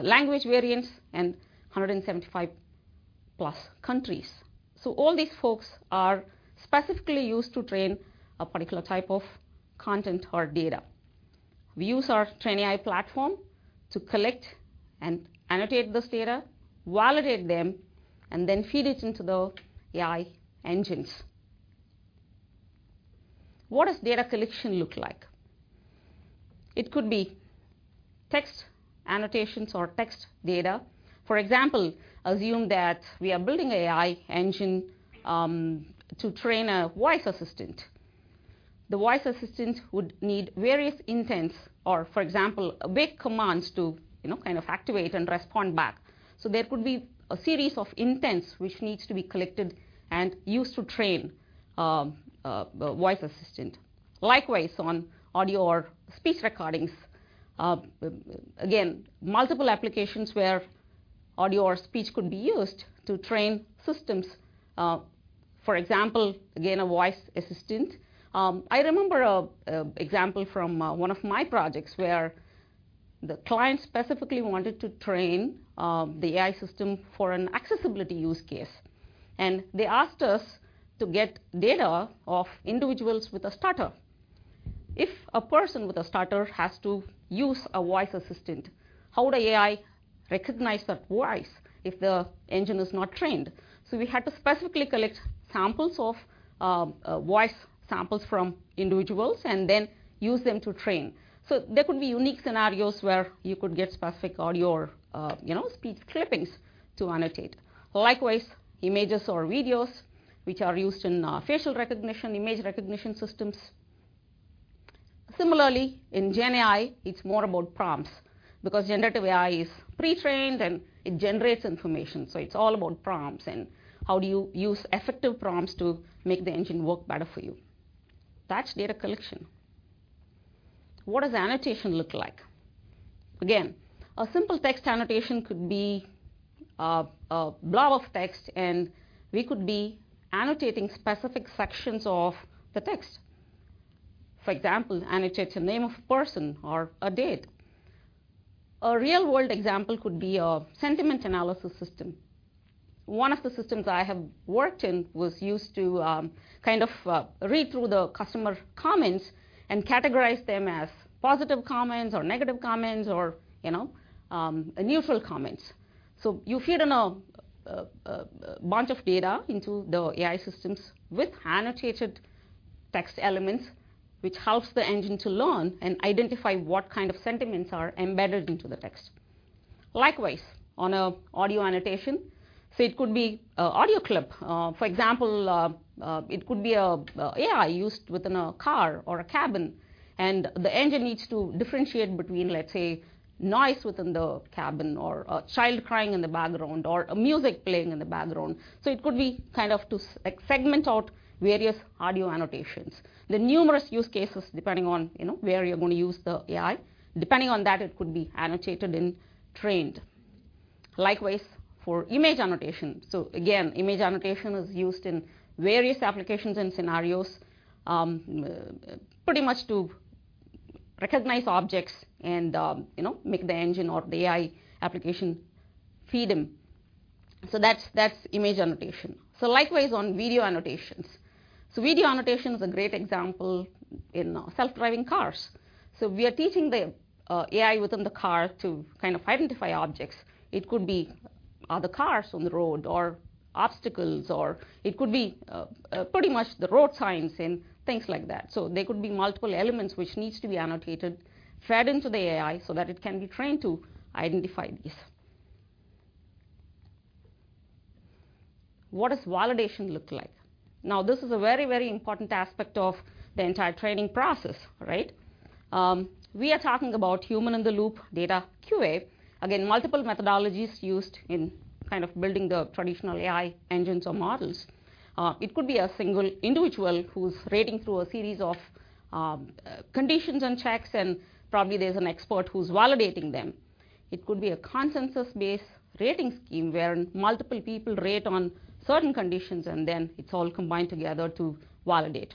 language variants and 175+ countries. So all these folks are specifically used to train a particular type of content or data. We use our TrainAI platform to collect and annotate this data, validate them, and then feed it into the AI engines. What does data collection look like? It could be text annotations or text data. For example, assume that we are building AI engine to train a voice assistant. The voice assistant would need various intents or, for example, wake commands to, you know, kind of activate and respond back. So there could be a series of intents which needs to be collected and used to train a voice assistant. Likewise, on audio or speech recordings, again, multiple applications where audio or speech could be used to train systems. For example, again, a voice assistant. I remember an example from one of my projects where the client specifically wanted to train the AI system for an accessibility use case, and they asked us to get data of individuals with a stutter. If a person with a stutter has to use a voice assistant, how would AI recognize that voice if the engine is not trained? So we had to specifically collect samples of voice samples from individuals and then use them to train. So there could be unique scenarios where you could get specific audio or, you know, speech clippings to annotate. Likewise, images or videos which are used in, facial recognition, image recognition systems. Similarly, in GenAI, it's more about prompts because generative AI is pre-trained, and it generates information. So it's all about prompts and how do you use effective prompts to make the engine work better for you. That's data collection. What does annotation look like? Again, a simple text annotation could be, a blob of text, and we could be annotating specific sections of the text. For example, annotate a name of a person or a date. A real-world example could be a sentiment analysis system. One of the systems I have worked in was used to, kind of, read through the customer comments and categorize them as positive comments or negative comments or, you know, neutral comments. So you feed in a bunch of data into the AI systems with annotated text elements, which helps the engine to learn and identify what kind of sentiments are embedded into the text. Likewise, on audio annotation, so it could be an audio clip. For example, it could be an AI used within a car or a cabin, and the engine needs to differentiate between, let's say, noise within the cabin or a child crying in the background or music playing in the background. So it could be kind of to like segment out various audio annotations. The numerous use cases, depending on, you know, where you're going to use the AI, depending on that, it could be annotated and trained. Likewise, for image annotation. So again, image annotation is used in various applications and scenarios, pretty much to recognize objects and, you know, make the engine or the AI application feed them. So that's, that's image annotation. So likewise on video annotations. So video annotation is a great example in self-driving cars. So we are teaching the AI within the car to kind of identify objects. It could be other cars on the road or obstacles, or it could be, pretty much the road signs and things like that. So there could be multiple elements which needs to be annotated, fed into the AI so that it can be trained to identify these. What does validation look like? Now, this is a very, very important aspect of the entire training process, right? We are talking about human-in-the-loop data QA. Again, multiple methodologies used in kind of building the traditional AI engines or models. It could be a single individual who's reading through a series of conditions and checks, and probably there's an expert who's validating them. It could be a consensus-based rating scheme where multiple people rate on certain conditions, and then it's all combined together to validate.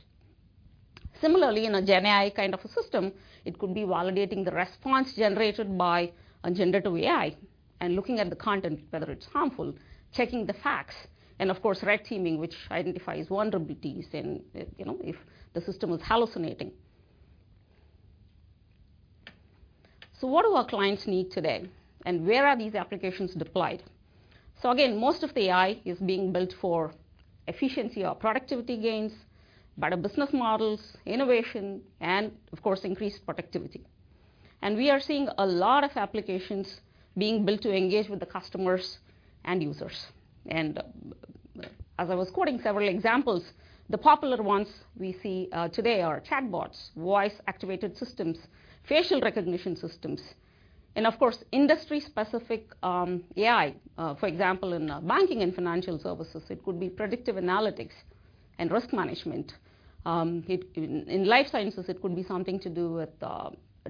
Similarly, in a GenAI kind of a system, it could be validating the response generated by a generative AI and looking at the content, whether it's harmful, checking the facts, and of course, red teaming, which identifies vulnerabilities and, you know, if the system is hallucinating. What do our clients need today, and where are these applications deployed? Most of the AI is being built for efficiency or productivity gains, better business models, innovation, and of course, increased productivity. We are seeing a lot of applications being built to engage with the customers and users. As I was quoting several examples, the popular ones we see today are chatbots, voice-activated systems, facial recognition systems, and of course, industry-specific AI. For example, in banking and financial services, it could be predictive analytics and risk management. In life sciences, it could be something to do with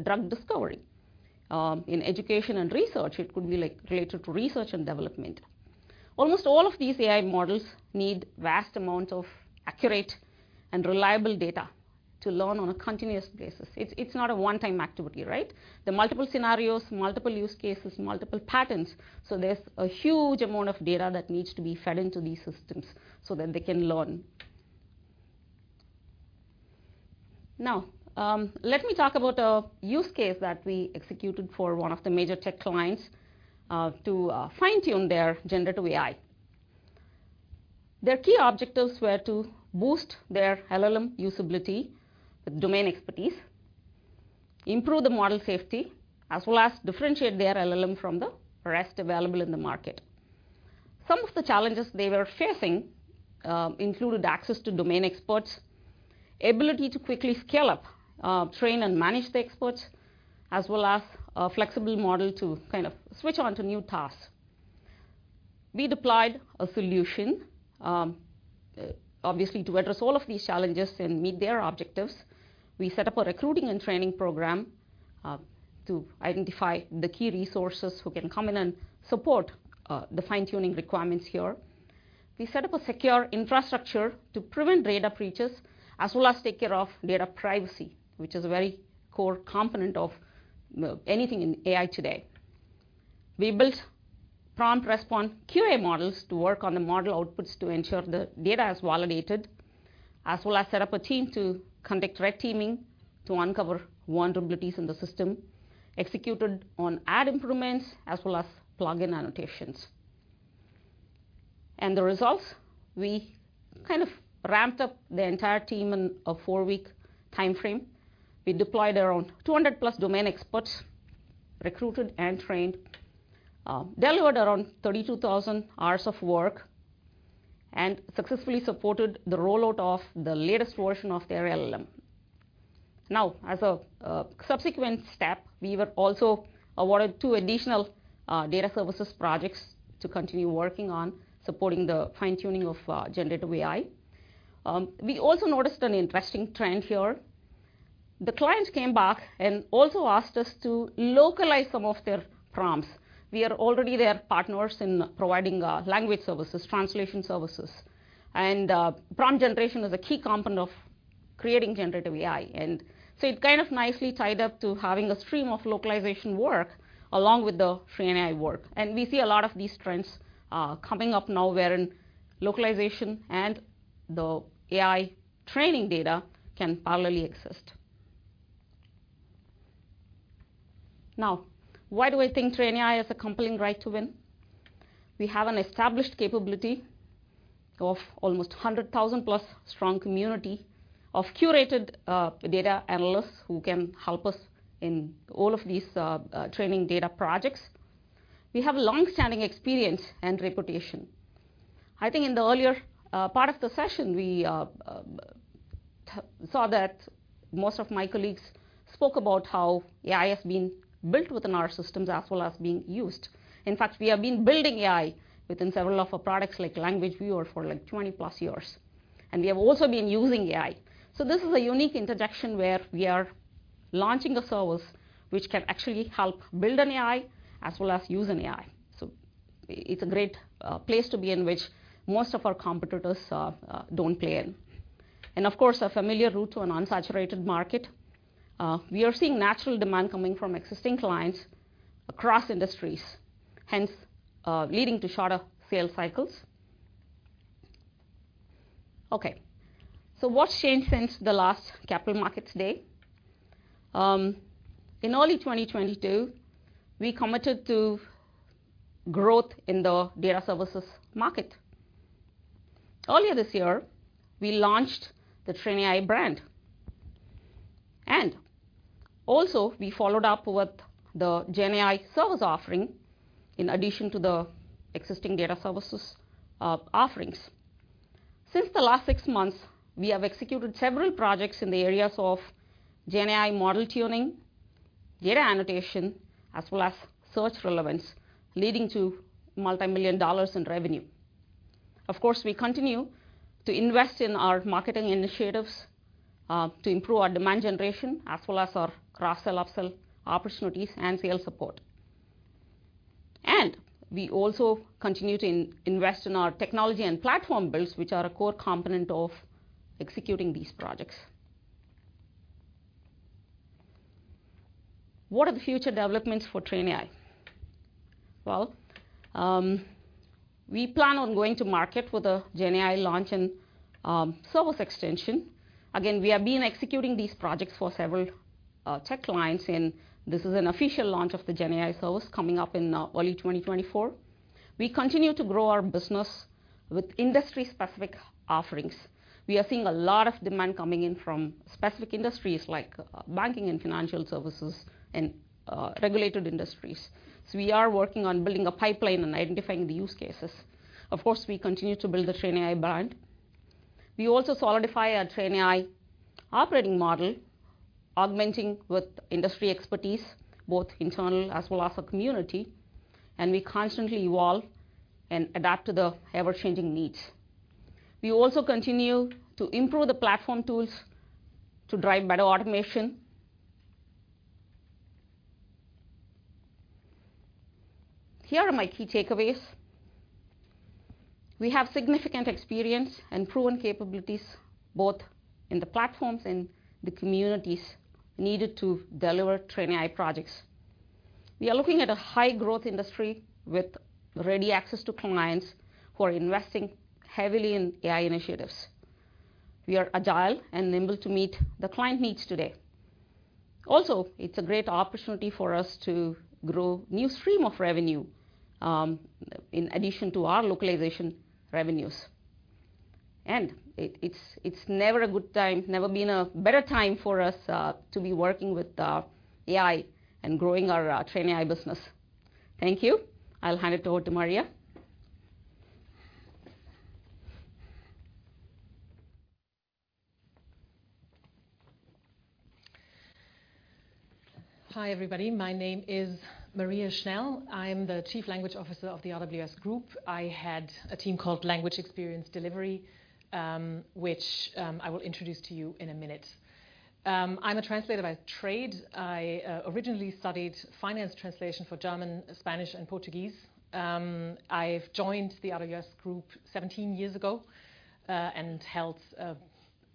drug discovery. In education and research, it could be like related to research and development. Almost all of these AI models need vast amount of accurate and reliable data to learn on a continuous basis. It's not a one-time activity, right? The multiple scenarios, multiple use cases, multiple patterns. There's a huge amount of data that needs to be fed into these systems so that they can learn. Now, let me talk about a use case that we executed for one of the major tech clients to fine-tune their generative AI. Their key objectives were to boost their LLM usability with domain expertise, improve the model safety, as well as differentiate their LLM from the rest available in the market. Some of the challenges they were facing included access to domain experts, ability to quickly scale up, train and manage the experts, as well as a flexible model to kind of switch on to new tasks. We deployed a solution, obviously, to address all of these challenges and meet their objectives. We set up a recruiting and training program to identify the key resources who can come in and support the fine-tuning requirements here. We set up a secure infrastructure to prevent data breaches, as well as take care of data privacy, which is a very core component of anything in AI today. We built prompt response QA models to work on the model outputs to ensure the data is validated, as well as set up a team to conduct red teaming to uncover vulnerabilities in the system, executed on AI improvements, as well as plugin annotations. And the results, we kind of ramped up the entire team in a four week time frame. We deployed around 200+ domain experts, recruited and trained, delivered around 32,000 hours of work and successfully supported the rollout of the latest version of their LLM. Now, as a subsequent step, we were also awarded two additional data services projects to continue working on supporting the fine-tuning of generative AI. We also noticed an interesting trend here. The client came back and also asked us to localize some of their prompts. We are already their partners in providing Language Services, translation services, and prompt generation is a key component of creating generative AI. It kind of nicely tied up to having a stream of localization work along with the TrainAI work. We see a lot of these trends coming up now where localization and the AI training data can parallelly exist. Now, why do I think TrainAI is a compelling right to win?... We have an established capability of almost 100,000+ strong community of curated, data analysts who can help us in all of these, training data projects. We have a long-standing experience and reputation. I think in the earlier, part of the session, we, saw that most of my colleagues spoke about how AI has been built within our systems as well as being used. In fact, we have been building AI within several of our products, like Language Weaver, for like 20+ years, and we have also been using AI. So this is a unique introduction where we are launching a service which can actually help build an AI as well as use an AI. So it's a great, place to be in which most of our competitors, don't play in. And of course, a familiar route to an unsaturated market. We are seeing natural demand coming from existing clients across industries, hence, leading to shorter sales cycles. Okay, what's changed since the last Capital Markets Day? In early 2022, we committed to growth in the data services market. Earlier this year, we launched the TrainAI brand, and also we followed up with the GenAI service offering, in addition to the existing data services offerings. Since the last six months, we have executed several projects in the areas of GenAI model tuning, data annotation, as well as search relevance, leading to multimillion dollars in revenue. Of course, we continue to invest in our marketing initiatives to improve our demand generation, as well as our cross-sell, upsell opportunities and sales support. We also continue to invest in our technology and platform builds, which are a core component of executing these projects. What are the future developments for TrainAI? Well, we plan on going to market with a GenAI launch and, service extension. Again, we have been executing these projects for several, tech clients, and this is an official launch of the GenAI service coming up in early 2024. We continue to grow our business with industry-specific offerings. We are seeing a lot of demand coming in from specific industries, like banking and financial services and, regulated industries. So we are working on building a pipeline and identifying the use cases. Of course, we continue to build the TrainAI brand. We also solidify our TrainAI operating model, augmenting with industry expertise, both internal as well as the community, and we constantly evolve and adapt to the ever-changing needs. We also continue to improve the platform tools to drive better automation. Here are my key takeaways. We have significant experience and proven capabilities, both in the platforms and the communities needed to deliver TrainAI projects. We are looking at a high-growth industry with ready access to clients who are investing heavily in AI initiatives. We are agile and nimble to meet the client needs today. It's a great opportunity for us to grow new stream of revenue, in addition to our localization revenues. It's never been a better time for us to be working with AI and growing our TrainAI business. Thank you. I'll hand it over to Maria. Hi, everybody. My name is Maria Schnell. I'm the Chief Language Officer of the RWS Group. I Language Experience Delivery, which i will introduce to you in a minute. I'm a translator by trade. I originally studied finance translation for German, Spanish and Portuguese. I've joined the RWS Group 17 years ago, and held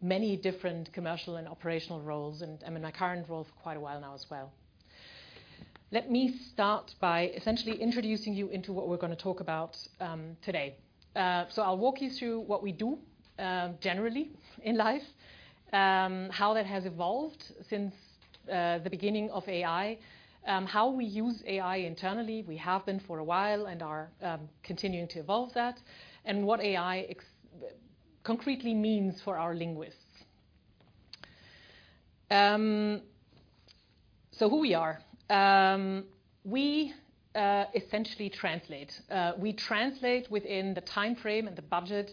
many different commercial and operational roles, and I'm in my current role for quite a while now as well. Let me start by essentially introducing you into what we're going to talk about today. So I'll walk you through what we do generally in life, how that has evolved since the beginning of AI, how we use AI internally. We have been for a while and are continuing to evolve that, and what AI ex-- concretely means for our linguists. So who we are. We essentially translate. We translate within the time frame and the budget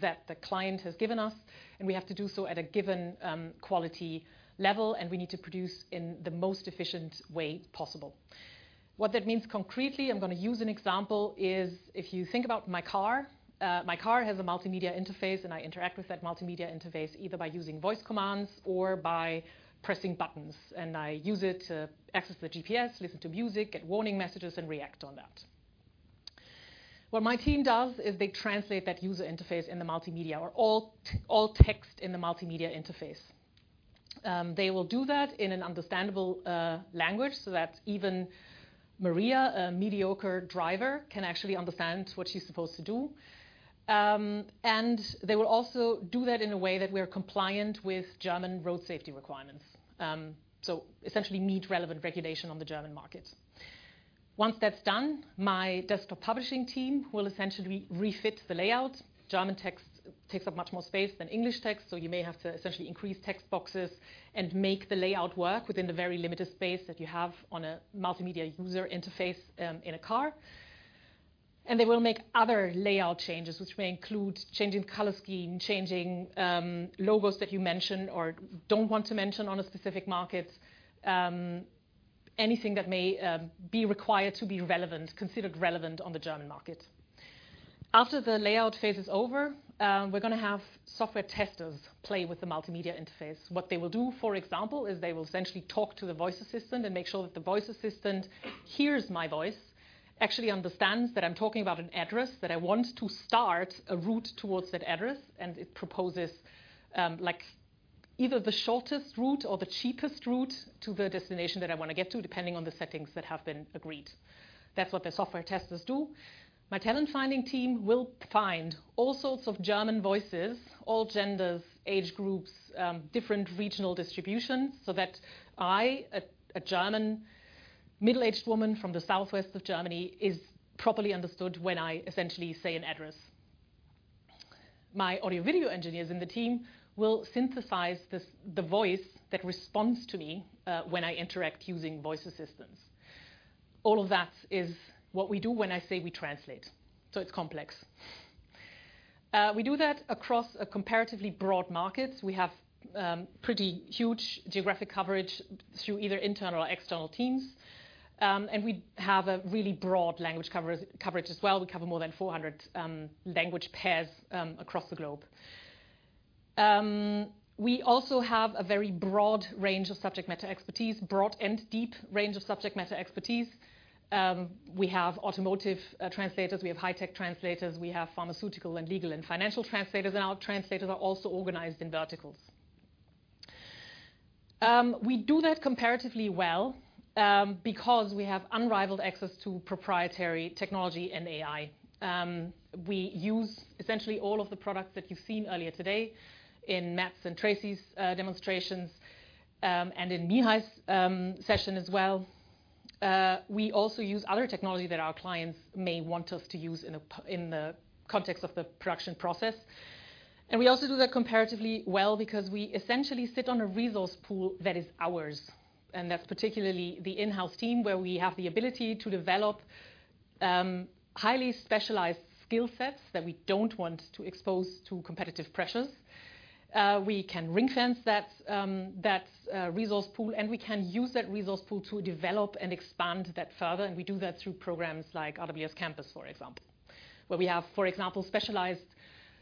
that the client has given us, and we have to do so at a given quality level, and we need to produce in the most efficient way possible. What that means concretely, I'm going to use an example, is if you think about my car, my car has a multimedia interface, and I interact with that multimedia interface either by using voice commands or by pressing buttons, and I use it to access the GPS, listen to music, get warning messages, and react on that. What my team does is they translate that user interface in the multimedia or all text in the multimedia interface. They will do that in an understandable language, so that even Maria, a mediocre driver, can actually understand what she's supposed to do. And they will also do that in a way that we are compliant with German road safety requirements. So essentially meet relevant regulation on the German market. Once that's done, my desktop publishing team will essentially refit the layout. German text takes up much more space than English text, so you may have to essentially increase text boxes and make the layout work within the very limited space that you have on a multimedia user interface in a car. They will make other layout changes, which may include changing color scheme, changing logos that you mention or don't want to mention on a specific market. Anything that may be required to be considered relevant on the German market. After the layout phase is over, we're gonna have software testers play with the multimedia interface. What they will do, for example, is they will essentially talk to the voice assistant and make sure that the voice assistant hears my voice, actually understands that I'm talking about an address, that I want to start a route towards that address, and it proposes, like either the shortest route or the cheapest route to the destination that I want to get to, depending on the settings that have been agreed. That's what the software testers do. My talent finding team will find all sorts of German voices, all genders, age groups, different regional distributions, so that I, a German middle-aged woman from the southwest of Germany, is properly understood when I essentially say an address. My audio video engineers in the team will synthesize this, the voice that responds to me, when I interact using voice assistance. All of that is what we do when I say we translate, so it's complex. We do that across a comparatively broad market. We have pretty huge geographic coverage through either internal or external teams. And we have a really broad language coverage as well. We cover more than 400 language pairs across the globe. We also have a very broad range of subject matter expertise, broad and deep range of subject matter expertise. We have automotive translators, we have high tech translators, we have pharmaceutical and legal and financial translators. And our translators are also organized in verticals. We do that comparatively well, because we have unrivaled access to proprietary technology and AI. We use essentially all of the products that you've seen earlier today in Matt's and Tracey's demonstrations, and in Mihai's session as well. We also use other technology that our clients may want us to use in the context of the production process. And we also do that comparatively well because we essentially sit on a resource pool that is ours, and that's particularly the in-house team, where we have the ability to develop highly specialized skill sets that we don't want to expose to competitive pressures. We can ring-fence that, that, resource pool, and we can use that resource pool to develop and expand that further, and we do that through programs like RWS Campus, for example. Where we have, for example, specialized,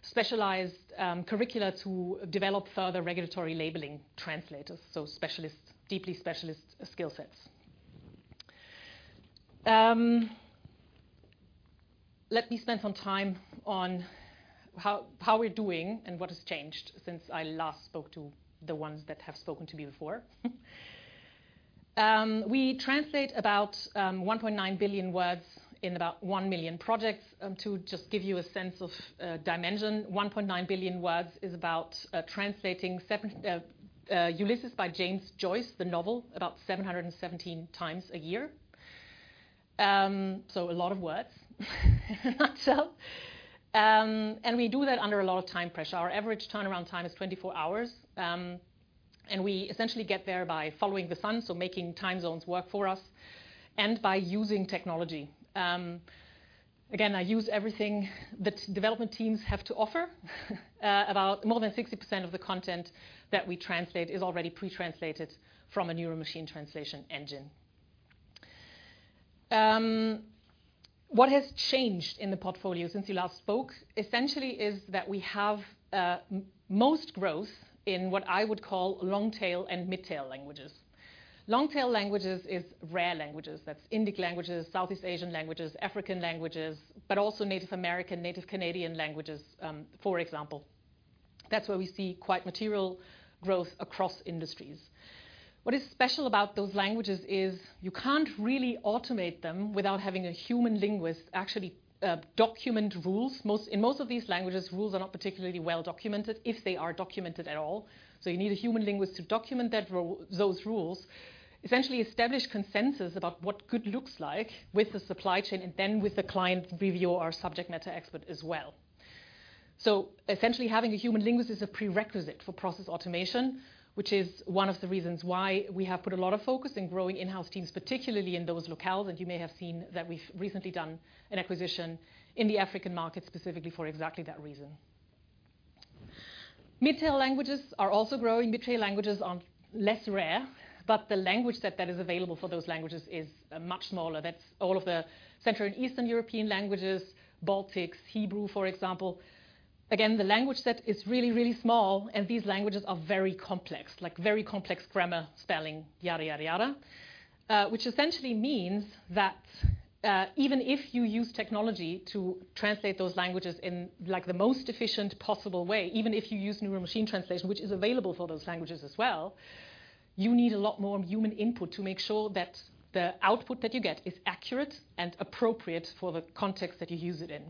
specialized, curricula to develop further regulatory labeling translators, so specialists... deeply specialist skill sets. Let me spend some time on how, how we're doing and what has changed since I last spoke to the ones that have spoken to me before. We translate about, 1.9 billion words in about 1 million projects. To just give you a sense of, dimension, 1.9 billion words is about, translating seven, Ulysses by James Joyce, the novel, about 717 times a year. So a lot of words in that sense. We do that under a lot of time pressure. Our average turnaround time is 24 hours. We essentially get there by following the sun, so making time zones work for us, and by using technology. I use everything that development teams have to offer. About more than 60% of the content that we translate is already pre-translated from a neural machine translation engine. What has changed in the portfolio since we last spoke? Essentially, we have most growth in what I would call long-tail and mid-tail languages. Long-tail languages is rare languages. That's Indic languages, Southeast Asian languages, African languages, but also Native American, Native Canadian languages, for example. That's where we see quite material growth across industries. What is special about those languages is you can't really automate them without having a human linguist actually document rules. In most of these languages, rules are not particularly well documented, if they are documented at all. So you need a human linguist to document those rules, essentially establish consensus about what good looks like with the supply chain, and then with the client, review our subject matter expert as well. So essentially, having a human linguist is a prerequisite for process automation, which is one of the reasons why we have put a lot of focus in growing in-house teams, particularly in those locales, and you may have seen that we've recently done an acquisition in the African market specifically for exactly that reason. Mid-tail languages are also growing. Mid-tail languages are less rare, but the language set that is available for those languages is much smaller. That's all of the Central and Eastern European languages, Baltics, Hebrew, for example. Again, the language set is really, really small, and these languages are very complex, like very complex grammar, spelling, yada, yada, yada. Which essentially means that even if you use technology to translate those languages in, like, the most efficient possible way, even if you use neural machine translation, which is available for those languages as well, you need a lot more human input to make sure that the output that you get is accurate and appropriate for the context that you use it in.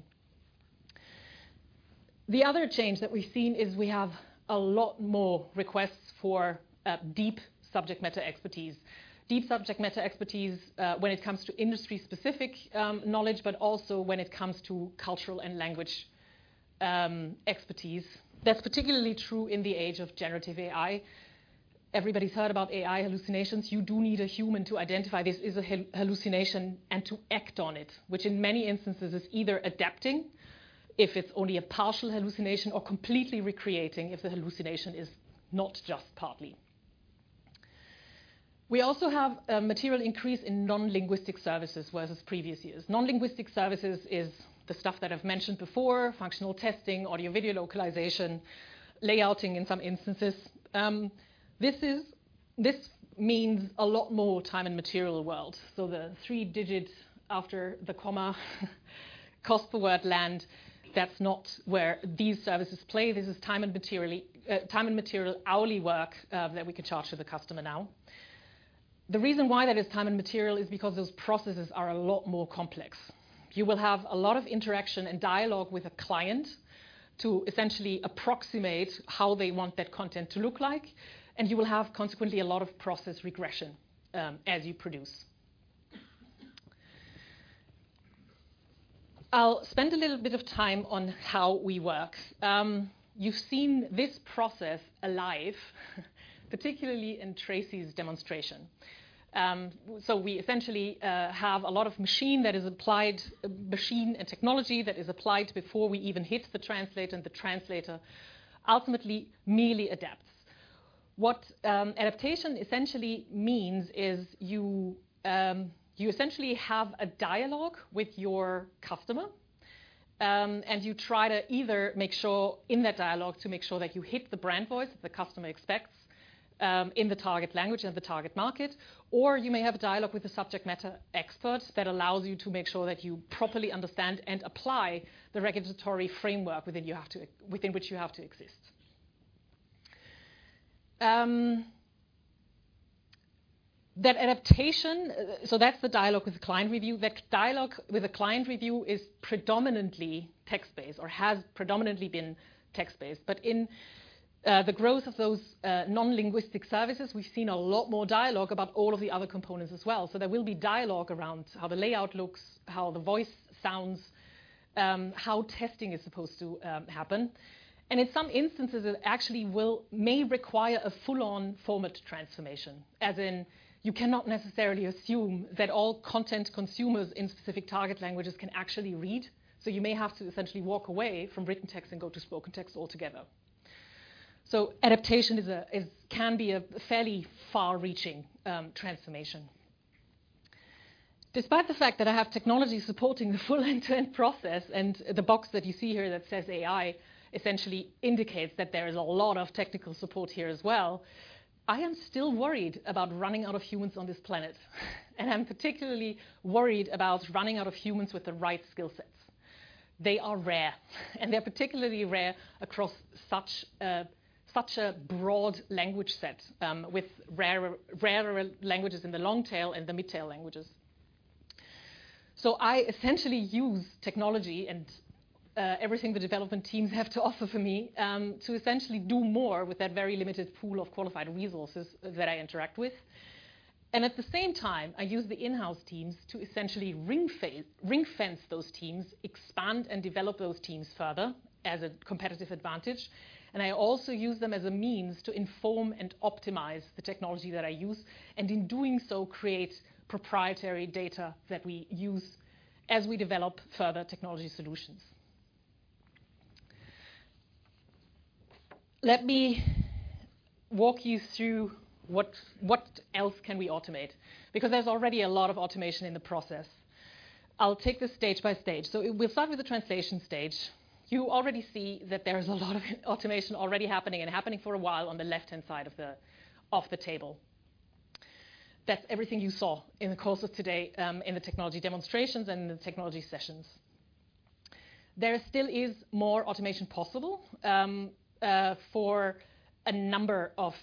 The other change that we've seen is we have a lot more requests for deep subject matter expertise. Deep subject matter expertise when it comes to industry-specific knowledge, but also when it comes to cultural and language expertise. That's particularly true in the age of generative AI. Everybody's heard about AI hallucinations. You do need a human to identify this is a hallucination and to act on it, which in many instances is either adapting, if it's only a partial hallucination, or completely recreating, if the hallucination is not just partly. We also have a material increase in non-linguistic services versus previous years. Non-linguistic services is the stuff that I've mentioned before, functional testing, audio-video localization, layouting in some instances. This means a lot more time and material world. So the three digits after the comma, cost per word land, that's not where these services play. This is time and material, hourly work that we can charge to the customer now. The reason why that is time and material is because those processes are a lot more complex. You will have a lot of interaction and dialogue with a client to essentially approximate how they want that content to look like, and you will have, consequently, a lot of process regression as you produce. I'll spend a little bit of time on how we work. You've seen this process alive, particularly in Tracey's demonstration. We essentially have a lot of machine that is applied, machine and technology that is applied before we even hit the translate, and the translator ultimately merely adapts. What adaptation essentially means is you, you essentially have a dialogue with your customer, and you try to either make sure in that dialogue to make sure that you hit the brand voice that the customer expects in the target language and the target market, or you may have a dialogue with the subject matter expert that allows you to make sure that you properly understand and apply the regulatory framework within which you have to exist. That adaptation, that's the dialogue with the client review. The dialogue with the client review is predominantly text-based or has predominantly been text-based. In the growth of those non-linguistic services, we've seen a lot more dialogue about all of the other components as well. There will be dialogue around how the layout looks, how the voice sounds, how testing is supposed to happen. In some instances, it actually may require a full-on format transformation. As in, you cannot necessarily assume that all content consumers in specific target languages can actually read, so you may have to essentially walk away from written text and go to spoken text altogether. Adaptation is a, is... can be a fairly far-reaching transformation. Despite the fact that I have technology supporting the full end-to-end process, and the box that you see here that says AI essentially indicates that there is a lot of technical support here as well, I am still worried about running out of humans on this planet. I'm particularly worried about running out of humans with the right skill sets. They are rare, and they're particularly rare across such a broad language set, with rarer languages in the long tail and the mid tail languages. So I essentially use technology and everything the development teams have to offer for me to essentially do more with that very limited pool of qualified resources that I interact with. And at the same time, I use the in-house teams to essentially ring-fence those teams, expand and develop those teams further as a competitive advantage, and I also use them as a means to inform and optimize the technology that I use, and in doing so, create proprietary data that we use as we develop further technology solutions. Let me walk you through what else can we automate? Because there's already a lot of automation in the process. I'll take this stage by stage. So we'll start with the translation stage. You already see that there's a lot of automation already happening, and happening for a while on the left-hand side of the table. That's everything you saw in the course of today in the technology demonstrations and the technology sessions. There still is more automation possible for a number of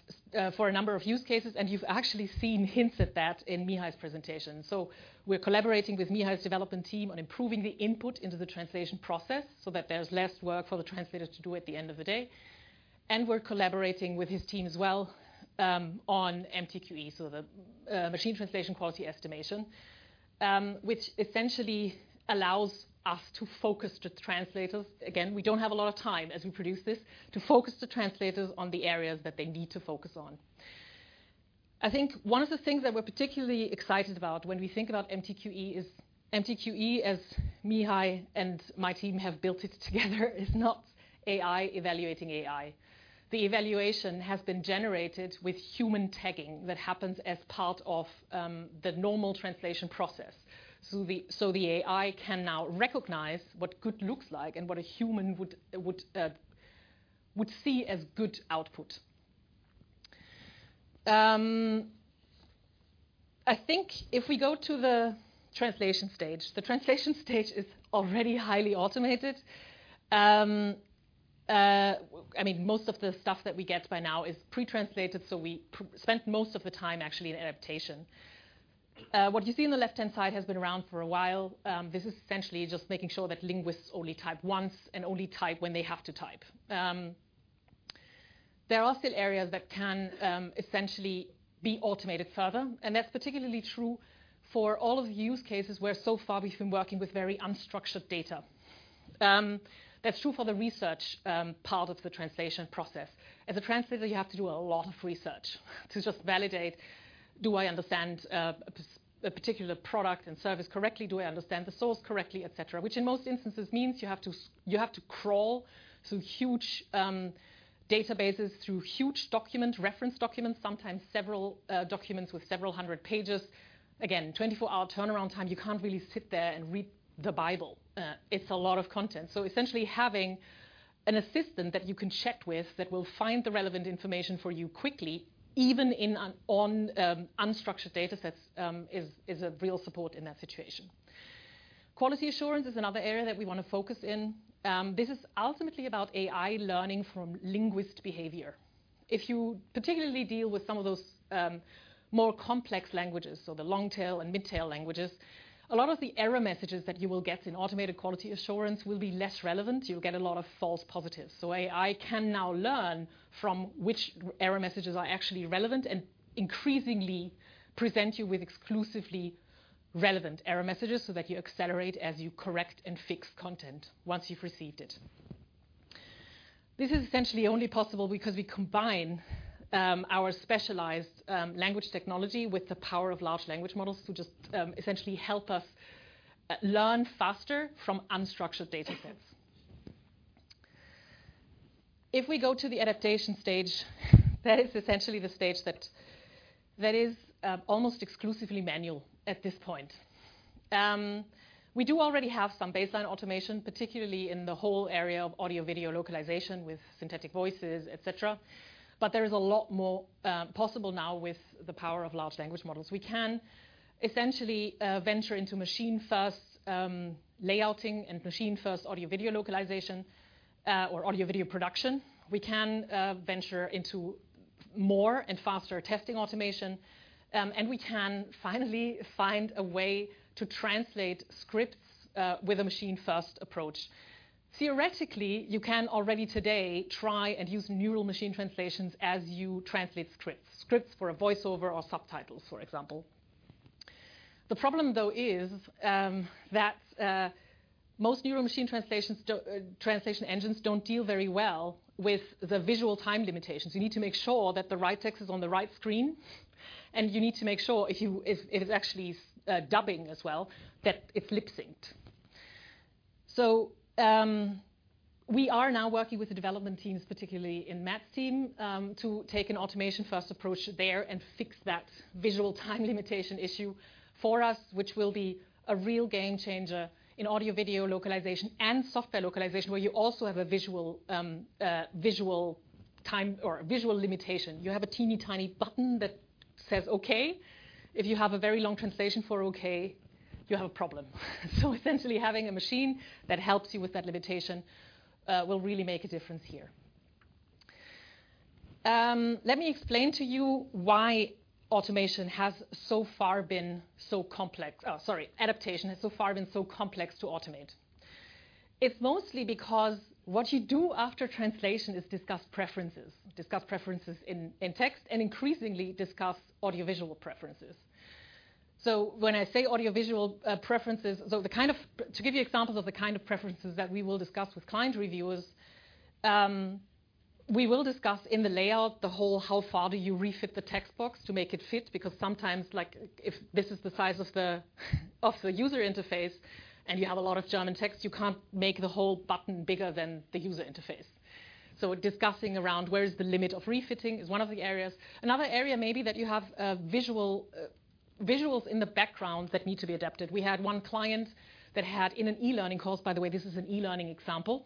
use cases, and you've actually seen hints at that in Mihai's presentation. So we're collaborating with Mihai's development team on improving the input into the translation process, so that there's less work for the translators to do at the end of the day. And we're collaborating with his team as well on MTQE, so the Machine Translation Quality Estimation, which essentially allows us to focus the translators. Again, we don't have a lot of time as we produce this, to focus the translators on the areas that they need to focus on. I think one of the things that we're particularly excited about when we think about MTQE is MTQE, as Mihai and my team have built it together, is not AI evaluating AI. The evaluation has been generated with human tagging that happens as part of the normal translation process. So the AI can now recognize what good looks like and what a human would see as good output. I think if we go to the translation stage, the translation stage is already highly automated. I mean, most of the stuff that we get by now is pre-translated, so we spend most of the time actually in adaptation. What you see on the left-hand side has been around for a while. This is essentially just making sure that linguists only type once and only type when they have to type. There are still areas that can essentially be automated further, and that's particularly true for all of the use cases where so far we've been working with very unstructured data. That's true for the research part of the translation process. As a translator, you have to do a lot of research to just validate, do I understand a particular product and service correctly? Do I understand the source correctly, et cetera. Which in most instances means you have to crawl through huge databases, through huge documents, reference documents, sometimes several documents with several hundred pages. Again, 24-hour turnaround time, you can't really sit there and read the Bible. It's a lot of content. So essentially having an assistant that you can chat with that will find the relevant information for you quickly, even on unstructured datasets, is a real support in that situation. Quality assurance is another area that we want to focus in. This is ultimately about AI learning from linguist behavior. If you particularly deal with some of those, more complex languages, so the long-tail and mid-tail languages, a lot of the error messages that you will get in automated quality assurance will be less relevant. You'll get a lot of false positives. AI can now learn from which error messages are actually relevant and increasingly present you with exclusively relevant error messages, so that you accelerate as you correct and fix content once you've received it. This is essentially only possible because we combine our specialized language technology with the power of large language models to just essentially help us learn faster from unstructured data sets. If we go to the adaptation stage, that is essentially the stage that is almost exclusively manual at this point. We do already have some baseline automation, particularly in the whole area of audio-video localization with synthetic voices, et cetera, but there is a lot more possible now with the power of large language models. We can essentially venture into machine-first layouting and machine-first audio-video localization, or audio-video production. We can venture into more and faster testing automation, and we can finally find a way to translate scripts with a machine-first approach. Theoretically, you can already today try and use neural machine translations as you translate scripts, scripts for a voice-over or subtitles, for example. The problem, though, is that most translation engines don't deal very well with the visual time limitations. You need to make sure that the right text is on the right screen, and you need to make sure if you, if it is actually dubbing as well, that it's lip-synced. So, we are now working with the development teams, particularly in Matt's team, to take an automation-first approach there and fix that visual time limitation issue for us, which will be a real game changer in audio-video localization and software localization, where you also have a visual, visual time or a visual limitation. You have a teeny-tiny button that says OK. If you have a very long translation for OK, you have a problem. So essentially, having a machine that helps you with that limitation, will really make a difference here. Let me explain to you why automation has so far been so complex... Oh, sorry, adaptation has so far been so complex to automate. It's mostly because what you do after translation is discuss preferences, discuss preferences in, in text, and increasingly discuss audiovisual preferences. So when I say audiovisual preferences. To give you examples of the kind of preferences that we will discuss with client reviewers, we will discuss in the layout the whole how far do you refit the text box to make it fit? Because sometimes, like, if this is the size of the user interface and you have a lot of German text, you can't make the whole button bigger than the user interface. So discussing around where is the limit of refitting is one of the areas. Another area may be that you have visuals in the background that need to be adapted. We had one client that had in an e-learning course, by the way, this is an e-learning example,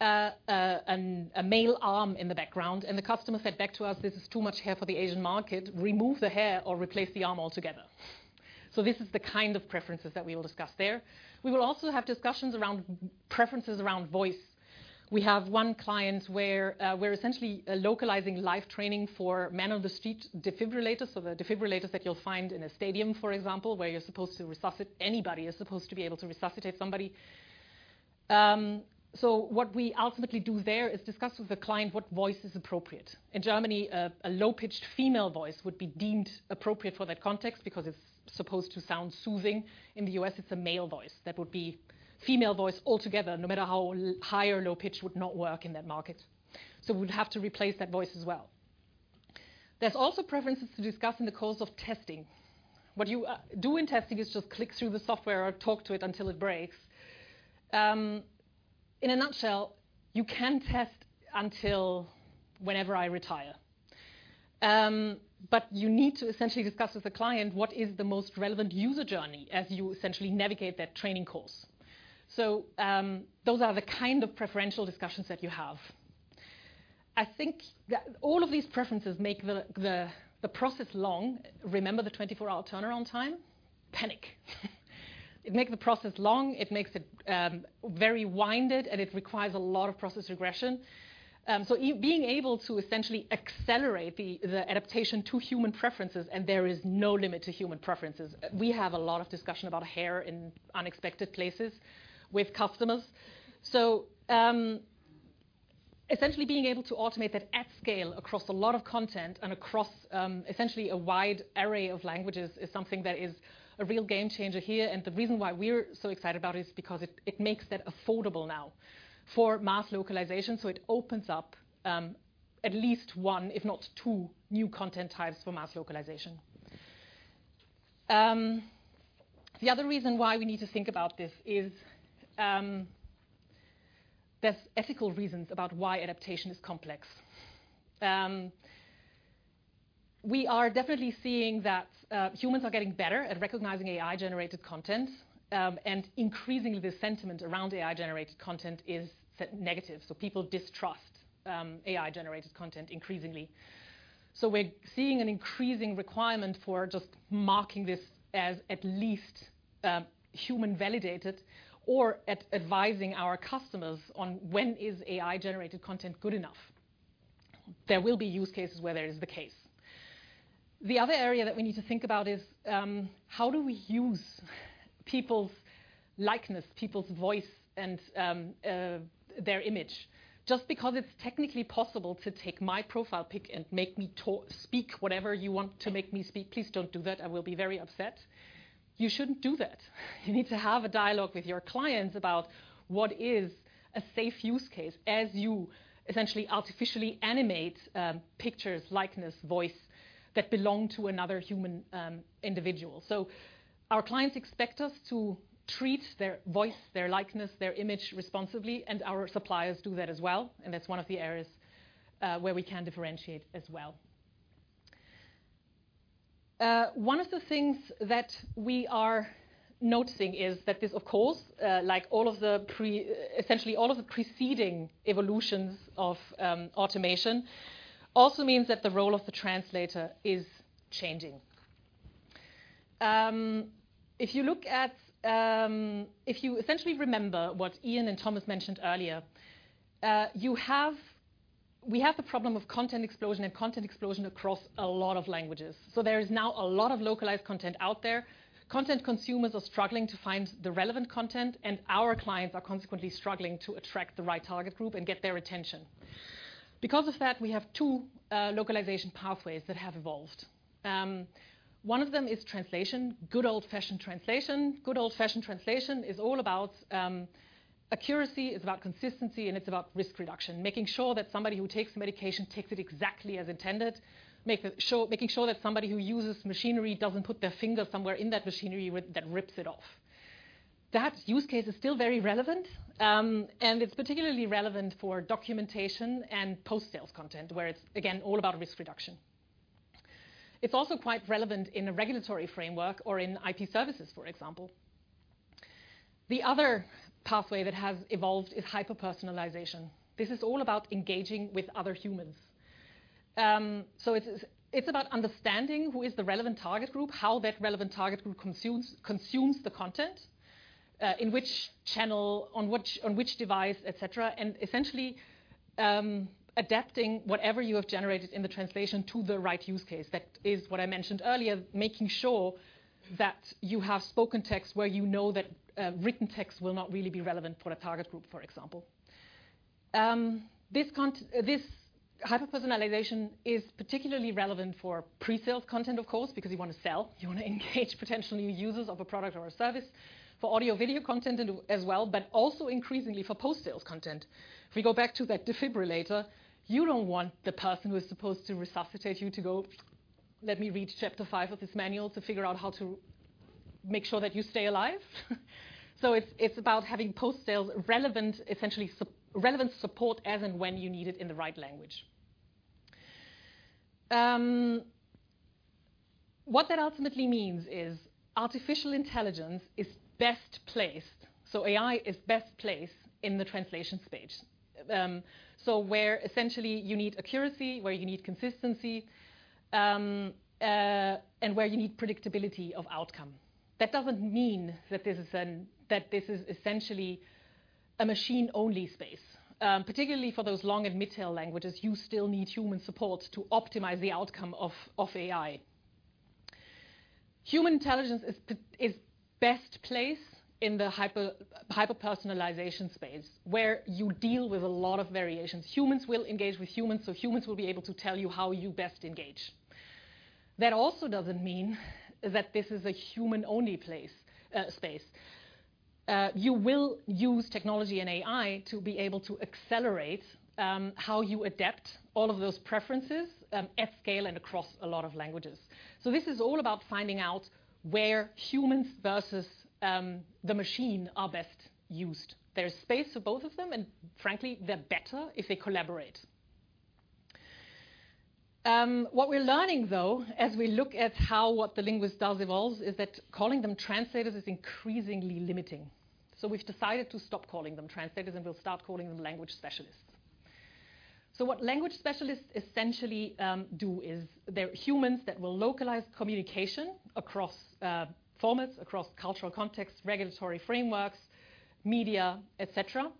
a male arm in the background, and the customer said back to us, "This is too much hair for the Asian market. Remove the hair or replace the arm altogether." So this is the kind of preferences that we will discuss there. We will also have discussions around preferences around voice. We have one client where, we're essentially localizing live training for man-on-the-street defibrillators, so the defibrillators that you'll find in a stadium, for example, where you're supposed to, anybody is supposed to be able to resuscitate somebody. So what we ultimately do there is discuss with the client what voice is appropriate. In Germany, a low-pitched female voice would be deemed appropriate for that context because it's supposed to sound soothing. In the US, it's a male voice. That would be female voice altogether, no matter how high or low pitch, would not work in that market. So we'd have to replace that voice as well. There's also preferences to discuss in the course of testing. What you do in testing is just click through the software or talk to it until it breaks. In a nutshell, you can test until whenever I retire. But you need to essentially discuss with the client what is the most relevant user journey as you essentially navigate that training course. So, those are the kind of preferential discussions that you have. I think that all of these preferences make the process long. Remember the 24-hour turnaround time? Panic. It makes the process long, it makes it very winded, and it requires a lot of process regression. So, being able to essentially accelerate the, the adaptation to human preferences, and there is no limit to human preferences. We have a lot of discussion about hair in unexpected places with customers. So, essentially being able to automate that at scale across a lot of content and across essentially a wide array of languages, is something that is a real game changer here. And the reason why we're so excited about it is because it makes that affordable now for mass localization. So it opens up at least one, if not two, new content types for mass localization. The other reason why we need to think about this is, there's ethical reasons about why adaptation is complex. We are definitely seeing that humans are getting better at recognizing AI-generated content, and increasingly, the sentiment around AI-generated content is negative. So people distrust AI-generated content increasingly. So we're seeing an increasing requirement for just marking this as at least human-validated or advising our customers on when is AI-generated content good enough. There will be use cases where that is the case. The other area that we need to think about is how do we use people's likeness, people's voice, and their image? Just because it's technically possible to take my profile pic and make me speak whatever you want to make me speak, please don't do that, I will be very upset. You shouldn't do that. You need to have a dialogue with your clients about what is a safe use case as you essentially artificially animate pictures, likeness, voice, that belong to another human individual. So our clients expect us to treat their voice, their likeness, their image responsibly, and our suppliers do that as well, and that's one of the areas where we can differentiate as well. One of the things that we are noticing is that this, of course, like all of the preceding evolutions of automation, also means that the role of the translator is changing. If you look at... If you essentially remember what Ian and Thomas mentioned earlier, we have the problem of content explosion and content explosion across a lot of languages. So there is now a lot of localized content out there. Content consumers are struggling to find the relevant content, and our clients are consequently struggling to attract the right target group and get their attention. Because of that, we have two localization pathways that have evolved. One of them is translation, good old-fashioned translation. Good old-fashioned translation is all about accuracy, it's about consistency, and it's about risk reduction. Making sure that somebody who takes medication takes it exactly as intended, making sure that somebody who uses machinery doesn't put their finger somewhere in that machinery that rips it off. That use case is still very relevant, and it's particularly relevant for documentation and post-sales content, where it's, again, all about risk reduction. It's also quite relevant in a regulatory framework or in IT services, for example. The other pathway that has evolved is hyper-personalization. This is all about engaging with other humans. So it's about understanding who is the relevant target group, how that relevant target group consumes the content in which channel, on which device, et cetera, and essentially adapting whatever you have generated in the translation to the right use case. That is what I mentioned earlier, making sure that you have spoken text where you know that written text will not really be relevant for a target group, for example. This content—this hyper-personalization is particularly relevant for pre-sale content, of course, because you want to sell. You want to engage potential new users of a product or a service, for audio, video content as well, but also increasingly for post-sales content. If we go back to that defibrillator, you don't want the person who is supposed to resuscitate you to go, "Let me read chapter five of this manual to figure out how to make sure that you stay alive." It's about having post-sales relevant, essentially, relevant support as and when you need it in the right language. What that ultimately means is artificial intelligence is best placed, so AI is best placed in the translation space. Where essentially you need accuracy, where you need consistency, and where you need predictability of outcome. That doesn't mean that this is an-- that this is essentially a machine-only space. Particularly for those long and mid-tail languages, you still need human support to optimize the outcome of, of AI. Human intelligence is best placed in the hyper, hyper-personalization space, where you deal with a lot of variations. Humans will engage with humans, so humans will be able to tell you how you best engage. That also doesn't mean that this is a human-only place, space. You will use technology and AI to be able to accelerate how you adapt all of those preferences at scale and across a lot of languages. So this is all about finding out where humans versus the machine are best used. There's space for both of them, and frankly, they're better if they collaborate. What we're learning, though, as we look at how what the linguist does evolves, is that calling them translators is increasingly limiting. So we've decided to stop calling them translators, and we'll start calling them language specialists. So what language specialists essentially do is they're humans that will localize communication across formats, across cultural contexts, regulatory frameworks, media, et cetera,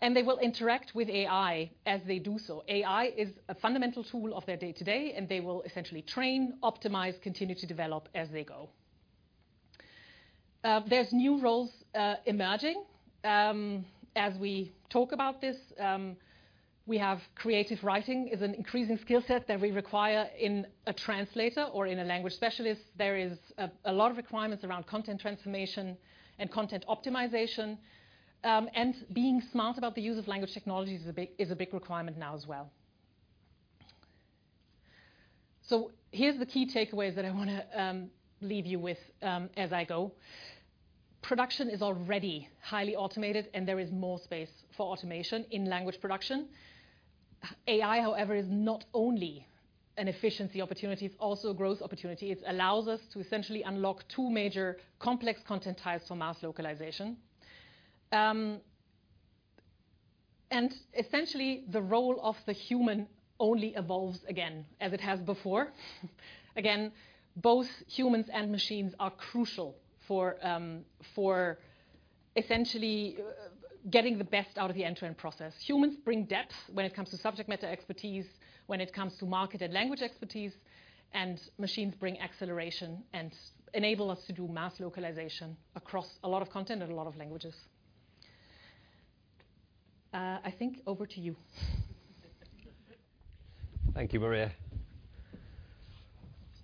and they will interact with AI as they do so. AI is a fundamental tool of their day-to-day, and they will essentially train, optimize, continue to develop as they go. There's new roles emerging as we talk about this. We have creative writing is an increasing skill set that we require in a translator or in a language specialist. There is a lot of requirements around content transformation and content optimization, and being smart about the use of language technology is a big, is a big requirement now as well. So here's the key takeaways that I want to leave you with as I go. Production is already highly automated, and there is more space for automation in language production. AI, however, is not only an efficiency opportunity, it's also a growth opportunity. It allows us to essentially unlock two major complex content types for mass localization. And essentially, the role of the human only evolves again, as it has before. Again, both humans and machines are crucial for essentially getting the best out of the end-to-end process. Humans bring depth when it comes to subject matter expertise, when it comes to market and language expertise, and machines bring acceleration and enable us to do mass localization across a lot of content and a lot of languages. I think over to you. Thank you, Maria.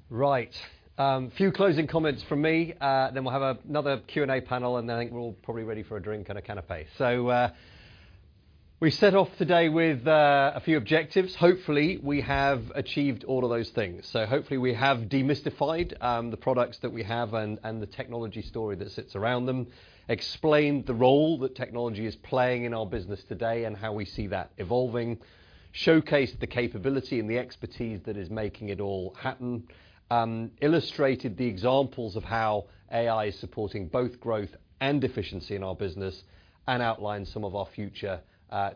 Right, a few closing comments from me, then we'll have another Q&A panel, and I think we're all probably ready for a drink and a canape. We set off today with a few objectives. Hopefully, we have achieved all of those things. Hopefully, we have demystified the products that we have and the technology story that sits around them, explained the role that technology is playing in our business today and how we see that evolving, showcased the capability and the expertise that is making it all happen, illustrated the examples of how AI is supporting both growth and efficiency in our business, and outlined some of our future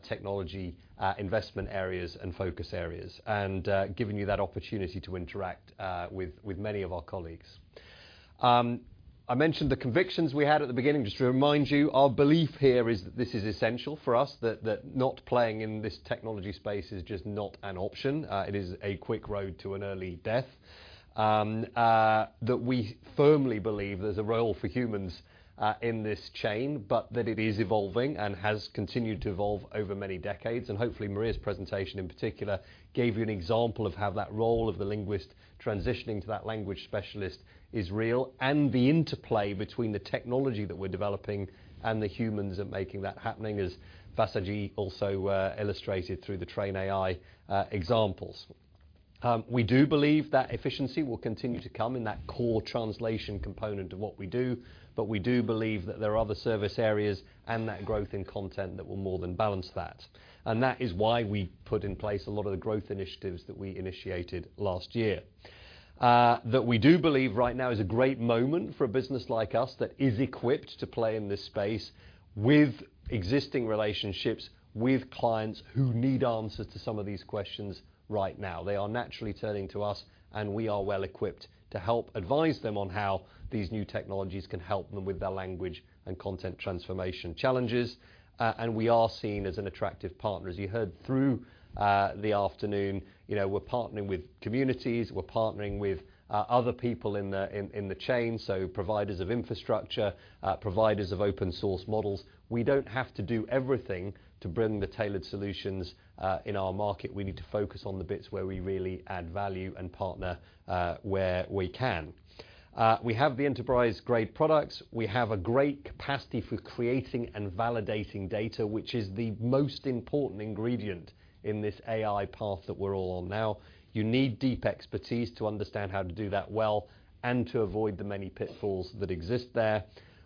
technology investment areas and focus areas, and giving you that opportunity to interact with many of our colleagues. I mentioned the convictions we had at the beginning. Just to remind you, our belief here is that this is essential for us, that not playing in this technology space is just not an option. It is a quick road to an early death. We firmly believe there's a role for humans in this chain, but that it is evolving and has continued to evolve over many decades. Hopefully, Maria's presentation, in particular, gave you an example of how that role of the linguist transitioning to that language specialist is real, and the interplay between the technology that we're developing and the humans that making that happening, as Vasagi also illustrated through the TrainAI examples. We do believe that efficiency will continue to come in that core translation component of what we do, but we do believe that there are other service areas and that growth in content that will more than balance that. That is why we put in place a lot of the growth initiatives that we initiated last year. We do believe right now is a great moment for a business like us that is equipped to play in this space with existing relationships, with clients who need answers to some of these questions right now. They are naturally turning to us, and we are well equipped to help advise them on how these new technologies can help them with their language and content transformation challenges, and we are seen as an attractive partner. As you heard through the afternoon, you know, we're partnering with communities, we're partnering with other people in the chain, so providers of infrastructure, providers of open source models. We don't have to do everything to bring the tailored solutions in our market. We need to focus on the bits where we really add value and partner where we can. We have the enterprise-grade products. We have a great capacity for creating and validating data, which is the most important ingredient in this AI path that we're all on now. You need deep expertise to understand how to do that well and to avoid the many pitfalls that exist there.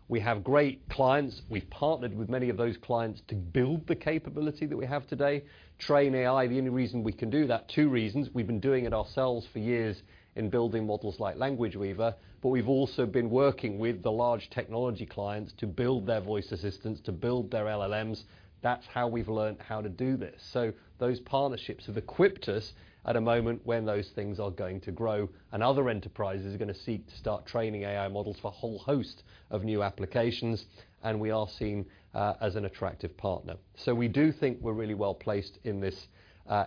We have great clients. We've partnered with many of those clients to build the capability that we have today. TrainAI, the only reason we can do that... Two reasons: we've been doing it ourselves for years in building models like Language Weaver, but we've also been working with the large technology clients to build their voice assistants, to build their LLMs. That's how we've learned how to do this. So those partnerships have equipped us at a moment when those things are going to grow, and other enterprises are going to seek to start training AI models for a whole host of new applications, and we are seen as an attractive partner. So we do think we're really well placed in this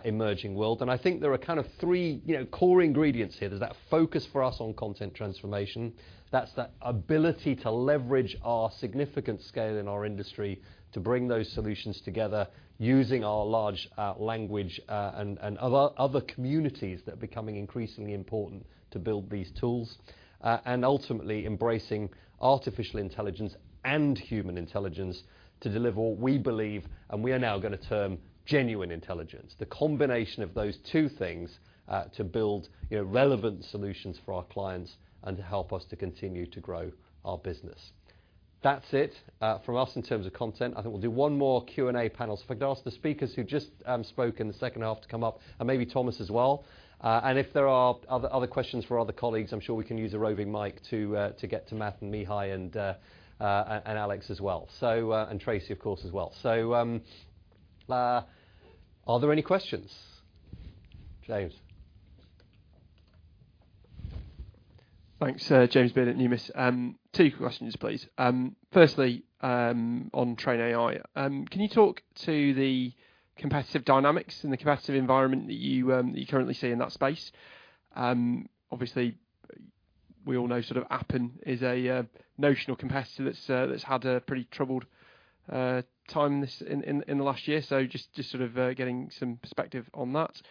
emerging world, and I think there are kind of three, you know, core ingredients here. There's that focus for us on content transformation. That's that ability to leverage our significant scale in our industry to bring those solutions together, using our large language and other communities that are becoming increasingly important to build these tools. And ultimately embracing artificial intelligence and human intelligence to deliver what we believe, and we are now going to term genuine intelligence. The combination of those two things, to build, you know, relevant solutions for our clients and to help us to continue to grow our business... That's it, from us in terms of content. I think we'll do one more Q&A panel. So if I could ask the speakers who just spoke in the second half to come up, and maybe Thomas as well. If there are other, other questions for other colleagues, I'm sure we can use a roving mic to get to Matt and Mihai, and Alex as well. Tracey, of course, as well. Are there any questions? James. Thanks, sir. James Beard at Numis. Two questions, please. Firstly, on TrainAI, can you talk to the competitive dynamics and the competitive environment that you currently see in that space? Obviously, we all know sort of Appen is a notional competitor that's had a pretty troubled time in the last year, so just sort of getting some perspective on that.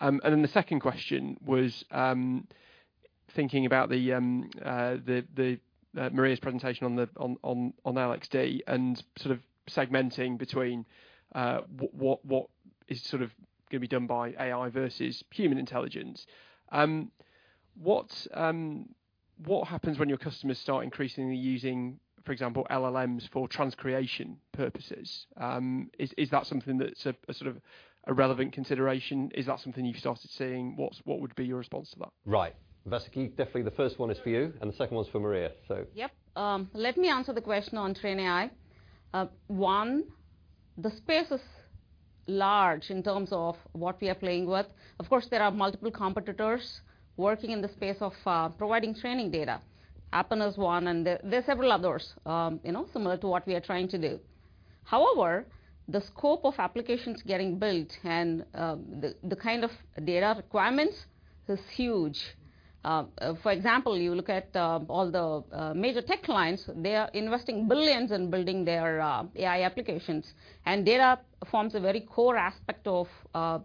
And then the second question was, thinking about the Maria's presentation on the LXD, and sort of segmenting between what is sort of gonna be done by AI versus human intelligence. What happens when your customers start increasingly using, for example, LLMs for transcreation purposes? Is that something that's a sort of relevant consideration? Is that something you've started seeing? What would be your response to that? Right. Vasagi, definitely the first one is for you, and the second one is for Maria, so. Yep. Let me answer the question on TrainAI. One, the space is large in terms of what we are playing with. Of course, there are multiple competitors working in the space of providing training data. Appen is one, and there are several others, you know, similar to what we are trying to do. However, the scope of applications getting built and the kind of data requirements is huge. For example, you look at all the major tech clients, they are investing billions in building their AI applications. And data forms a very core aspect of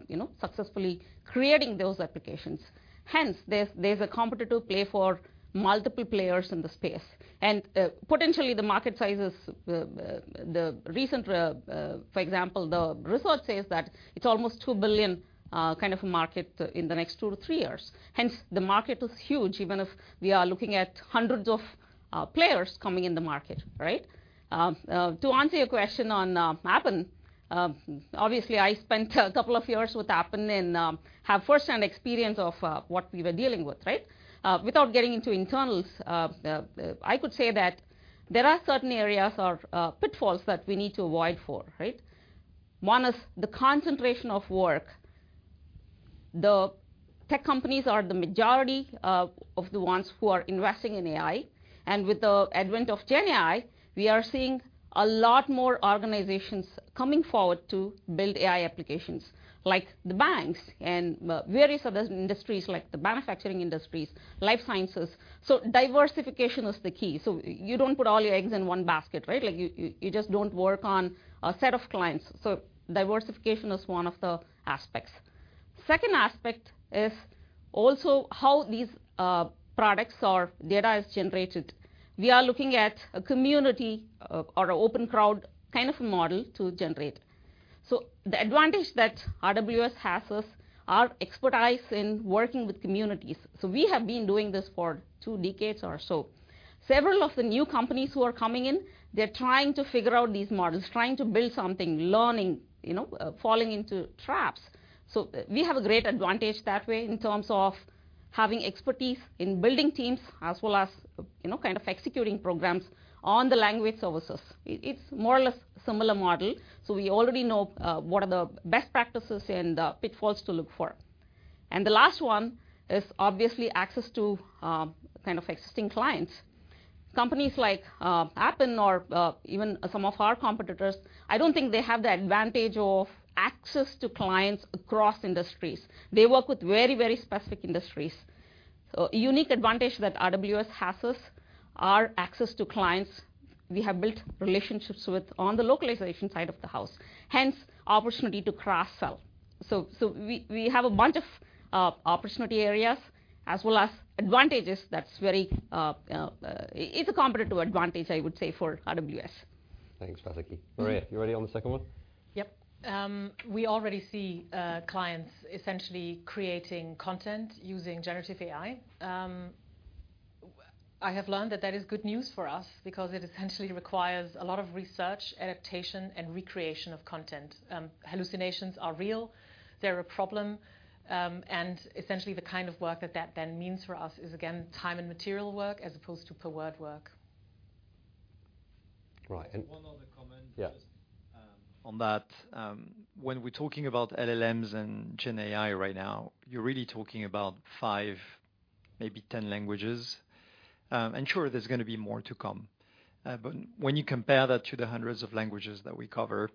you know, successfully creating those applications. Hence, there's a competitive play for multiple players in the space. And potentially, the market size is the recent... For example, the report says that it's almost $2 billion kind of a market in the next 2-3 years. Hence, the market is huge, even if we are looking at hundreds of players coming in the market, right? To answer your question on Appen, obviously, I spent a couple of years with Appen and have first-hand experience of what we were dealing with, right? Without getting into internals, I could say that there are certain areas or pitfalls that we need to avoid for, right? One is the concentration of work. The tech companies are the majority of the ones who are investing in AI, and with the advent of GenAI, we are seeing a lot more organizations coming forward to build AI applications, like the banks and various other industries, like the manufacturing industries, life sciences. So diversification is the key. So you don't put all your eggs in one basket, right? Like, you just don't work on a set of clients. So diversification is one of the aspects. Second aspect is also how these products or data is generated. We are looking at a community or an open crowd kind of a model to generate. So the advantage that RWS has is our expertise in working with communities, so we have been doing this for two decades or so. Several of the new companies who are coming in, they're trying to figure out these models, trying to build something, learning, you know, falling into traps. So we have a great advantage that way in terms of having expertise in building teams, as well as, you know, kind of executing programs on the Language Services. It's more or less similar model, so we already know, what are the best practices and, pitfalls to look for. And the last one is obviously access to, kind of existing clients. Companies like, Appen or, even some of our competitors, I don't think they have the advantage of access to clients across industries. They work with very, very specific industries. So unique advantage that RWS has is our access to clients we have built relationships with on the localization side of the house, hence, opportunity to cross-sell. So we have a bunch of opportunity areas as well as advantages. That's very, it's a competitive advantage, I would say, for RWS. Thanks, Vasagi. Maria, you ready on the second one? Yep. We already see clients essentially creating content using Generative AI. I have learned that that is good news for us because it essentially requires a lot of research, adaptation, and recreation of content. Hallucinations are real. They're a problem, and essentially, the kind of work that that then means for us is, again, time and material work as opposed to per word work. Right. And- One other comment- Yeah. on that. When we're talking about LLMs and GenAI right now, you're really talking about five, maybe ten languages. And sure, there's gonna be more to come, but when you compare that to the hundreds of languages that we cover,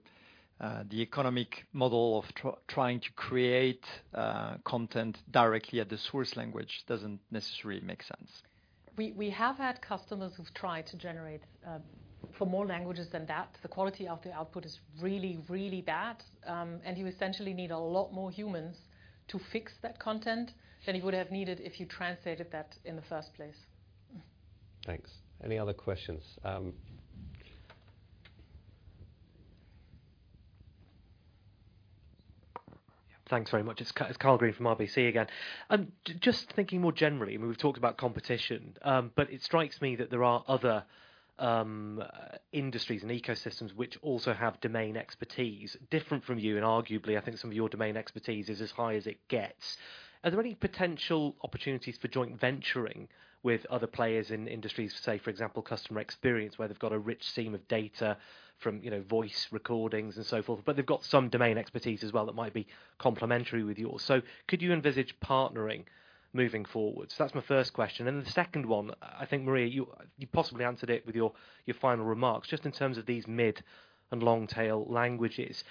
the economic model of trying to create content directly at the source language doesn't necessarily make sense. We, we have had customers who've tried to generate for more languages than that. The quality of the output is really, really bad, and you essentially need a lot more humans to fix that content than you would have needed if you translated that in the first place. Thanks. Any other questions?... Thanks very much. It's Karl Green from RBC again. Just thinking more generally, we've talked about competition, but it strikes me that there are other industries and ecosystems which also have domain expertise different from you, and arguably, I think some of your domain expertise is as high as it gets. Are there any potential opportunities for joint venturing with other players in industries, say, for example, customer experience, where they've got a rich seam of data from, you know, voice recordings and so forth, but they've got some domain expertise as well that might be complementary with yours. So could you envisage partnering moving forward? So that's my first question, and then the second one, I think, Maria, you possibly answered it with your final remarks. Just in terms of these mid and long-tail languages,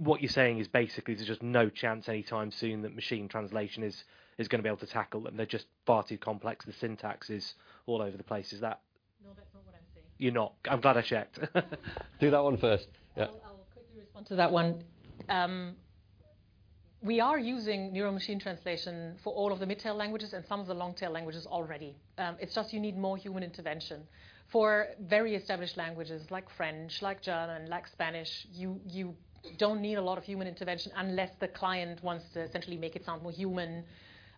what you're saying is basically there's just no chance anytime soon that machine translation is gonna be able to tackle them. They're just far too complex. The syntax is all over the place. Is that? No, that's not what I'm saying. You're not. I'm glad I checked. Do that one first. Yeah. I will, I will quickly respond to that one. We are using neural machine translation for all of the mid-tail languages and some of the long-tail languages already. It's just you need more human intervention. For very established languages like French, like German, like Spanish, you, you don't need a lot of human intervention unless the client wants to essentially make it sound more human,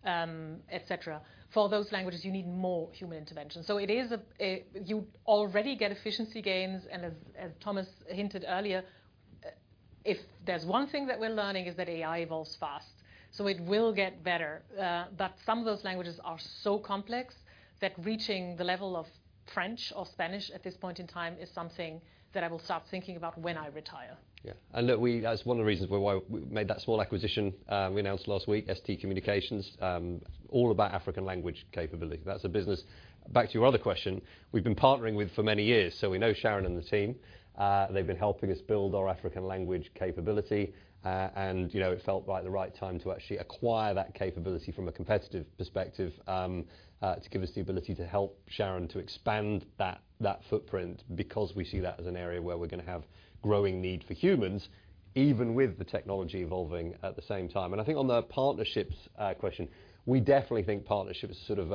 et cetera. For those languages, you need more human intervention. So it is a... You already get efficiency gains, and as, as Thomas hinted earlier, if there's one thing that we're learning is that AI evolves fast, so it will get better. But some of those languages are so complex that reaching the level of French or Spanish at this point in time is something that I will start thinking about when I retire. Yeah. And look, that's one of the reasons why we made that small acquisition we announced last week, ST Communications, all about African language capability. That's a business. Back to your other question, we've been partnering with for many years, so we know Sharon and the team. They've been helping us build our African language capability. And, you know, it felt like the right time to actually acquire that capability from a competitive perspective, to give us the ability to help Sharon to expand that footprint, because we see that as an area where we're gonna have growing need for humans, even with the technology evolving at the same time. And I think on the partnerships question, we definitely think partnership is sort of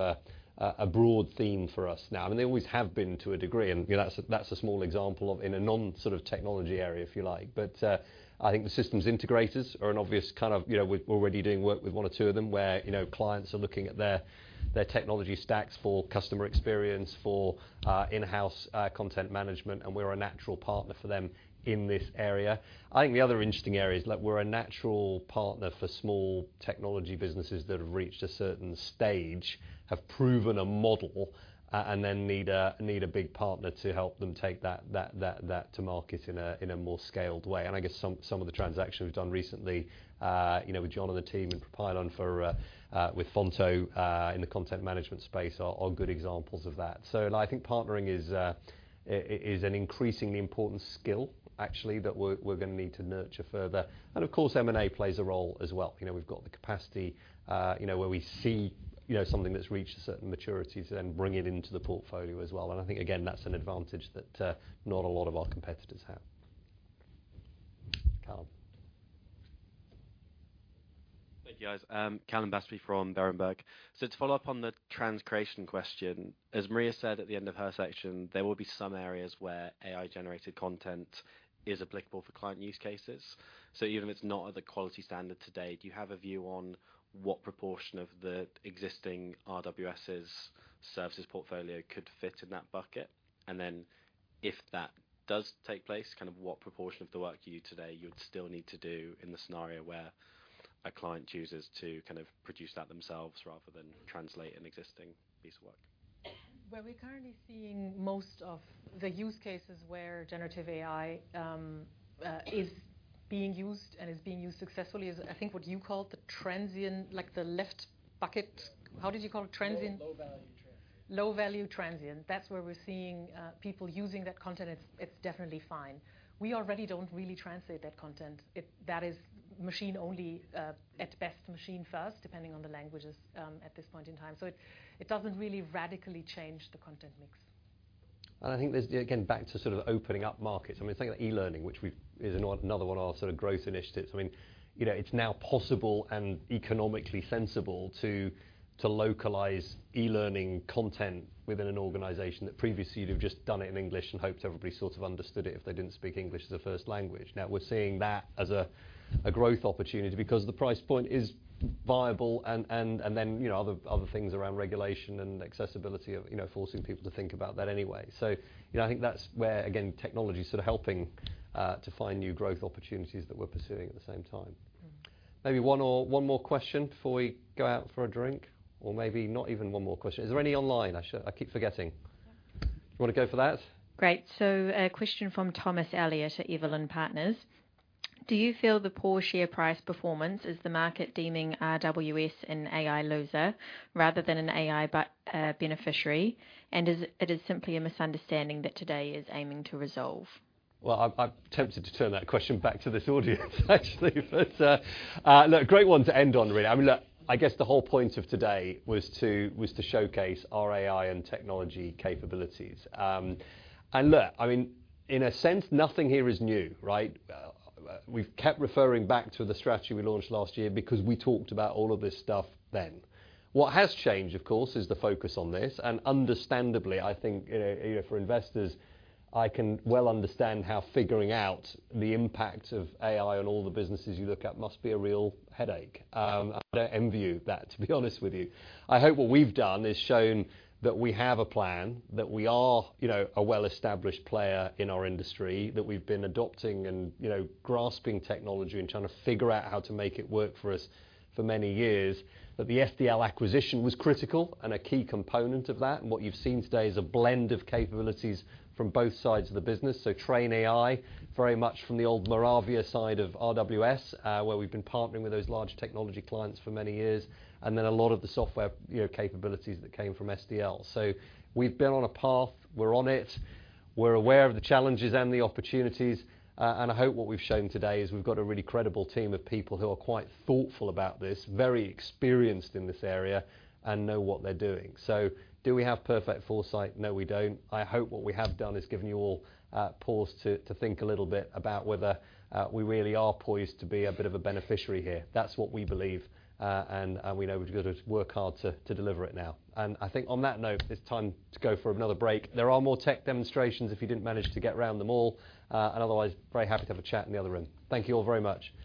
a broad theme for us now, and they always have been to a degree, and, you know, that's a small example of in a non-sort of technology area, if you like. But I think the systems integrators are an obvious kind of, you know, we're already doing work with one or two of them, where, you know, clients are looking at their technology stacks for customer experience, for in-house content management, and we're a natural partner for them in this area. I think the other interesting area is, like, we're a natural partner for small technology businesses that have reached a certain stage, have proven a model, and then need a big partner to help them take that to market in a more scaled way. And I guess some of the transactions we've done recently, you know, with John and the team in Propylon, with Fonto, in the content management space are good examples of that. So look, I think partnering is an increasingly important skill, actually, that we're gonna need to nurture further, and of course, M&A plays a role as well. You know, we've got the capacity, you know, where we see, you know, something that's reached a certain maturity to then bring it into the portfolio as well, and I think, again, that's an advantage that, not a lot of our competitors have. Karl. Thank you, guys. Calum Battersby from Berenberg. So to follow up on the transcreation question, as Maria said at the end of her section, there will be some areas where AI-generated content is applicable for client use cases. So even if it's not at the quality standard today, do you have a view on what proportion of the existing RWS' services portfolio could fit in that bucket? And then, if that does take place, kind of what proportion of the work you do today you'd still need to do in the scenario where a client chooses to kind of produce that themselves rather than translate an existing piece of work? Well, we're currently seeing most of the use cases where Generative AI is being used and is being used successfully, is, I think, what you called the transient, like the left bucket. Yeah. How did you call it? Transient? Low value transient. Low value transient. That's where we're seeing people using that content. It's definitely fine. We already don't really translate that content. That is machine only, at best, machine first, depending on the languages, at this point in time. So it doesn't really radically change the content mix. I think there's, again, back to sort of opening up markets. I mean, think of e-learning, which is another one of our sort of growth initiatives. I mean, you know, it's now possible and economically sensible to localize e-learning content within an organization that previously you'd have just done it in English and hoped everybody sort of understood it if they didn't speak English as a first language. Now we're seeing that as a growth opportunity because the price point is viable and then, you know, other things around regulation and accessibility are, you know, forcing people to think about that anyway. So, you know, I think that's where, again, technology is sort of helping to find new growth opportunities that we're pursuing at the same time. Mm. Maybe one or one more question before we go out for a drink, or maybe not even one more question. Is there anyone online I should—I keep forgetting. You want to go for that? Great. So a question from Thomas Elliott at Evelyn Partners: Do you feel the poor share price performance, is the market deeming RWS an AI loser rather than an AI beneficiary, and is it, it is simply a misunderstanding that today is aiming to resolve? Well, I'm tempted to turn that question back to this audience, actually. But, look, great one to end on, really. I mean, look, I guess the whole point of today was to showcase our AI and technology capabilities. And look, I mean, in a sense, nothing here is new, right? We've kept referring back to the strategy we launched last year because we talked about all of this stuff then. What has changed, of course, is the focus on this, and understandably, I think, you know, for investors, I can well understand how figuring out the impact of AI on all the businesses you look at must be a real headache. I don't envy you that, to be honest with you. I hope what we've done is shown that we have a plan, that we are, you know, a well-established player in our industry, that we've been adopting and, you know, grasping technology and trying to figure out how to make it work for us for many years. That the SDL acquisition was critical and a key component of that, and what you've seen today is a blend of capabilities from both sides of the business. So TrainAI, very much from the old Moravia side of RWS, where we've been partnering with those large technology clients for many years, and then a lot of the software, you know, capabilities that came from SDL. So we've been on a path. We're on it. We're aware of the challenges and the opportunities, and I hope what we've shown today is we've got a really credible team of people who are quite thoughtful about this, very experienced in this area, and know what they're doing. So do we have perfect foresight? No, we don't. I hope what we have done is given you all pause to think a little bit about whether we really are poised to be a bit of a beneficiary here. That's what we believe, and we know we've got to work hard to deliver it now. And I think on that note, it's time to go for another break. There are more tech demonstrations if you didn't manage to get around them all, and otherwise, very happy to have a chat in the other room. Thank you all very much.